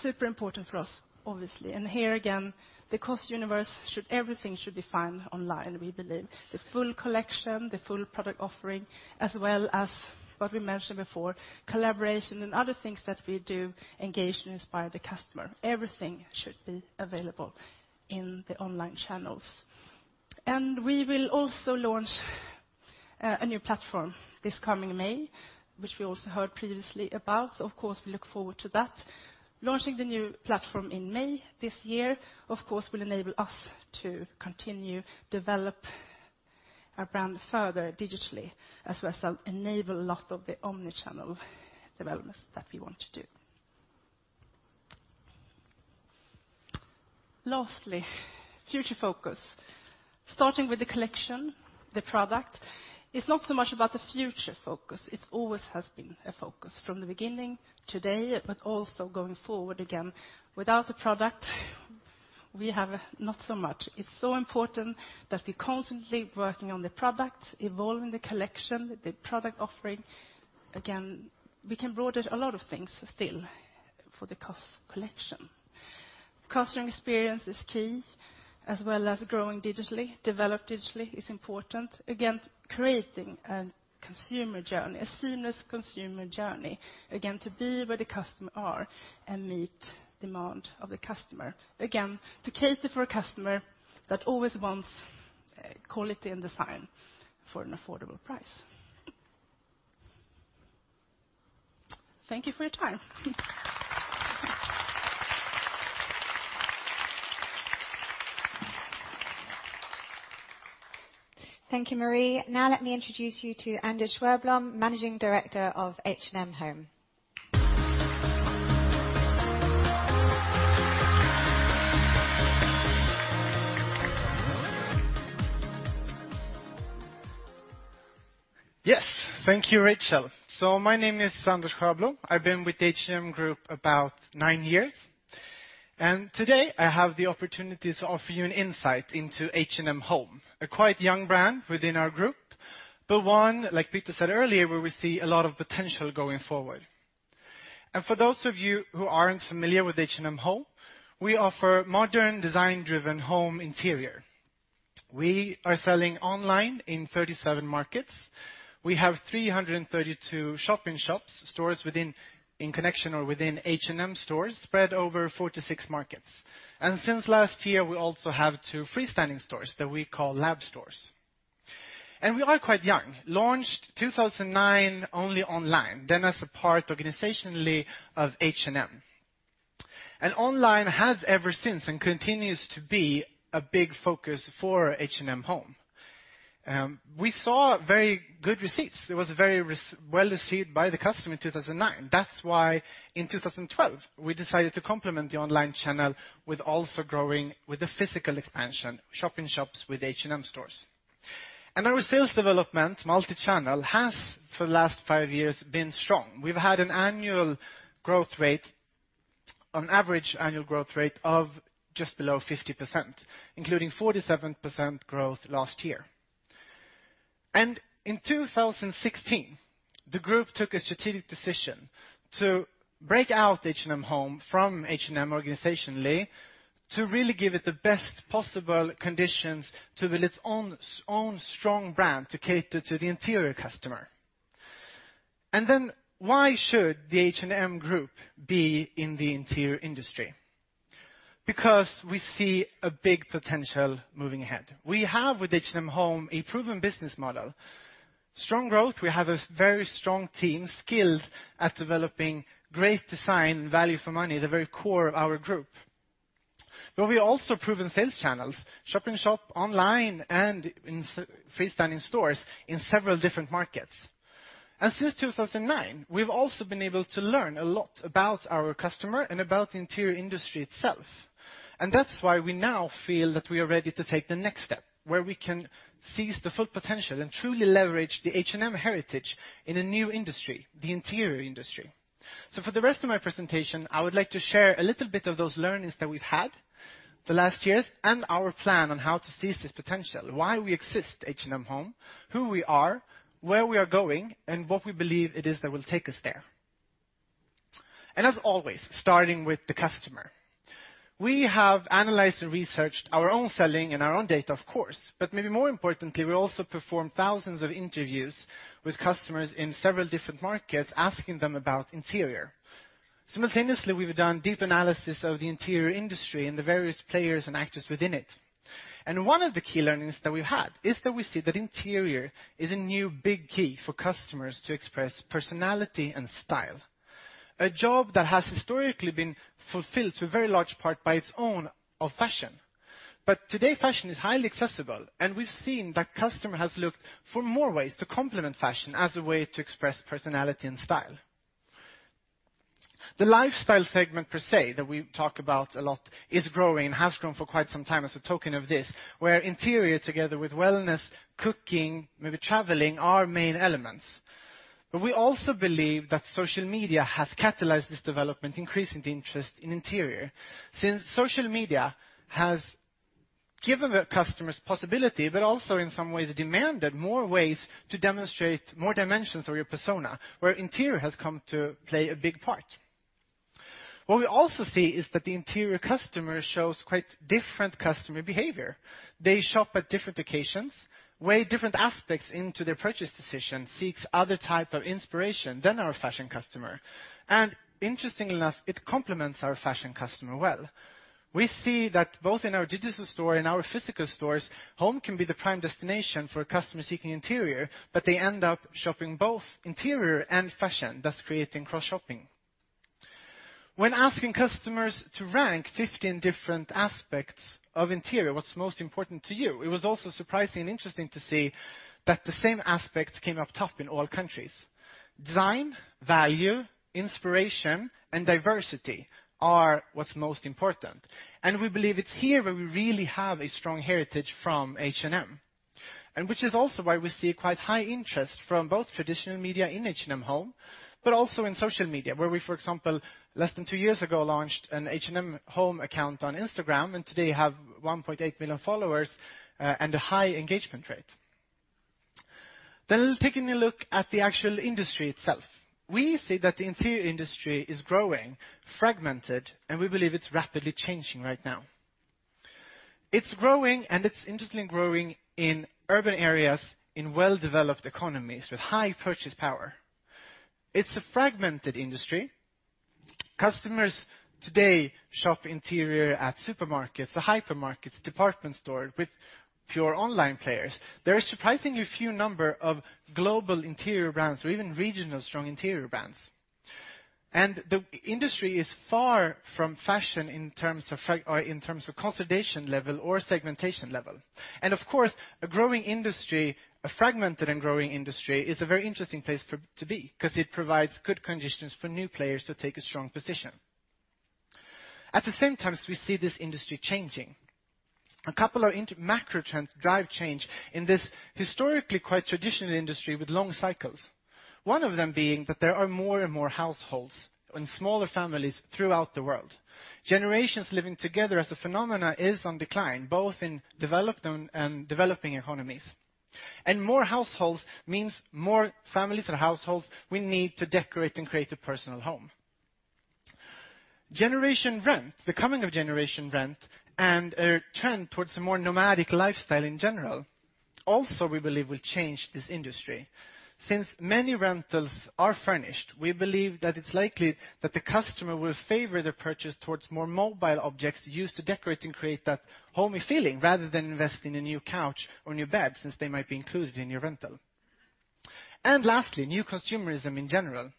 super important for us, obviously. Here again, the COS universe, everything should be found online, we believe. The full collection, the full product offering, as well as what we mentioned before, collaboration and other things that we do, engage and inspire the customer. Everything should be available in the online channels. We will also launch a new platform this coming May, which we also heard previously about. Of course, we look forward to that. Launching the new platform in May this year, of course, will enable us to continue develop our brand further digitally, as well as enable a lot of the omni-channel developments that we want to do. Lastly, future focus. Starting with the collection, the product. It's not so much about the future focus. It always has been a focus from the beginning, today, but also going forward, again, without the product, we have not so much. It's so important that we're constantly working on the product, evolving the collection, the product offering. Again, we can broaden a lot of things still for the COS collection. Customer experience is key, as well as growing digitally, develop digitally is important. Again, creating a consumer journey, a seamless consumer journey. Again, to be where the customer are and meet demand of the customer. Again, to cater for a customer that always wants quality and design for an affordable price. Thank you for your time. Thank you, Marie. Let me introduce you to Anders Sjöblom, Managing Director of H&M Home. Yes. Thank you, Rachel. My name is Anders Sjöblom. I've been with H&M Group about nine years, and today I have the opportunity to offer you an insight into H&M Home, a quite young brand within our group, but one, like Peter said earlier, where we see a lot of potential going forward. For those of you who aren't familiar with H&M Home, we offer modern design-driven home interior. We are selling online in 37 markets. We have 332 shop-in-shops, stores in connection or within H&M stores, spread over 46 markets. Since last year, we also have two freestanding stores that we call lab stores. We are quite young. Launched 2009, only online, then as a part, organizationally, of H&M. Online has ever since and continues to be a big focus for H&M Home. We saw very good receipts. It was very well received by the customer in 2009. That's why in 2012, we decided to complement the online channel with also growing with the physical expansion, shop-in-shops with H&M stores. Our sales development, multi-channel, has, for the last five years, been strong. We've had an average annual growth rate of just below 50%, including 47% growth last year. In 2016, the group took a strategic decision to break out H&M Home from H&M organizationally to really give it the best possible conditions to build its own strong brand to cater to the interior customer. Why should the H&M group be in the interior industry? Because we see a big potential moving ahead. We have, with H&M Home, a proven business model. Strong growth, we have a very strong team skilled at developing great design, value for money, the very core of our group. We also have proven sales channels, shop-in-shop, online, and in freestanding stores in several different markets. Since 2009, we've also been able to learn a lot about our customer and about the interior industry itself. That's why we now feel that we are ready to take the next step, where we can seize the full potential and truly leverage the H&M heritage in a new industry, the interior industry. For the rest of my presentation, I would like to share a little bit of those learnings that we've had the last years and our plan on how to seize this potential, why we exist, H&M Home, who we are, where we are going, and what we believe it is that will take us there. As always, starting with the customer. We have analyzed and researched our own selling and our own data, of course, but maybe more importantly, we also performed thousands of interviews with customers in several different markets asking them about interior. Simultaneously, we've done deep analysis of the interior industry and the various players and actors within it. One of the key learnings that we've had is that we see that interior is a new big key for customers to express personality and style. A job that has historically been fulfilled to a very large part by its own of fashion. Today, fashion is highly accessible, and we've seen that customer has looked for more ways to complement fashion as a way to express personality and style. The lifestyle segment, per se, that we talk about a lot is growing, has grown for quite some time as a token of this, where interior, together with wellness, cooking, maybe traveling, are main elements. We also believe that social media has catalyzed this development, increasing the interest in interior, since social media has given the customers possibility, but also in some ways demanded more ways to demonstrate more dimensions of your persona, where interior has come to play a big part. What we also see is that the interior customer shows quite different customer behavior. They shop at different occasions, weigh different aspects into their purchase decision, seeks other type of inspiration than our fashion customer. Interestingly enough, it complements our fashion customer well. We see that both in our digital store and our physical stores, H&M Home can be the prime destination for a customer seeking interior, but they end up shopping both interior and fashion, thus creating cross-shopping. When asking customers to rank 15 different aspects of interior, what's most important to you? It was also surprising and interesting to see that the same aspects came up top in all countries. Design, value, inspiration, and diversity are what's most important. We believe it's here where we really have a strong heritage from H&M. Which is also why we see quite high interest from both traditional media in H&M Home, but also in social media, where we, for example, less than two years ago, launched an H&M Home account on Instagram, and today have 1.8 million followers, and a high engagement rate. Taking a look at the actual industry itself. We see that the interior industry is growing, fragmented, and we believe it's rapidly changing right now. It's growing, and it's interestingly growing in urban areas in well-developed economies with high purchase power. It's a fragmented industry. Customers today shop interior at supermarkets, the hypermarkets, department store with pure online players. There are surprisingly few number of global interior brands or even regional strong interior brands. The industry is far from fashion in terms of consolidation level or segmentation level. Of course, a fragmented and growing industry is a very interesting place to be because it provides good conditions for new players to take a strong position. At the same time, we see this industry changing. A couple of macro trends drive change in this historically quite traditional industry with long cycles. One of them being that there are more and more households and smaller families throughout the world. Generations living together as a phenomenon is on decline, both in developed and developing economies. More households means more families and households we need to decorate and create a personal home. Generation rent, the coming of generation rent, and a trend towards a more nomadic lifestyle in general also we believe will change this industry. Since many rentals are furnished, we believe that it's likely that the customer will favor the purchase towards more mobile objects used to decorate and create that homey feeling, rather than invest in a new couch or new bed, since they might be included in your rental. Lastly, new consumerism in general.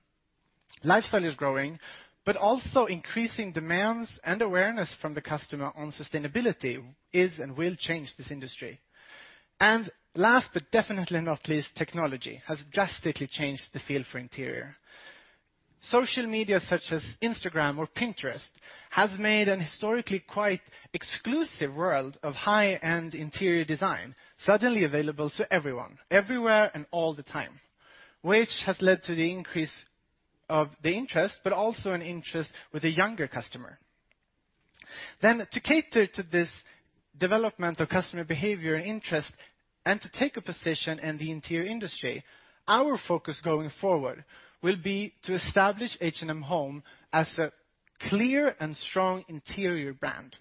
Lifestyle is growing, but also increasing demands and awareness from the customer on sustainability is and will change this industry. Last but definitely not least, technology has drastically changed the field for interior. Social media such as Instagram or Pinterest has made an historically quite exclusive world of high-end interior design suddenly available to everyone, everywhere, and all the time, which has led to the increase of the interest, but also an interest with a younger customer. To cater to this development of customer behavior and interest and to take a position in the interior industry, our focus going forward will be to establish H&M Home as a clear and strong interior brand.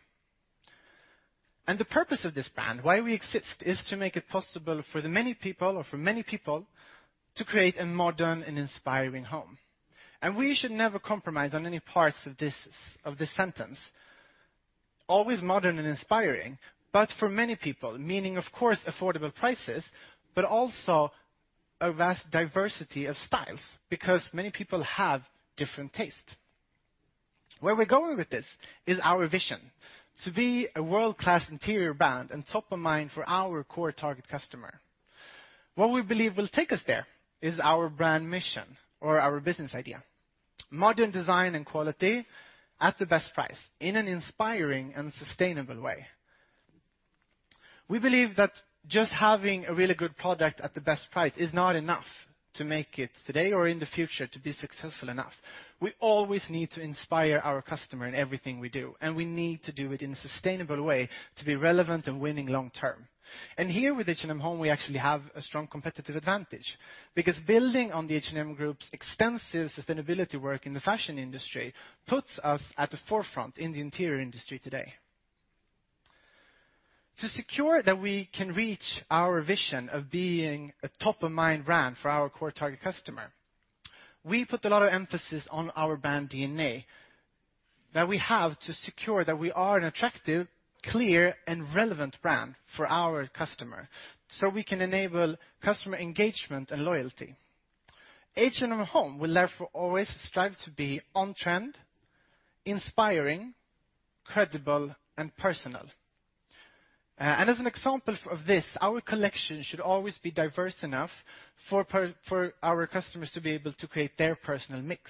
The purpose of this brand, why we exist, is to make it possible for the many people, or for many people, to create a modern and inspiring home. We should never compromise on any parts of this sentence. Always modern and inspiring, but for many people, meaning, of course, affordable prices, but also a vast diversity of styles because many people have different tastes. Where we're going with this is our vision: to be a world-class interior brand and top of mind for our core target customer. What we believe will take us there is our brand mission or our business idea. Modern design and quality at the best price in an inspiring and sustainable way. We believe that just having a really good product at the best price is not enough to make it today or in the future to be successful enough. We always need to inspire our customer in everything we do, and we need to do it in a sustainable way to be relevant and winning long term. Here with H&M Home, we actually have a strong competitive advantage because building on the H&M Group's extensive sustainability work in the fashion industry puts us at the forefront in the interior industry today. To secure that we can reach our vision of being a top of mind brand for our core target customer, we put a lot of emphasis on our brand DNA that we have to secure that we are an attractive, clear, and relevant brand for our customer, so we can enable customer engagement and loyalty. H&M Home will therefore always strive to be on trend, inspiring, credible, and personal. As an example of this, our collection should always be diverse enough for our customers to be able to create their personal mix.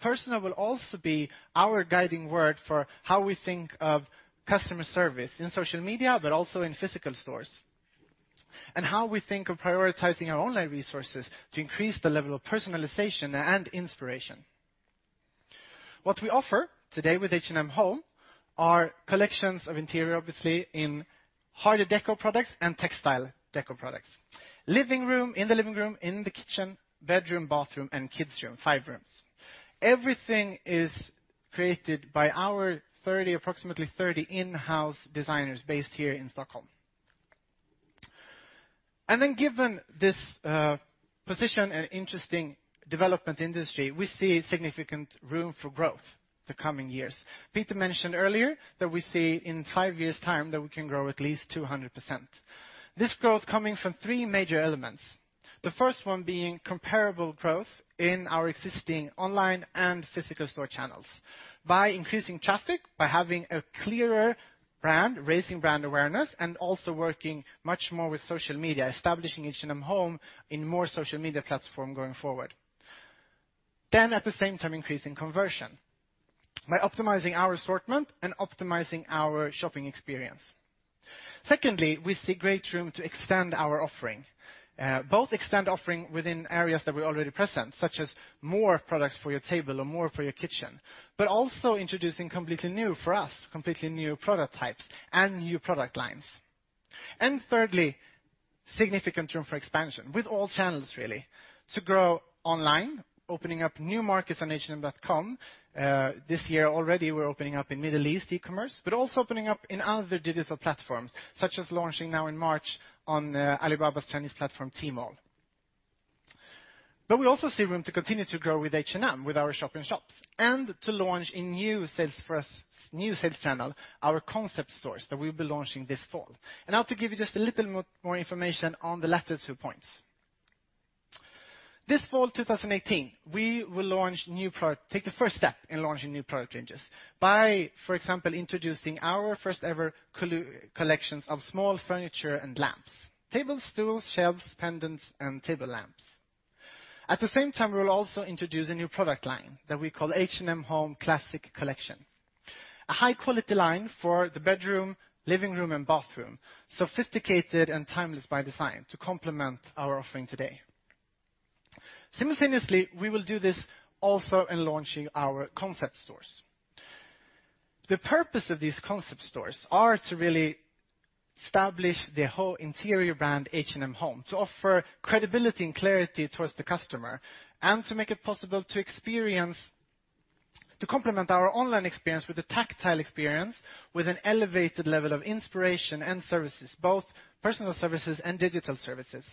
Personal will also be our guiding word for how we think of customer service in social media, but also in physical stores. How we think of prioritizing our online resources to increase the level of personalization and inspiration. What we offer today with H&M Home are collections of interior, obviously, in hard decor products and textile decor products. Living room, in the living room, in the kitchen, bedroom, bathroom, and kids room, five rooms. Everything is created by our approximately 30 in-house designers based here in Stockholm. Given this position and interesting development industry, we see significant room for growth the coming years. Peter mentioned earlier that we see in five years' time that we can grow at least 200%. This growth coming from three major elements. The first one being comparable growth in our existing online and physical store channels by increasing traffic, by having a clearer brand, raising brand awareness, and also working much more with social media, establishing H&M Home in more social media platform going forward. At the same time, increasing conversion by optimizing our assortment and optimizing our shopping experience. Secondly, we see great room to extend our offering, both extend offering within areas that we're already present, such as more products for your table or more for your kitchen, but also introducing completely new for us, completely new product types and new product lines. Thirdly, significant room for expansion with all channels really to grow online, opening up new markets on hm.com. This year already, we're opening up in Middle East e-commerce, also opening up in other digital platforms, such as launching now in March on Alibaba's Chinese platform, Tmall. We also see room to continue to grow with H&M, with our shop in shops, and to launch a new sales channel, our concept stores that we'll be launching this fall. To give you just a little more information on the latter two points. This fall 2018, we will take the first step in launching new product ranges by, for example, introducing our first ever collections of small furniture and lamps, tables, stools, shelves, pendants, and table lamps. At the same time, we will also introduce a new product line that we call H&M Home Classic Collection. A high-quality line for the bedroom, living room, and bathroom, sophisticated and timeless by design to complement our offering today. Simultaneously, we will do this also in launching our concept stores. The purpose of these concept stores are to really establish the whole interior brand, H&M Home, to offer credibility and clarity towards the customer, and to make it possible to complement our online experience with a tactile experience, with an elevated level of inspiration and services, both personal services and digital services.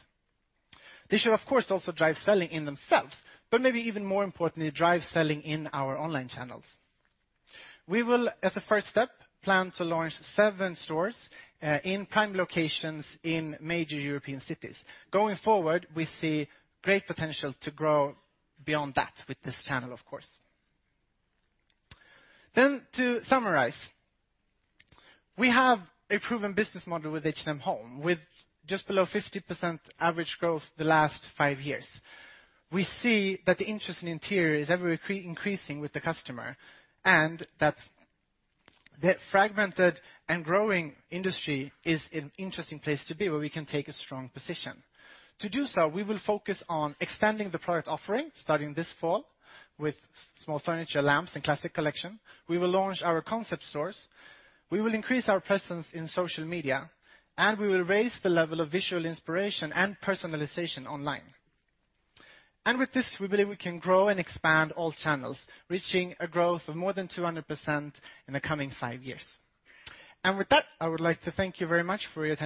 They should, of course, also drive selling in themselves, but maybe even more importantly, drive selling in our online channels. We will, as a first step, plan to launch seven stores in prime locations in major European cities. Going forward, we see great potential to grow beyond that with this channel, of course. To summarize, we have a proven business model with H&M Home, with just below 50% average growth the last five years. We see that the interest in interior is ever-increasing with the customer, and that the fragmented and growing industry is an interesting place to be, where we can take a strong position. To do so, we will focus on expanding the product offering, starting this fall, with small furniture, lamps, and Classic Collection. We will launch our concept stores. We will increase our presence in social media, and we will raise the level of visual inspiration and personalization online. With this, we believe we can grow and expand all channels, reaching a growth of more than 200% in the coming five years. With that, I would like to thank you very much for your.